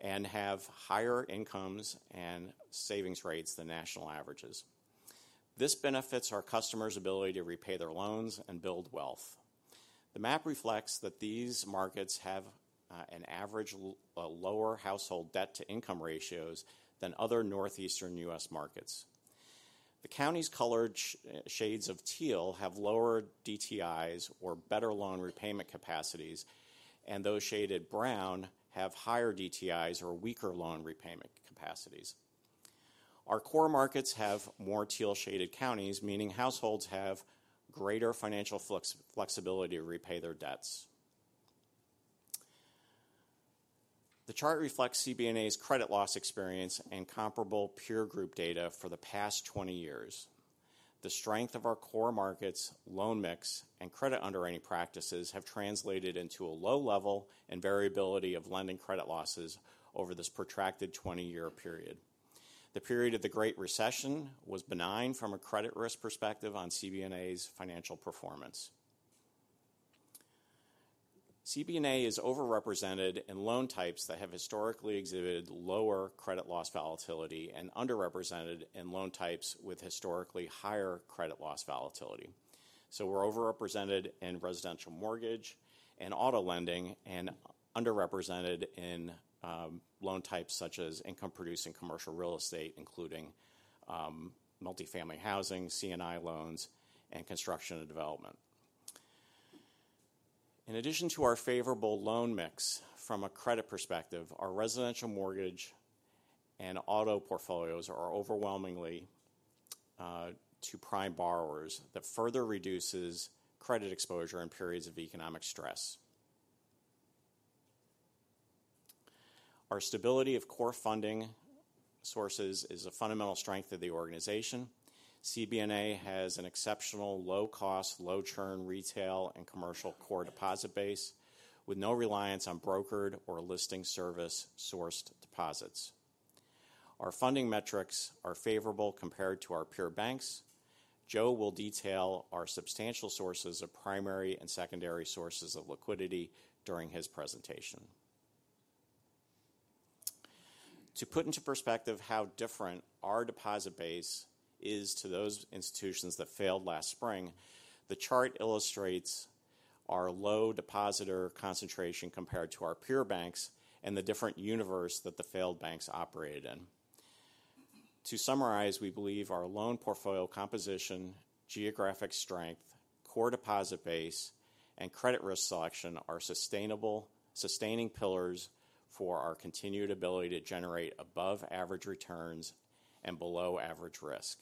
and have higher incomes and savings rates than national averages. This benefits our customers' ability to repay their loans and build wealth. The map reflects that these markets have an average lower household debt-to-income ratios than other Northeastern U.S. markets. The counties colored shades of teal have lower DTIs or better loan repayment capacities, and those shaded brown have higher DTIs or weaker loan repayment capacities. Our core markets have more teal-shaded counties, meaning households have greater financial flex, flexibility to repay their debts. The chart reflects CBNA's credit loss experience and comparable peer group data for the past 20 years. The strength of our core markets, loan mix, and credit underwriting practices have translated into a low level and variability of lending credit losses over this protracted 20-year period. The period of the Great Recession was benign from a credit risk perspective on CBNA's financial performance. CBNA is over-represented in loan types that have historically exhibited lower credit loss volatility and underrepresented in loan types with historically higher credit loss volatility. So we're over-represented in residential mortgage and auto lending and underrepresented in loan types such as income-producing commercial real estate, including multifamily housing, C&I loans, and construction and development. In addition to our favorable loan mix from a credit perspective, our residential mortgage and auto portfolios are overwhelmingly to prime borrowers. That further reduces credit exposure in periods of economic stress. Our stability of core funding sources is a fundamental strength of the organization. CBNA has an exceptional low-cost, low-churn retail and commercial core deposit base, with no reliance on brokered or listing service-sourced deposits. Our funding metrics are favorable compared to our peer banks. Joe will detail our substantial sources of primary and secondary sources of liquidity during his presentation. To put into perspective how different our deposit base is to those institutions that failed last spring, the chart illustrates our low depositor concentration compared to our peer banks and the different universe that the failed banks operated in. To summarize, we believe our loan portfolio composition, geographic strength, core deposit base, and credit risk selection are sustainable, sustaining pillars for our continued ability to generate above-average returns and below-average risk.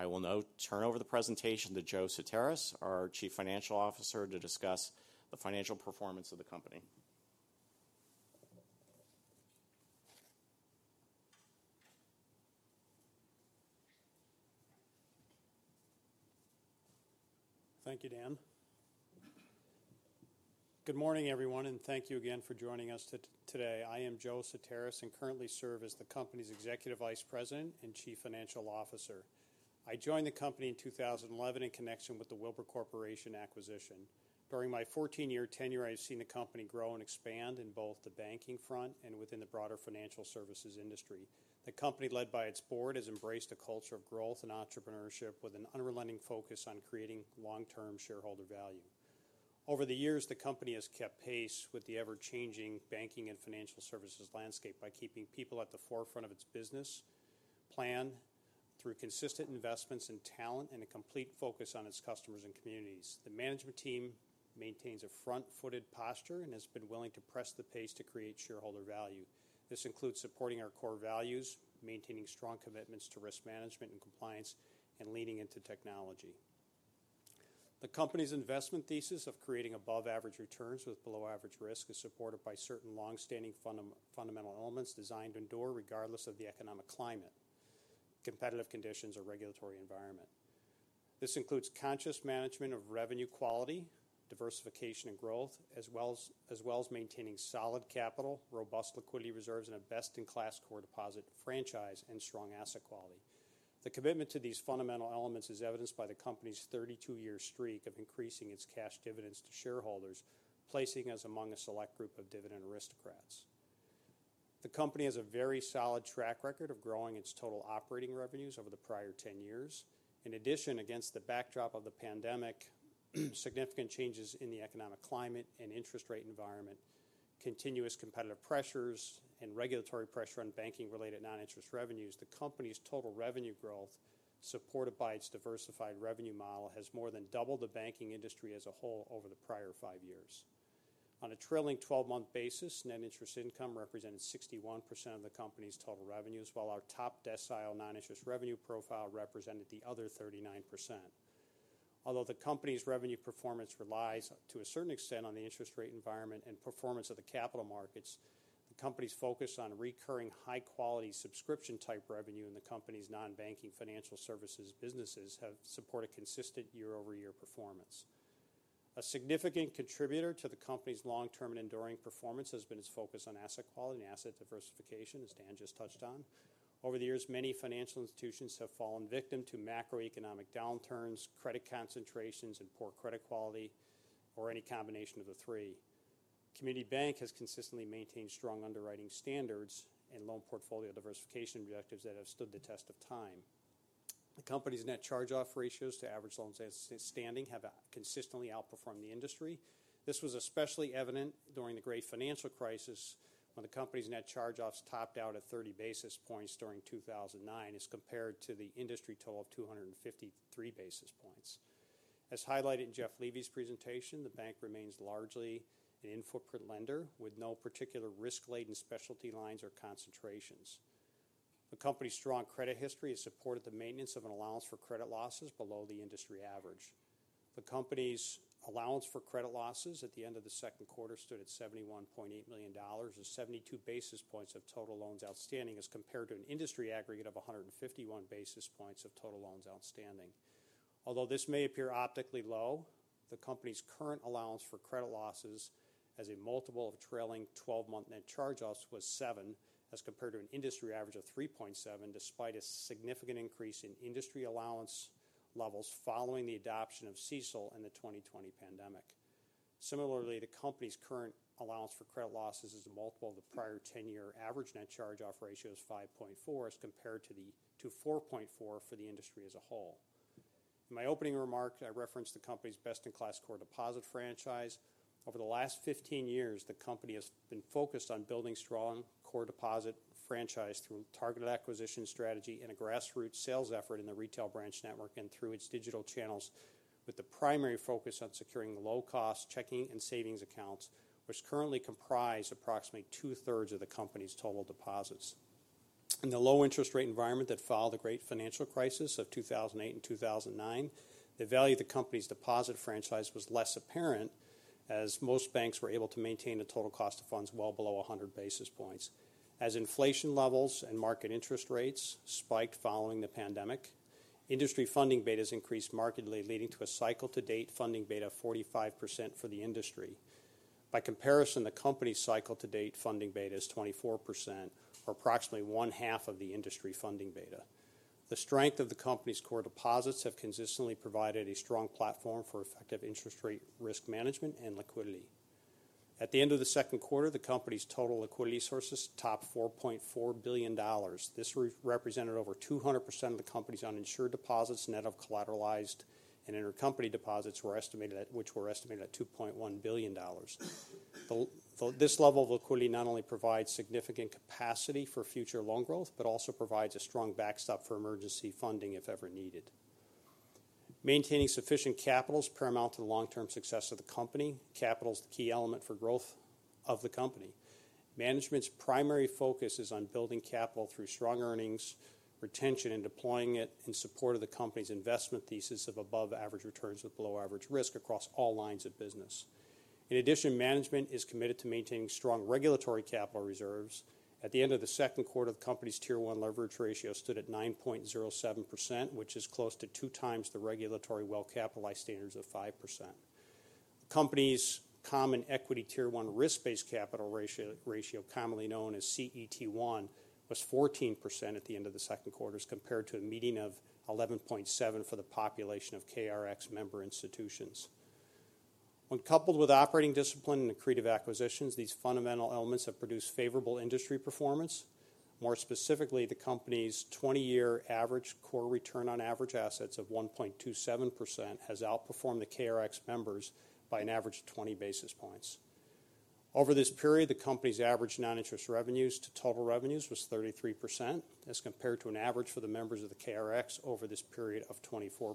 I will now turn over the presentation to Joe Sutaris, our Chief Financial Officer, to discuss the financial performance of the company. Thank you, Dan. Good morning, everyone, and thank you again for joining us today. I am Joseph Sutaris, and currently serve as the company's Executive Vice President and Chief Financial Officer. I joined the company in 2011 in connection with the Wilber Corporation acquisition. During my 14-year tenure, I've seen the company grow and expand in both the banking front and within the broader financial services industry. The company, led by its board, has embraced a culture of growth and entrepreneurship with an unrelenting focus on creating long-term shareholder value. Over the years, the company has kept pace with the ever-changing banking and financial services landscape by keeping people at the forefront of its business plan through consistent investments in talent and a complete focus on its customers and communities. The management team maintains a front-footed posture and has been willing to press the pace to create shareholder value. This includes supporting our core values, maintaining strong commitments to risk management and compliance, and leaning into technology. The company's investment thesis of creating above-average returns with below-average risk is supported by certain long-standing fundamental elements designed to endure regardless of the economic climate, competitive conditions, or regulatory environment. This includes conscious management of revenue quality, diversification and growth, as well as maintaining solid capital, robust liquidity reserves, and a best-in-class core deposit franchise and strong asset quality. The commitment to these fundamental elements is evidenced by the company's thirty-two-year streak of increasing its cash dividends to shareholders, placing us among a select group of dividend aristocrats. The company has a very solid track record of growing its total operating revenues over the prior ten years. In addition, against the backdrop of the pandemic, significant changes in the economic climate and interest rate environment, continuous competitive pressures and regulatory pressure on banking-related non-interest revenues, the company's total revenue growth, supported by its diversified revenue model, has more than doubled the banking industry as a whole over the prior five years. On a trailing 12-month basis, net interest income represented 61% of the company's total revenues, while our top decile non-interest revenue profile represented the other 39%. Although the company's revenue performance relies to a certain extent on the interest rate environment and performance of the capital markets, the company's focus on recurring high-quality subscription-type revenue in the company's non-banking financial services businesses have supported consistent year-over-year performance. A significant contributor to the company's long-term and enduring performance has been its focus on asset quality and asset diversification, as Dan just touched on. Over the years, many financial institutions have fallen victim to macroeconomic downturns, credit concentrations, and poor credit quality, or any combination of the three. Community Bank has consistently maintained strong underwriting standards and loan portfolio diversification objectives that have stood the test of time. The company's net charge-off ratios to average loans outstanding have consistently outperformed the industry. This was especially evident during the Great Financial Crisis, when the company's net charge-offs topped out at thirty basis points during two thousand and nine, as compared to the industry total of two hundred and fifty-three basis points. As highlighted in Jeff Levy's presentation, the bank remains largely an in-footprint lender with no particular risk-laden specialty lines or concentrations. The company's strong credit history has supported the maintenance of an allowance for credit losses below the industry average. The company's allowance for credit losses at the end of the second quarter stood at $71.8 million, or 72 basis points of total loans outstanding, as compared to an industry aggregate of 151 basis points of total loans outstanding. Although this may appear optically low, the company's current allowance for credit losses as a multiple of trailing 12-month net charge-offs was 7, as compared to an industry average of 3.7, despite a significant increase in industry allowance levels following the adoption of CECL in the 2020 pandemic. Similarly, the company's current allowance for credit losses as a multiple of the prior 10-year average net charge-off ratio is 5.4, as compared to 4.4 for the industry as a whole. In my opening remarks, I referenced the company's best-in-class core deposit franchise. Over the last 15 years, the company has been focused on building strong core deposit franchise through targeted acquisition strategy and a grassroots sales effort in the retail branch network and through its digital channels, with the primary focus on securing low-cost checking and savings accounts, which currently comprise approximately two-thirds of the company's total deposits. In the low interest rate environment that followed the great financial crisis of 2008 and 2009, the value of the company's deposit franchise was less apparent, as most banks were able to maintain a total cost of funds well below a 100 basis points. As inflation levels and market interest rates spiked following the pandemic, industry funding betas increased markedly, leading to a cycle-to-date funding beta of 45% for the industry. By comparison, the company's cycle-to-date funding beta is 24%, or approximately 1/2 of the industry funding beta. The strength of the company's core deposits have consistently provided a strong platform for effective interest rate risk management and liquidity. At the end of the second quarter, the company's total liquidity sources topped $4.4 billion. This represented over 200% of the company's uninsured deposits, net of collateralized and intercompany deposits, which were estimated at $2.1 billion. This level of liquidity not only provides significant capacity for future loan growth, but also provides a strong backstop for emergency funding if ever needed. Maintaining sufficient capital is paramount to the long-term success of the company. Capital is the key element for growth of the company. Management's primary focus is on building capital through strong earnings, retention, and deploying it in support of the company's investment thesis of above-average returns with below-average risk across all lines of business. In addition, management is committed to maintaining strong regulatory capital reserves. At the end of the second quarter, the company's Tier 1 leverage ratio stood at 9.07%, which is close to two times the regulatory well-capitalized standards of 5%. The company's common equity Tier 1 risk-based capital ratio, commonly known as CET1, was 14% at the end of the second quarter, as compared to a median of 11.7% for the population of KRX member institutions. When coupled with operating discipline and accretive acquisitions, these fundamental elements have produced favorable industry performance. More specifically, the company's 20-year average core return on average assets of 1.27% has outperformed the KRX members by an average of 20 basis points. Over this period, the company's average non-interest revenues to total revenues was 33%, as compared to an average for the members of the KRX over this period of 24%,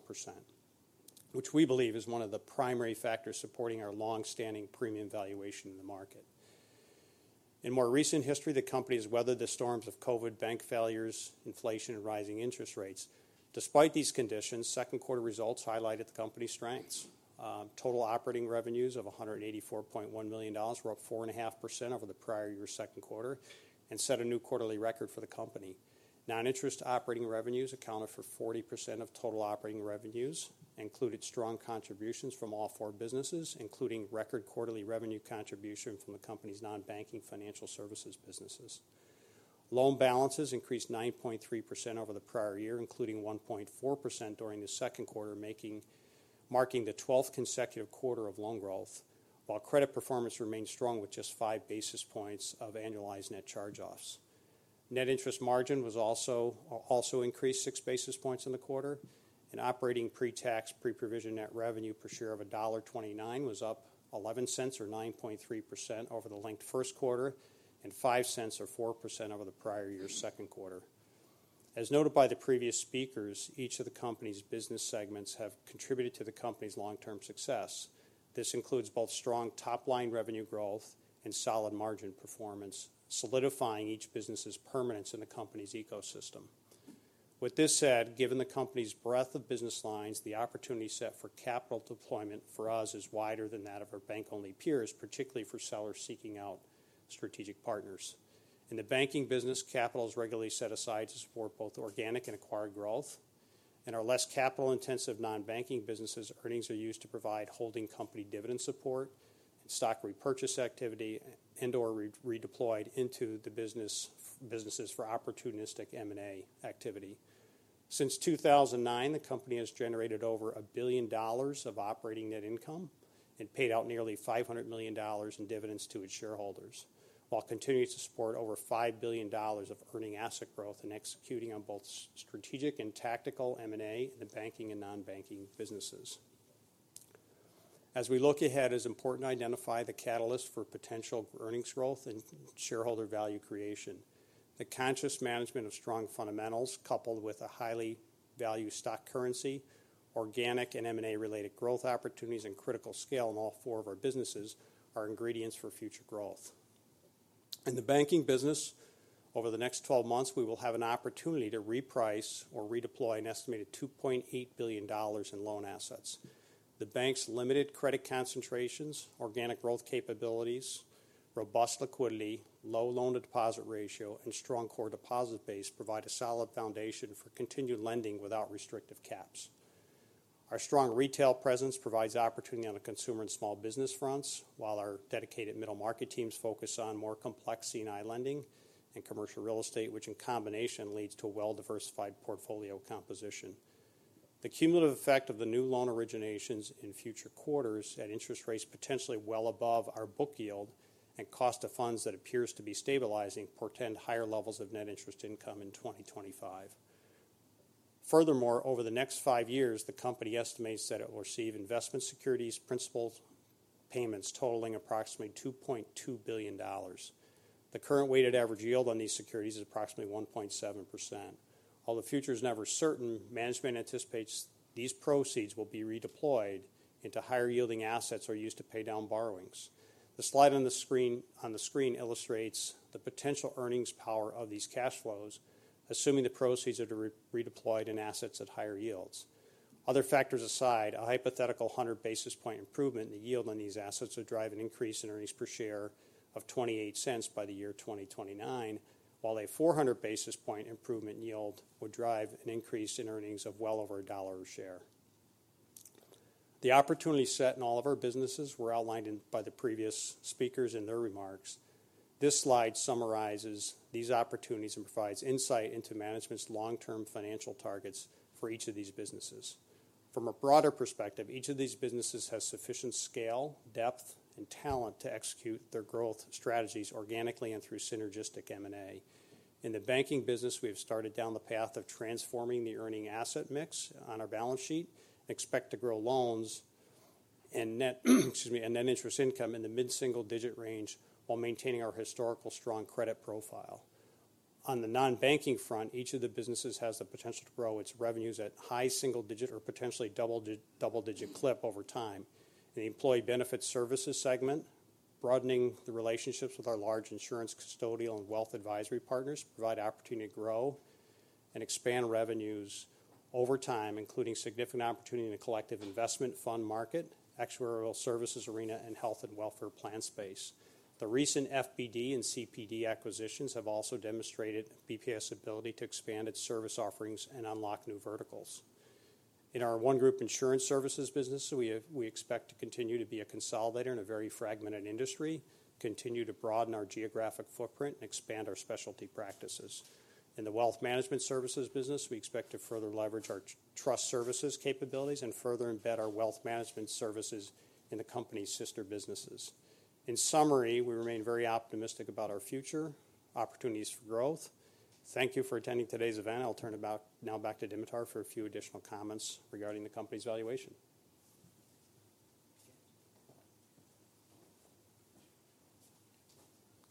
which we believe is one of the primary factors supporting our long-standing premium valuation in the market. In more recent history, the company has weathered the storms of COVID, bank failures, inflation, and rising interest rates. Despite these conditions, second quarter results highlighted the company's strengths. Total operating revenues of $184.1 million were up 4.5% over the prior year's second quarter and set a new quarterly record for the company. Non-interest operating revenues accounted for 40% of total operating revenues and included strong contributions from all four businesses, including record quarterly revenue contribution from the company's non-banking financial services businesses. Loan balances increased 9.3% over the prior year, including 1.4% during the second quarter, marking the 12th consecutive quarter of loan growth, while credit performance remained strong, with just 5 basis points of annualized net charge-offs. Net interest margin was also increased 6 basis points in the quarter, and operating pre-tax, pre-provision net revenue per share of $1.29 was up $0.11, or 9.3% over the linked first quarter, and $0.05, or 4% over the prior year's second quarter. As noted by the previous speakers, each of the company's business segments have contributed to the company's long-term success. This includes both strong top-line revenue growth and solid margin performance, solidifying each business's permanence in the company's ecosystem. With this said, given the company's breadth of business lines, the opportunity set for capital deployment for us is wider than that of our bank-only peers, particularly for sellers seeking out strategic partners. In the banking business, capital is regularly set aside to support both organic and acquired growth. In our less capital-intensive non-banking businesses, earnings are used to provide holding company dividend support, and stock repurchase activity, and/or redeployed into the businesses for opportunistic M&A activity. Since 2009, the company has generated over $1 billion of operating net income and paid out nearly $500 million in dividends to its shareholders, while continuing to support over $5 billion of earning asset growth and executing on both strategic and tactical M&A in the banking and non-banking businesses. As we look ahead, it is important to identify the catalyst for potential earnings growth and shareholder value creation. The conscious management of strong fundamentals, coupled with a highly valued stock currency, organic and M&A-related growth opportunities and critical scale in all four of our businesses are ingredients for future growth. In the banking business, over the next 12 months, we will have an opportunity to reprice or redeploy an estimated $2.8 billion in loan assets. The bank's limited credit concentrations, organic growth capabilities, robust liquidity, low loan-to-deposit ratio, and strong core deposit base provide a solid foundation for continued lending without restrictive caps. Our strong retail presence provides opportunity on the consumer and small business fronts, while our dedicated middle market teams focus on more complex C&I lending and commercial real estate, which in combination leads to a well-diversified portfolio composition. The cumulative effect of the new loan originations in future quarters at interest rates potentially well above our book yield and cost of funds that appears to be stabilizing, portend higher levels of net interest income in 2025. Furthermore, over the next five years, the company estimates that it will receive investment securities principal payments totaling approximately $2.2 billion. The current weighted average yield on these securities is approximately 1.7%. While the future is never certain, management anticipates these proceeds will be redeployed into higher-yielding assets or used to pay down borrowings. The slide on the screen illustrates the potential earnings power of these cash flows, assuming the proceeds are to be redeployed in assets at higher yields. Other factors aside, a hypothetical 100 basis point improvement in the yield on these assets would drive an increase in earnings per share of $0.28 by the year 2029, while a 400 basis point improvement in yield would drive an increase in earnings of well over $1 a share. The opportunity set in all of our businesses were outlined by the previous speakers in their remarks. This slide summarizes these opportunities and provides insight into management's long-term financial targets for each of these businesses. From a broader perspective, each of these businesses has sufficient scale, depth, and talent to execute their growth strategies organically and through synergistic M&A. In the banking business, we have started down the path of transforming the earning asset mix on our balance sheet and expect to grow loans and net, excuse me, and net interest income in the mid-single-digit range while maintaining our historical strong credit profile. On the non-banking front, each of the businesses has the potential to grow its revenues at high single digit or potentially double dig- double-digit clip over time. The employee benefits services segment, broadening the relationships with our large insurance, custodial, and wealth advisory partners, provide opportunity to grow and expand revenues over time, including significant opportunity in the collective investment fund market, actuarial services arena, and health and welfare plan space. The recent FBD and CPD acquisitions have also demonstrated BPAS's ability to expand its service offerings and unlock new verticals. In our OneGroup insurance services business, we expect to continue to be a consolidator in a very fragmented industry, continue to broaden our geographic footprint, and expand our specialty practices. In the wealth management services business, we expect to further leverage our trust services capabilities and further embed our wealth management services in the company's sister businesses. In summary, we remain very optimistic about our future opportunities for growth. Thank you for attending today's event. I'll turn it back now back to Dimitar for a few additional comments regarding the company's valuation.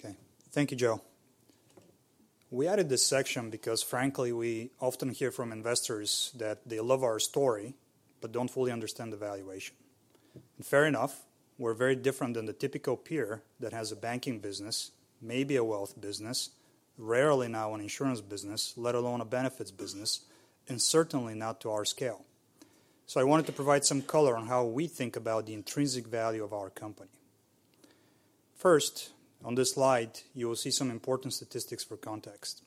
Okay. Thank you, Joe. We added this section because, frankly, we often hear from investors that they love our story, but don't fully understand the valuation, and fair enough, we're very different than the typical peer that has a banking business, maybe a wealth business, rarely now an insurance business, let alone a benefits business, and certainly not to our scale, so I wanted to provide some color on how we think about the intrinsic value of our company. First, on this slide, you will see some important statistics for context.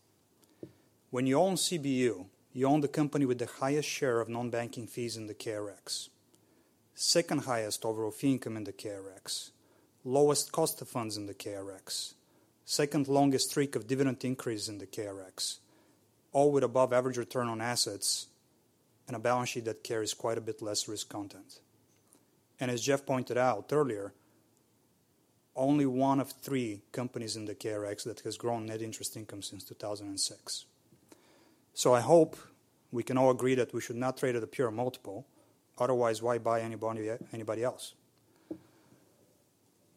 When you own CBU, you own the company with the highest share of non-banking fees in the KRX, second highest overall fee income in the KRX, lowest cost of funds in the KRX, second longest streak of dividend increase in the KRX, all with above average return on assets and a balance sheet that carries quite a bit less risk content. And as Jeff pointed out earlier, only one of three companies in the KRX that has grown net interest income since two thousand and six. So I hope we can all agree that we should not trade at a pure multiple, otherwise, why buy anybody, anybody else?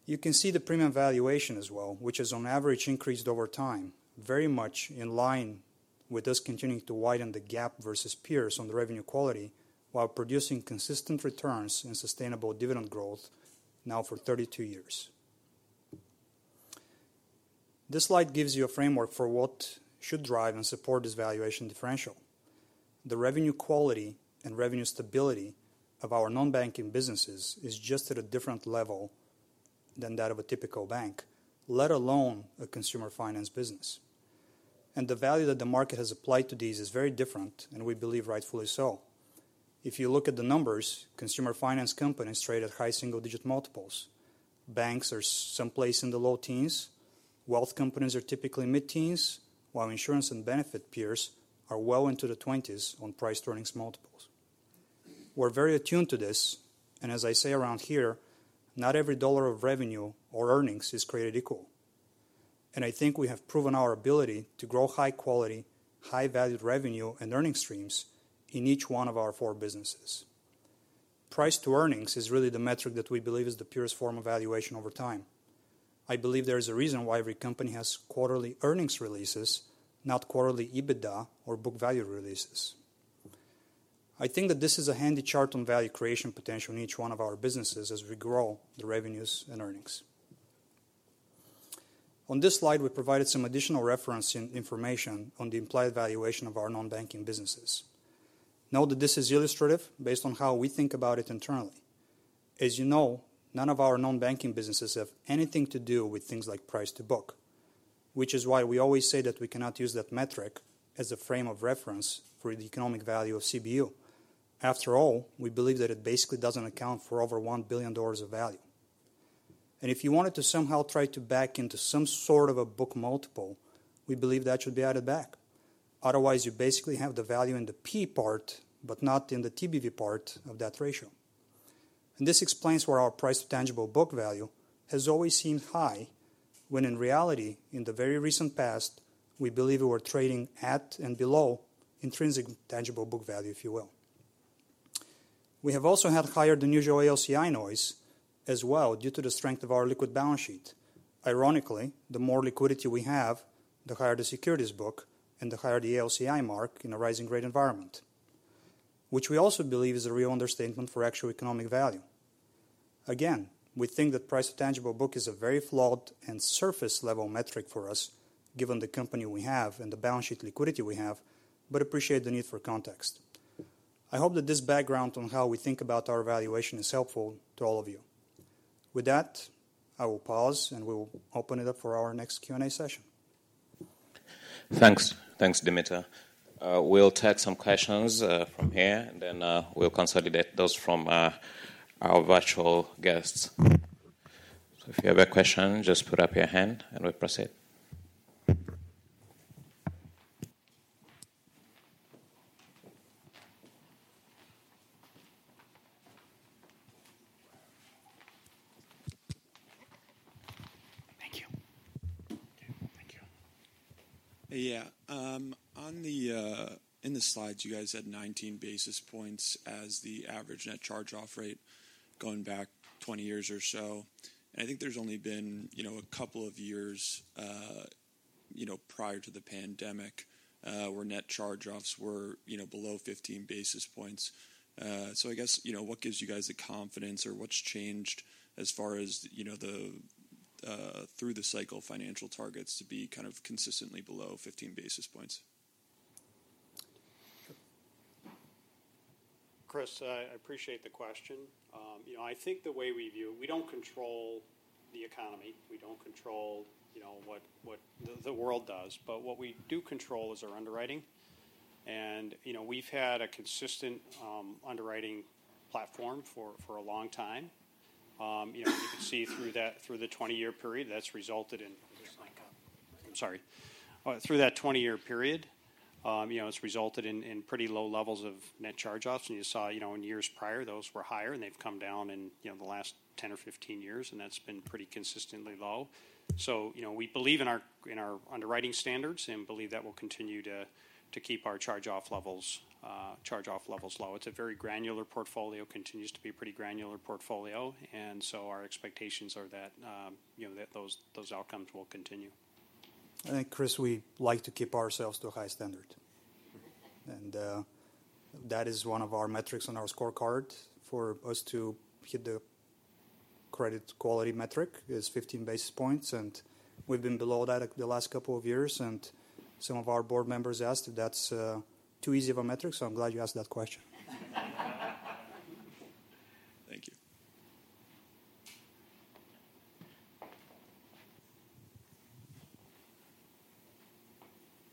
You can see the premium valuation as well, which has on average increased over time, very much in line with us continuing to widen the gap versus peers on the revenue quality, while producing consistent returns and sustainable dividend growth now for 32 years. This slide gives you a framework for what should drive and support this valuation differential. The revenue quality and revenue stability of our non-banking businesses is just at a different level than that of a typical bank, let alone a consumer finance business. And the value that the market has applied to these is very different, and we believe rightfully so. If you look at the numbers, consumer finance companies trade at high single-digit multiples. Banks are someplace in the low teens. Wealth companies are typically mid-teens, while insurance and benefit peers are well into the twenties on price-to-earnings multiples. We're very attuned to this, and as I say around here, not every dollar of revenue or earnings is created equal, and I think we have proven our ability to grow high quality, high valued revenue and earning streams in each one of our four businesses. Price to earnings is really the metric that we believe is the purest form of valuation over time. I believe there is a reason why every company has quarterly earnings releases, not quarterly EBITDA or book value releases. I think that this is a handy chart on value creation potential in each one of our businesses as we grow the revenues and earnings. On this slide, we provided some additional reference and information on the implied valuation of our non-banking businesses. Note that this is illustrative based on how we think about it internally. As you know, none of our non-banking businesses have anything to do with things like price to book, which is why we always say that we cannot use that metric as a frame of reference for the economic value of CBU. After all, we believe that it basically doesn't account for over $1 billion of value. And if you wanted to somehow try to back into some sort of a book multiple, we believe that should be added back. Otherwise, you basically have the value in the P part, but not in the TBV part of that ratio. And this explains why our price to tangible book value has always seemed high, when in reality, in the very recent past, we believe we were trading at and below intrinsic tangible book value, if you will. We have also had higher than usual AOCI noise as well due to the strength of our liquid balance sheet. Ironically, the more liquidity we have, the higher the securities book and the higher the AOCI mark in a rising rate environment, which we also believe is a real understatement for actual economic value. Again, we think that price to tangible book is a very flawed and surface-level metric for us, given the company we have and the balance sheet liquidity we have, but appreciate the need for context. I hope that this background on how we think about our valuation is helpful to all of you. With that, I will pause, and we will open it up for our next Q&A session. Thanks. Thanks, Dimitar. We'll take some questions from here, and then we'll consolidate those from our virtual guests. So if you have a question, just put up your hand and we'll proceed. Thank you. Thank you. Yeah, on the... In the slides, you guys had 19 basis points as the average net charge-off rate going back 20 years or so. And I think there's only been, you know, a couple of years, you know, prior to the pandemic, where net charge-offs were, you know, below 15 basis points. So I guess, you know, what gives you guys the confidence, or what's changed as far as, you know, the, through-the-cycle financial targets to be kind of consistently below fifteen basis points? Chris, I appreciate the question. You know, I think the way we view, we don't control the economy. We don't control, you know, what the world does, but what we do control is our underwriting. And, you know, we've had a consistent underwriting platform for a long time. You know, you can see through that, through the twenty-year period, that's resulted in- Is this mic on? I'm sorry. Through that 20-year period, you know, it's resulted in pretty low levels of net charge-offs, and you saw, you know, in years prior, those were higher, and they've come down in, you know, the last 10 or 15 years, and that's been pretty consistently low, so you know, we believe in our underwriting standards and believe that will continue to keep our charge-off levels low. It's a very granular portfolio, continues to be a pretty granular portfolio, and so our expectations are that, you know, that those outcomes will continue. I think, Chris, we like to keep ourselves to a high standard, and that is one of our metrics on our scorecard. For us to hit the credit quality metric is fifteen basis points, and we've been below that the last couple of years, and some of our board members asked if that's too easy of a metric, so I'm glad you asked that question.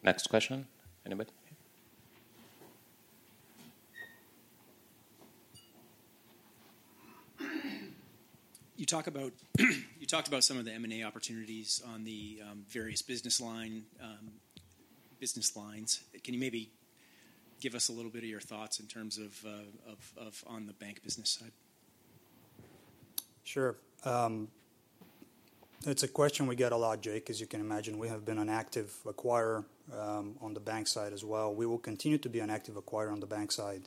Thank you. Next question. Anybody? You talk about--you talked about some of the M&A opportunities on the various business lines. Can you maybe give us a little bit of your thoughts in terms of on the bank business side? Sure. It's a question we get a lot, Jake, as you can imagine. We have been an active acquirer on the bank side as well. We will continue to be an active acquirer on the bank side.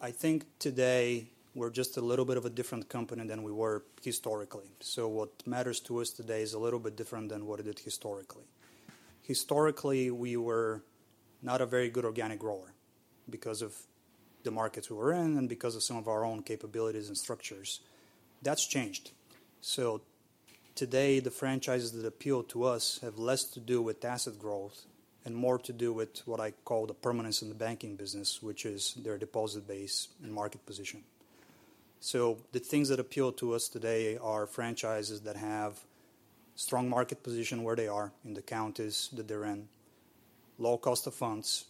I think today we're just a little bit of a different company than we were historically. So what matters to us today is a little bit different than what it did historically. Historically, we were not a very good organic grower because of the markets we were in and because of some of our own capabilities and structures. That's changed. So today, the franchises that appeal to us have less to do with asset growth and more to do with what I call the permanence in the banking business, which is their deposit base and market position. The things that appeal to us today are franchises that have strong market position where they are in the counties that they're in, low cost of funds,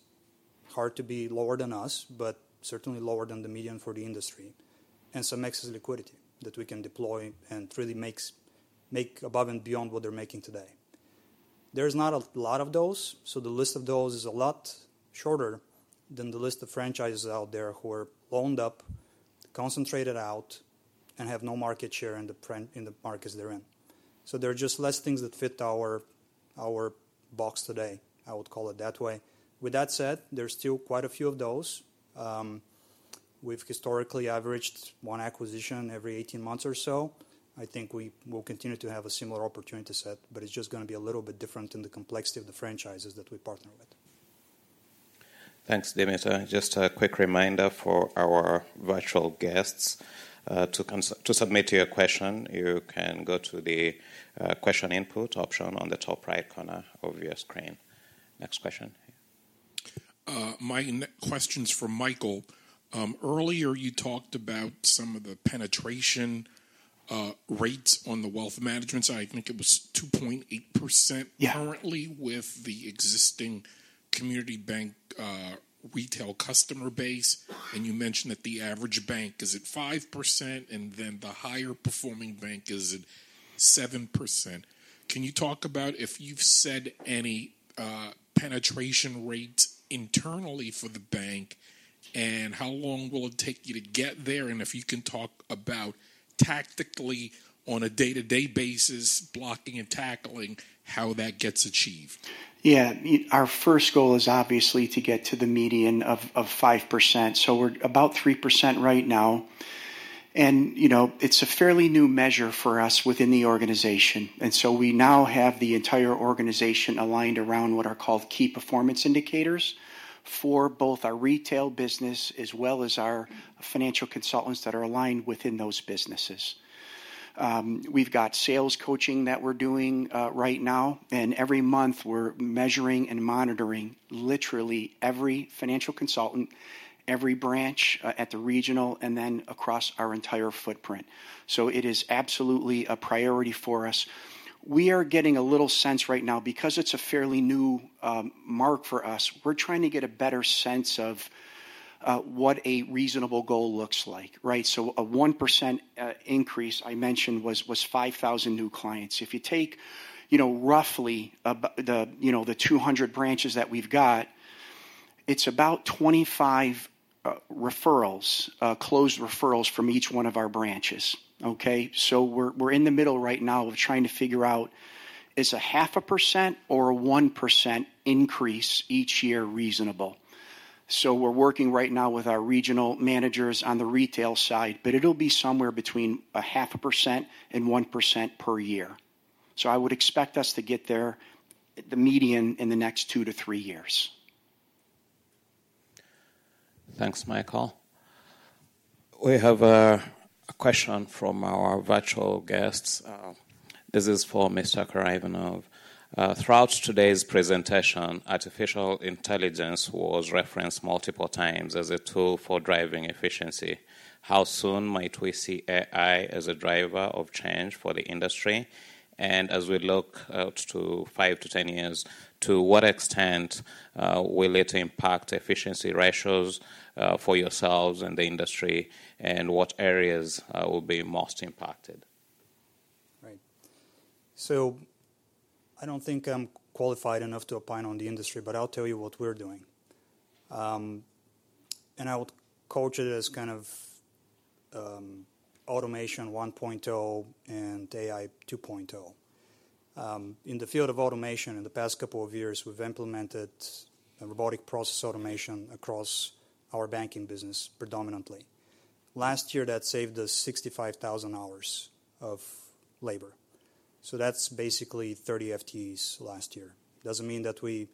hard to be lower than us, but certainly lower than the median for the industry, and some excess liquidity that we can deploy and really make above and beyond what they're making today. There's not a lot of those, so the list of those is a lot shorter than the list of franchises out there who are owned up, concentrated out, and have no market share in the present in the markets they're in. There are just less things that fit our box today. I would call it that way. With that said, there's still quite a few of those. We've historically averaged one acquisition every eighteen months or so. I think we will continue to have a similar opportunity set, but it's just gonna be a little bit different in the complexity of the franchises that we partner with. Thanks, Dimitar. Just a quick reminder for our virtual guests, to submit your question, you can go to the question input option on the top right corner of your screen. Next question. My question's for Michael. Earlier, you talked about some of the penetration rates on the wealth management side. I think it was 2.8%. Yeah. Currently with the existing Community Bank retail customer base, and you mentioned that the average bank is at 5%, and then the higher performing bank is at 7%. Can you talk about if you've set any penetration rates internally for the bank, and how long will it take you to get there? And if you can talk about tactically, on a day-to-day basis, blocking and tackling, how that gets achieved. Yeah. Our first goal is obviously to get to the median of 5%. So we're about 3% right now, and you know, it's a fairly new measure for us within the organization, and so we now have the entire organization aligned around what are called key performance indicators for both our retail business as well as our financial consultants that are aligned within those businesses. We've got sales coaching that we're doing right now, and every month we're measuring and monitoring literally every financial consultant, every branch at the regional, and then across our entire footprint. So it is absolutely a priority for us. We are getting a little sense right now because it's a fairly new mark for us. We're trying to get a better sense of what a reasonable goal looks like, right? So a 1% increase, I mentioned, was 5,000 new clients. If you take, you know, roughly the, you know, the 200 branches that we've got, it's about 25 referrals, closed referrals from each one of our branches, okay? So we're in the middle right now of trying to figure out, is a 0.5% or a 1% increase each year reasonable? So we're working right now with our regional managers on the retail side, but it'll be somewhere between a 0.5% and 1% per year. So I would expect us to get there, the median, in the next 2 years-3 years. Thanks, Michael. We have a question from our virtual guests. This is for Mr. Karaivanov. Throughout today's presentation, artificial intelligence was referenced multiple times as a tool for driving efficiency. How soon might we see AI as a driver of change for the industry? And as we look out to five to ten years, to what extent will it impact efficiency ratios for yourselves and the industry, and what areas will be most impacted? Right. So I don't think I'm qualified enough to opine on the industry, but I'll tell you what we're doing, and I would coach it as kind of, automation 1.0 and AI 2.0, in the field of automation in the past couple of years, we've implemented a robotic process automation across our banking business, predominantly. Last year, that saved us 65,000 hours of labor, so that's basically thirty FTEs last year. Doesn't mean that we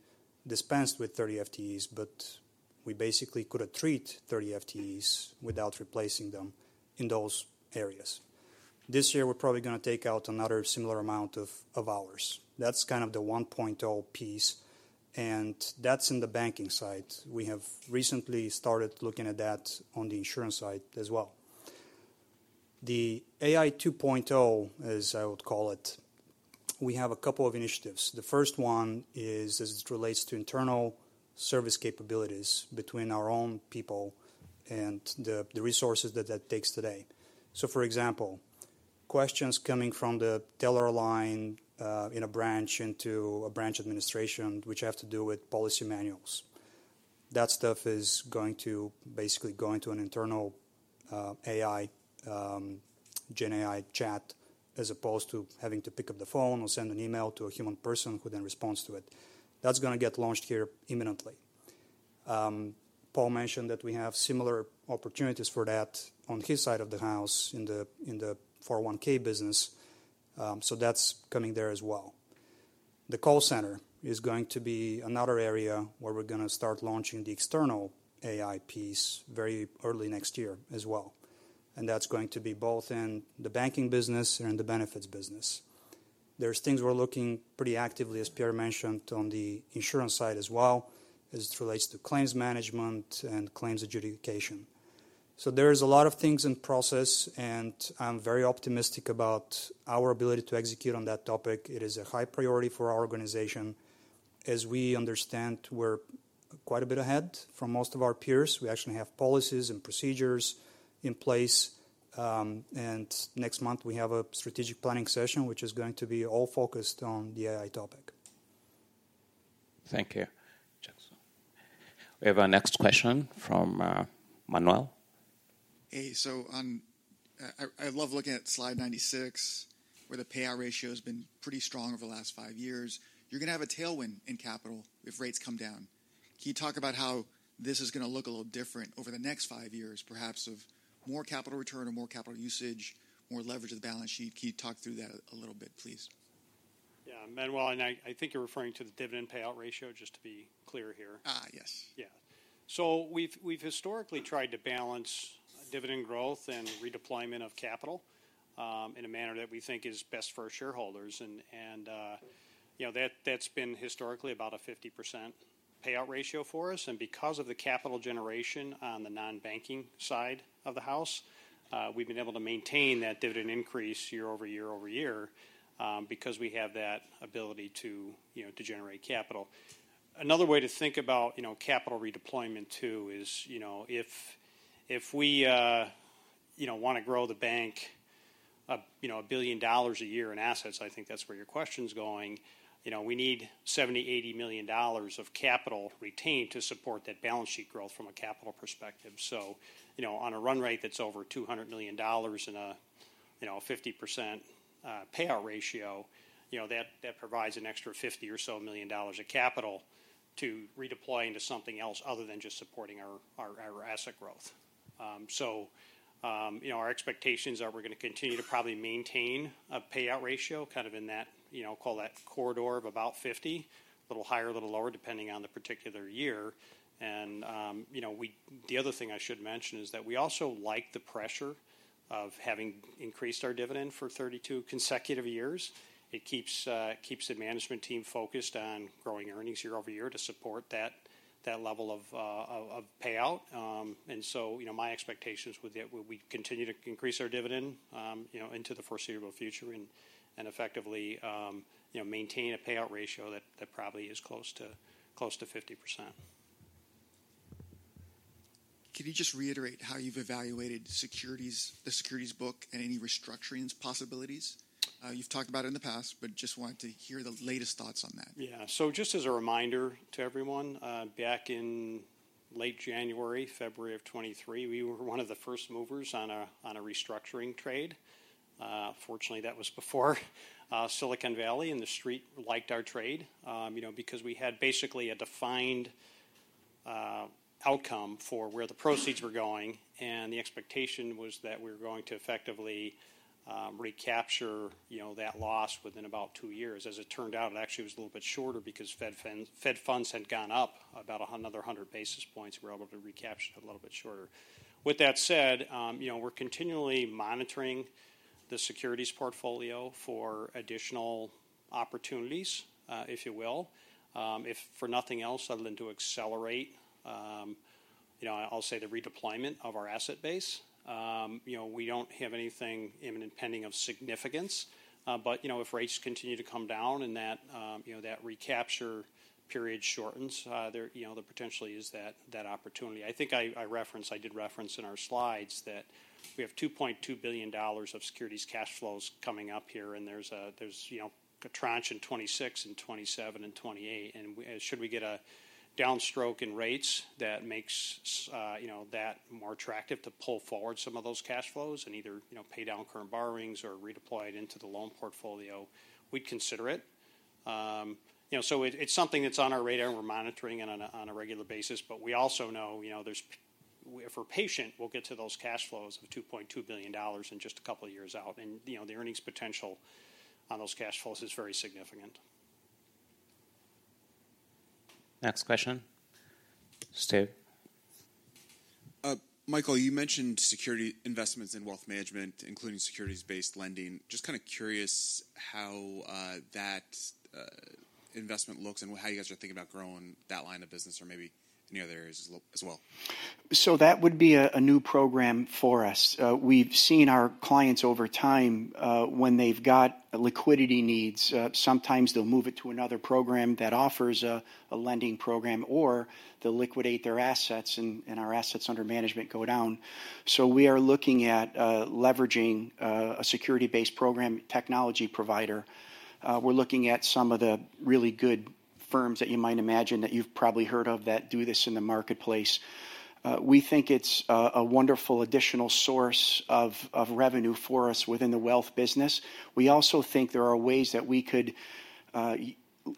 dispensed with 30 FTEs, but we basically could retreat 30 FTEs without replacing them in those areas. This year, we're probably gonna take out another similar amount of hours. That's kind of the 1.0 piece, and that's in the banking side. We have recently started looking at that on the insurance side as well. The AI 2.0, as I would call it, we have a couple of initiatives. The first one is as it relates to internal service capabilities between our own people and the resources that takes today. So, for example, questions coming from the teller line in a branch into a branch administration, which have to do with policy manuals. That stuff is going to basically go into an internal AI GenAI chat, as opposed to having to pick up the phone or send an email to a human person who then responds to it. That's gonna get launched here imminently. Paul mentioned that we have similar opportunities for that on his side of the house, in the 401(k) business. So that's coming there as well. The call center is going to be another area where we're gonna start launching the external AI piece very early next year as well, and that's going to be both in the banking business and in the benefits business. There's things we're looking pretty actively, as Pierre mentioned, on the insurance side as well, as it relates to claims management and claims adjudication, so there is a lot of things in process, and I'm very optimistic about our ability to execute on that topic. It is a high priority for our organization. As we understand, we're quite a bit ahead from most of our peers. We actually have policies and procedures in place, and next month we have a strategic planning session, which is going to be all focused on the AI topic. Thank you. We have our next question from Manuel. I love looking at slide 96, where the payout ratio has been pretty strong over the last five years. You're going to have a tailwind in capital if rates come down. Can you talk about how this is going to look a little different over the next five years, perhaps of more capital return or more capital usage, more leverage of the balance sheet? Can you talk through that a little bit, please? Yeah, Manuel, and I, I think you're referring to the dividend payout ratio, just to be clear here. Ah, yes. Yeah. So we've, we've historically tried to balance dividend growth and redeployment of capital, in a manner that we think is best for our shareholders. And, and, you know, that, that's been historically about a 50% payout ratio for us. And because of the capital generation on the non-banking side of the house, we've been able to maintain that dividend increase year over year over year, because we have that ability to, you know, to generate capital. Another way to think about, you know, capital redeployment too, is, you know, if, if we, you know, want to grow the bank a, you know, $1 billion a year in assets, I think that's where your question's going, you know, we need $70 million-$80 million of capital to retain to support that balance sheet growth from a capital perspective. So, you know, on a run rate that's over $200 million and a 50% payout ratio, you know, that provides an extra $50 million or so of capital to redeploy into something else other than just supporting our asset growth. So, you know, our expectations are we're going to continue to probably maintain a payout ratio kind of in that corridor of about 50%, a little higher, a little lower, depending on the particular year. And, you know, the other thing I should mention is that we also like the pressure of having increased our dividend for 32 consecutive years. It keeps the management team focused on growing earnings year over year to support that level of payout. And so, you know, my expectations with that, we continue to increase our dividend, you know, into the foreseeable future and effectively, you know, maintain a payout ratio that probably is close to 50%. Can you just reiterate how you've evaluated securities, the securities book, and any restructuring possibilities? You've talked about it in the past, but just wanted to hear the latest thoughts on that. Yeah. So just as a reminder to everyone, back in late January, February of 2023, we were one of the first movers on a restructuring trade. Fortunately, that was before Silicon Valley Bank, and the street liked our trade, you know, because we had basically a defined outcome for where the proceeds were going, and the expectation was that we were going to effectively recapture, you know, that loss within about two years. As it turned out, it actually was a little bit shorter because Fed funds had gone up about another 100 basis points. We were able to recapture it a little bit shorter. With that said, you know, we're continually monitoring the securities portfolio for additional opportunities, if you will, if for nothing else, other than to accelerate, you know, I'll say, the redeployment of our asset base. You know, we don't have anything even impending of significance, but, you know, if rates continue to come down and that, you know, that recapture period shortens, there, you know, there potentially is that, that opportunity. I think I referenced - I did reference in our slides that we have $2.2 billion of securities cash flows coming up here, and there's a, there's, you know, a tranche in 2026 and 2027 and 2028. And should we get a downstroke in rates that makes, you know, that more attractive to pull forward some of those cash flows and either, you know, pay down current borrowings or redeploy it into the loan portfolio, we'd consider it. You know, so it is something that's on our radar, and we're monitoring it on a regular basis. But we also know, you know, there's if we're patient, we'll get to those cash flows of $2.2 billion in just a couple of years out. And, you know, the earnings potential on those cash flows is very significant. Next question. Stu? Michael, you mentioned security investments in wealth management, including securities-based lending. Just kind of curious how that investment looks and how you guys are thinking about growing that line of business or maybe any other areas as well. So that would be a new program for us. We've seen our clients over time, when they've got liquidity needs, sometimes they'll move it to another program that offers a lending program, or they'll liquidate their assets, and our assets under management go down. So we are looking at leveraging a security-based program technology provider. We're looking at some of the really good firms that you might imagine, that you've probably heard of, that do this in the marketplace. We think it's a wonderful additional source of revenue for us within the wealth business. We also think there are ways that we could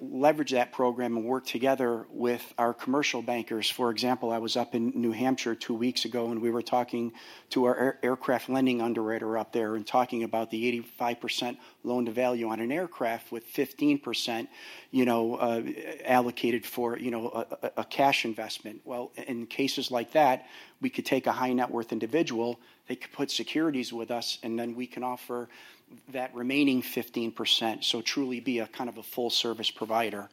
leverage that program and work together with our commercial bankers. For example, I was up in New Hampshire two weeks ago, and we were talking to our aircraft lending underwriter up there and talking about the 85% loan-to-value on an aircraft with 15%, you know, allocated for, you know, a cash investment. Well, in cases like that, we could take a high-net-worth individual, they could put securities with us, and then we can offer that remaining 15%, so truly be a kind of a full-service provider.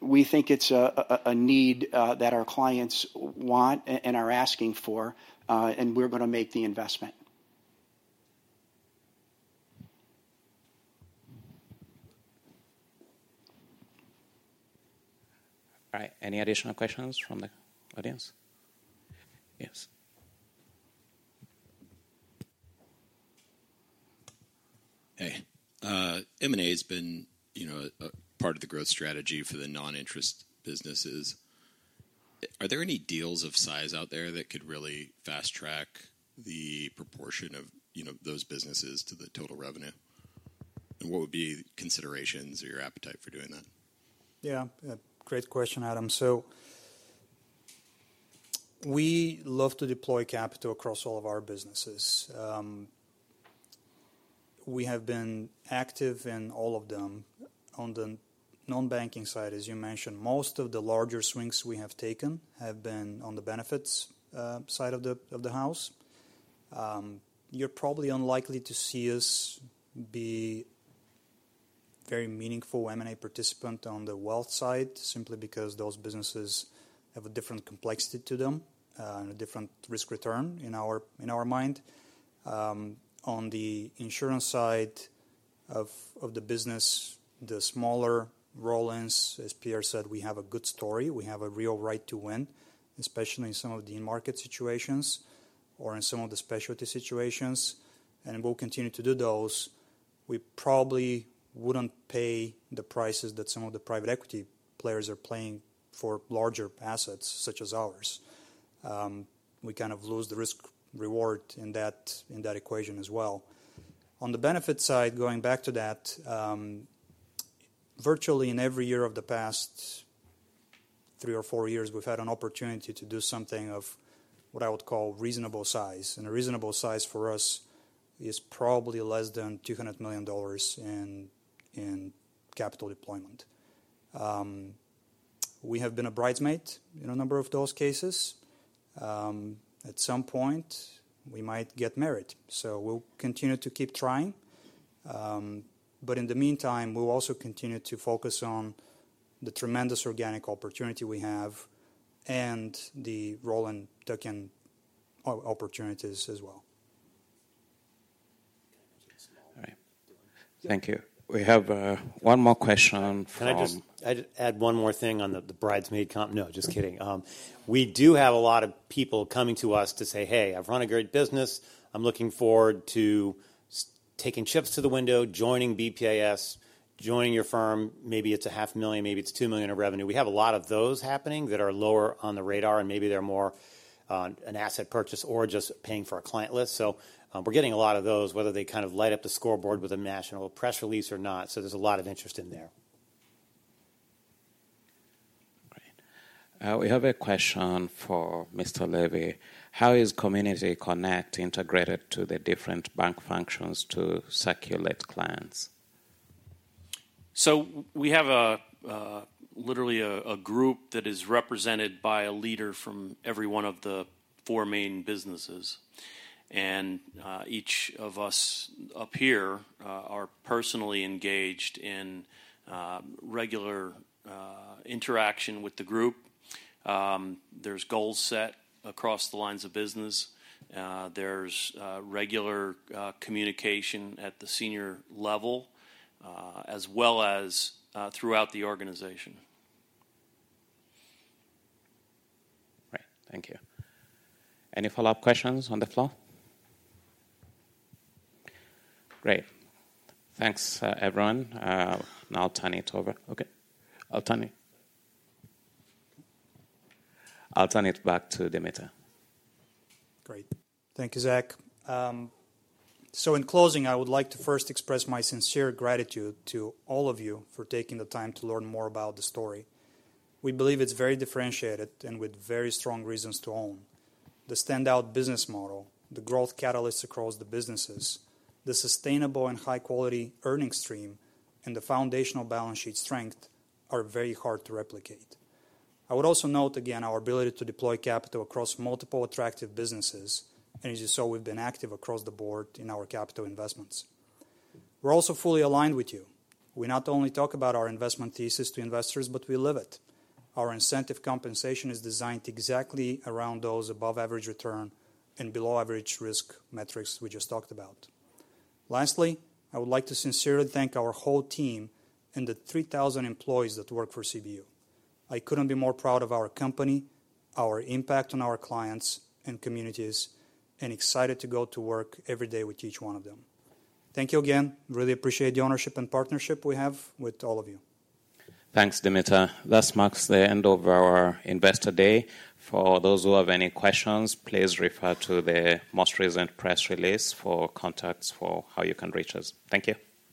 We think it's a need that our clients want and are asking for, and we're gonna make the investment. All right. Any additional questions from the audience? Yes. Hey. M&A has been, you know, a part of the growth strategy for the non-interest businesses. Are there any deals of size out there that could really fast-track the proportion of, you know, those businesses to the total revenue? And what would be the considerations or your appetite for doing that? Yeah. Great question, Adam. So we love to deploy capital across all of our businesses. We have been active in all of them. On the non-banking side, as you mentioned, most of the larger swings we have taken have been on the benefits side of the house. You're probably unlikely to see us be very meaningful M&A participant on the wealth side, simply because those businesses have a different complexity to them and a different risk-return in our mind. On the insurance side of the business, the smaller roll-ins, as Pierre said, we have a good story. We have a real right to win, especially in some of the market situations or in some of the specialty situations, and we'll continue to do those. We probably wouldn't pay the prices that some of the private equity players are paying for larger assets such as ours. We kind of lose the risk-reward in that, in that equation as well. On the benefit side, going back to that, virtually in every year of the past three or four years, we've had an opportunity to do something of what I would call reasonable size, and a reasonable size for us is probably less than $200 million in capital deployment. We have been a bridesmaid in a number of those cases. At some point, we might get married, so we'll continue to keep trying, but in the meantime, we'll also continue to focus on the tremendous organic opportunity we have and the roll and tuck-in opportunities as well. All right. Thank you. We have one more question from- Can I just? I'd just add one more thing on the business.com. No, just kidding. We do have a lot of people coming to us to say, "Hey, I've run a great business. I'm looking forward to taking chips to the window, joining BPAS, joining your firm." Maybe it's $500,000, maybe it's $2 million of revenue. We have a lot of those happening that are lower on the radar, and maybe they're more an asset purchase or just paying for a client list. So, we're getting a lot of those, whether they kind of light up the scoreboard with a national press release or not, so there's a lot of interest in there. Great. We have a question for Mr. Levy. How is Community Connect integrated to the different bank functions to circulate clients? So we have literally a group that is represented by a leader from every one of the four main businesses, and each of us up here are personally engaged in regular interaction with the group. There's goals set across the lines of business. There's regular communication at the senior level, as well as throughout the organization. Right. Thank you. Any follow-up questions on the floor? Great. Thanks, everyone. Now I'll turn it back to Dimitar. Great. Thank you, Zach. So in closing, I would like to first express my sincere gratitude to all of you for taking the time to learn more about the story. We believe it's very differentiated and with very strong reasons to own. The standout business model, the growth catalysts across the businesses, the sustainable and high-quality earning stream, and the foundational balance sheet strength are very hard to replicate. I would also note again our ability to deploy capital across multiple attractive businesses, and as you saw, we've been active across the board in our capital investments. We're also fully aligned with you. We not only talk about our investment thesis to investors, but we live it. Our incentive compensation is designed exactly around those above-average return and below-average risk metrics we just talked about. Lastly, I would like to sincerely thank our whole team and the 3,000 employees that work for CBU. I couldn't be more proud of our company, our impact on our clients and communities, and excited to go to work every day with each one of them. Thank you again. Really appreciate the ownership and partnership we have with all of you. Thanks, Dimitar. This marks the end of our Investor Day. For those who have any questions, please refer to the most recent press release for contacts for how you can reach us. Thank you.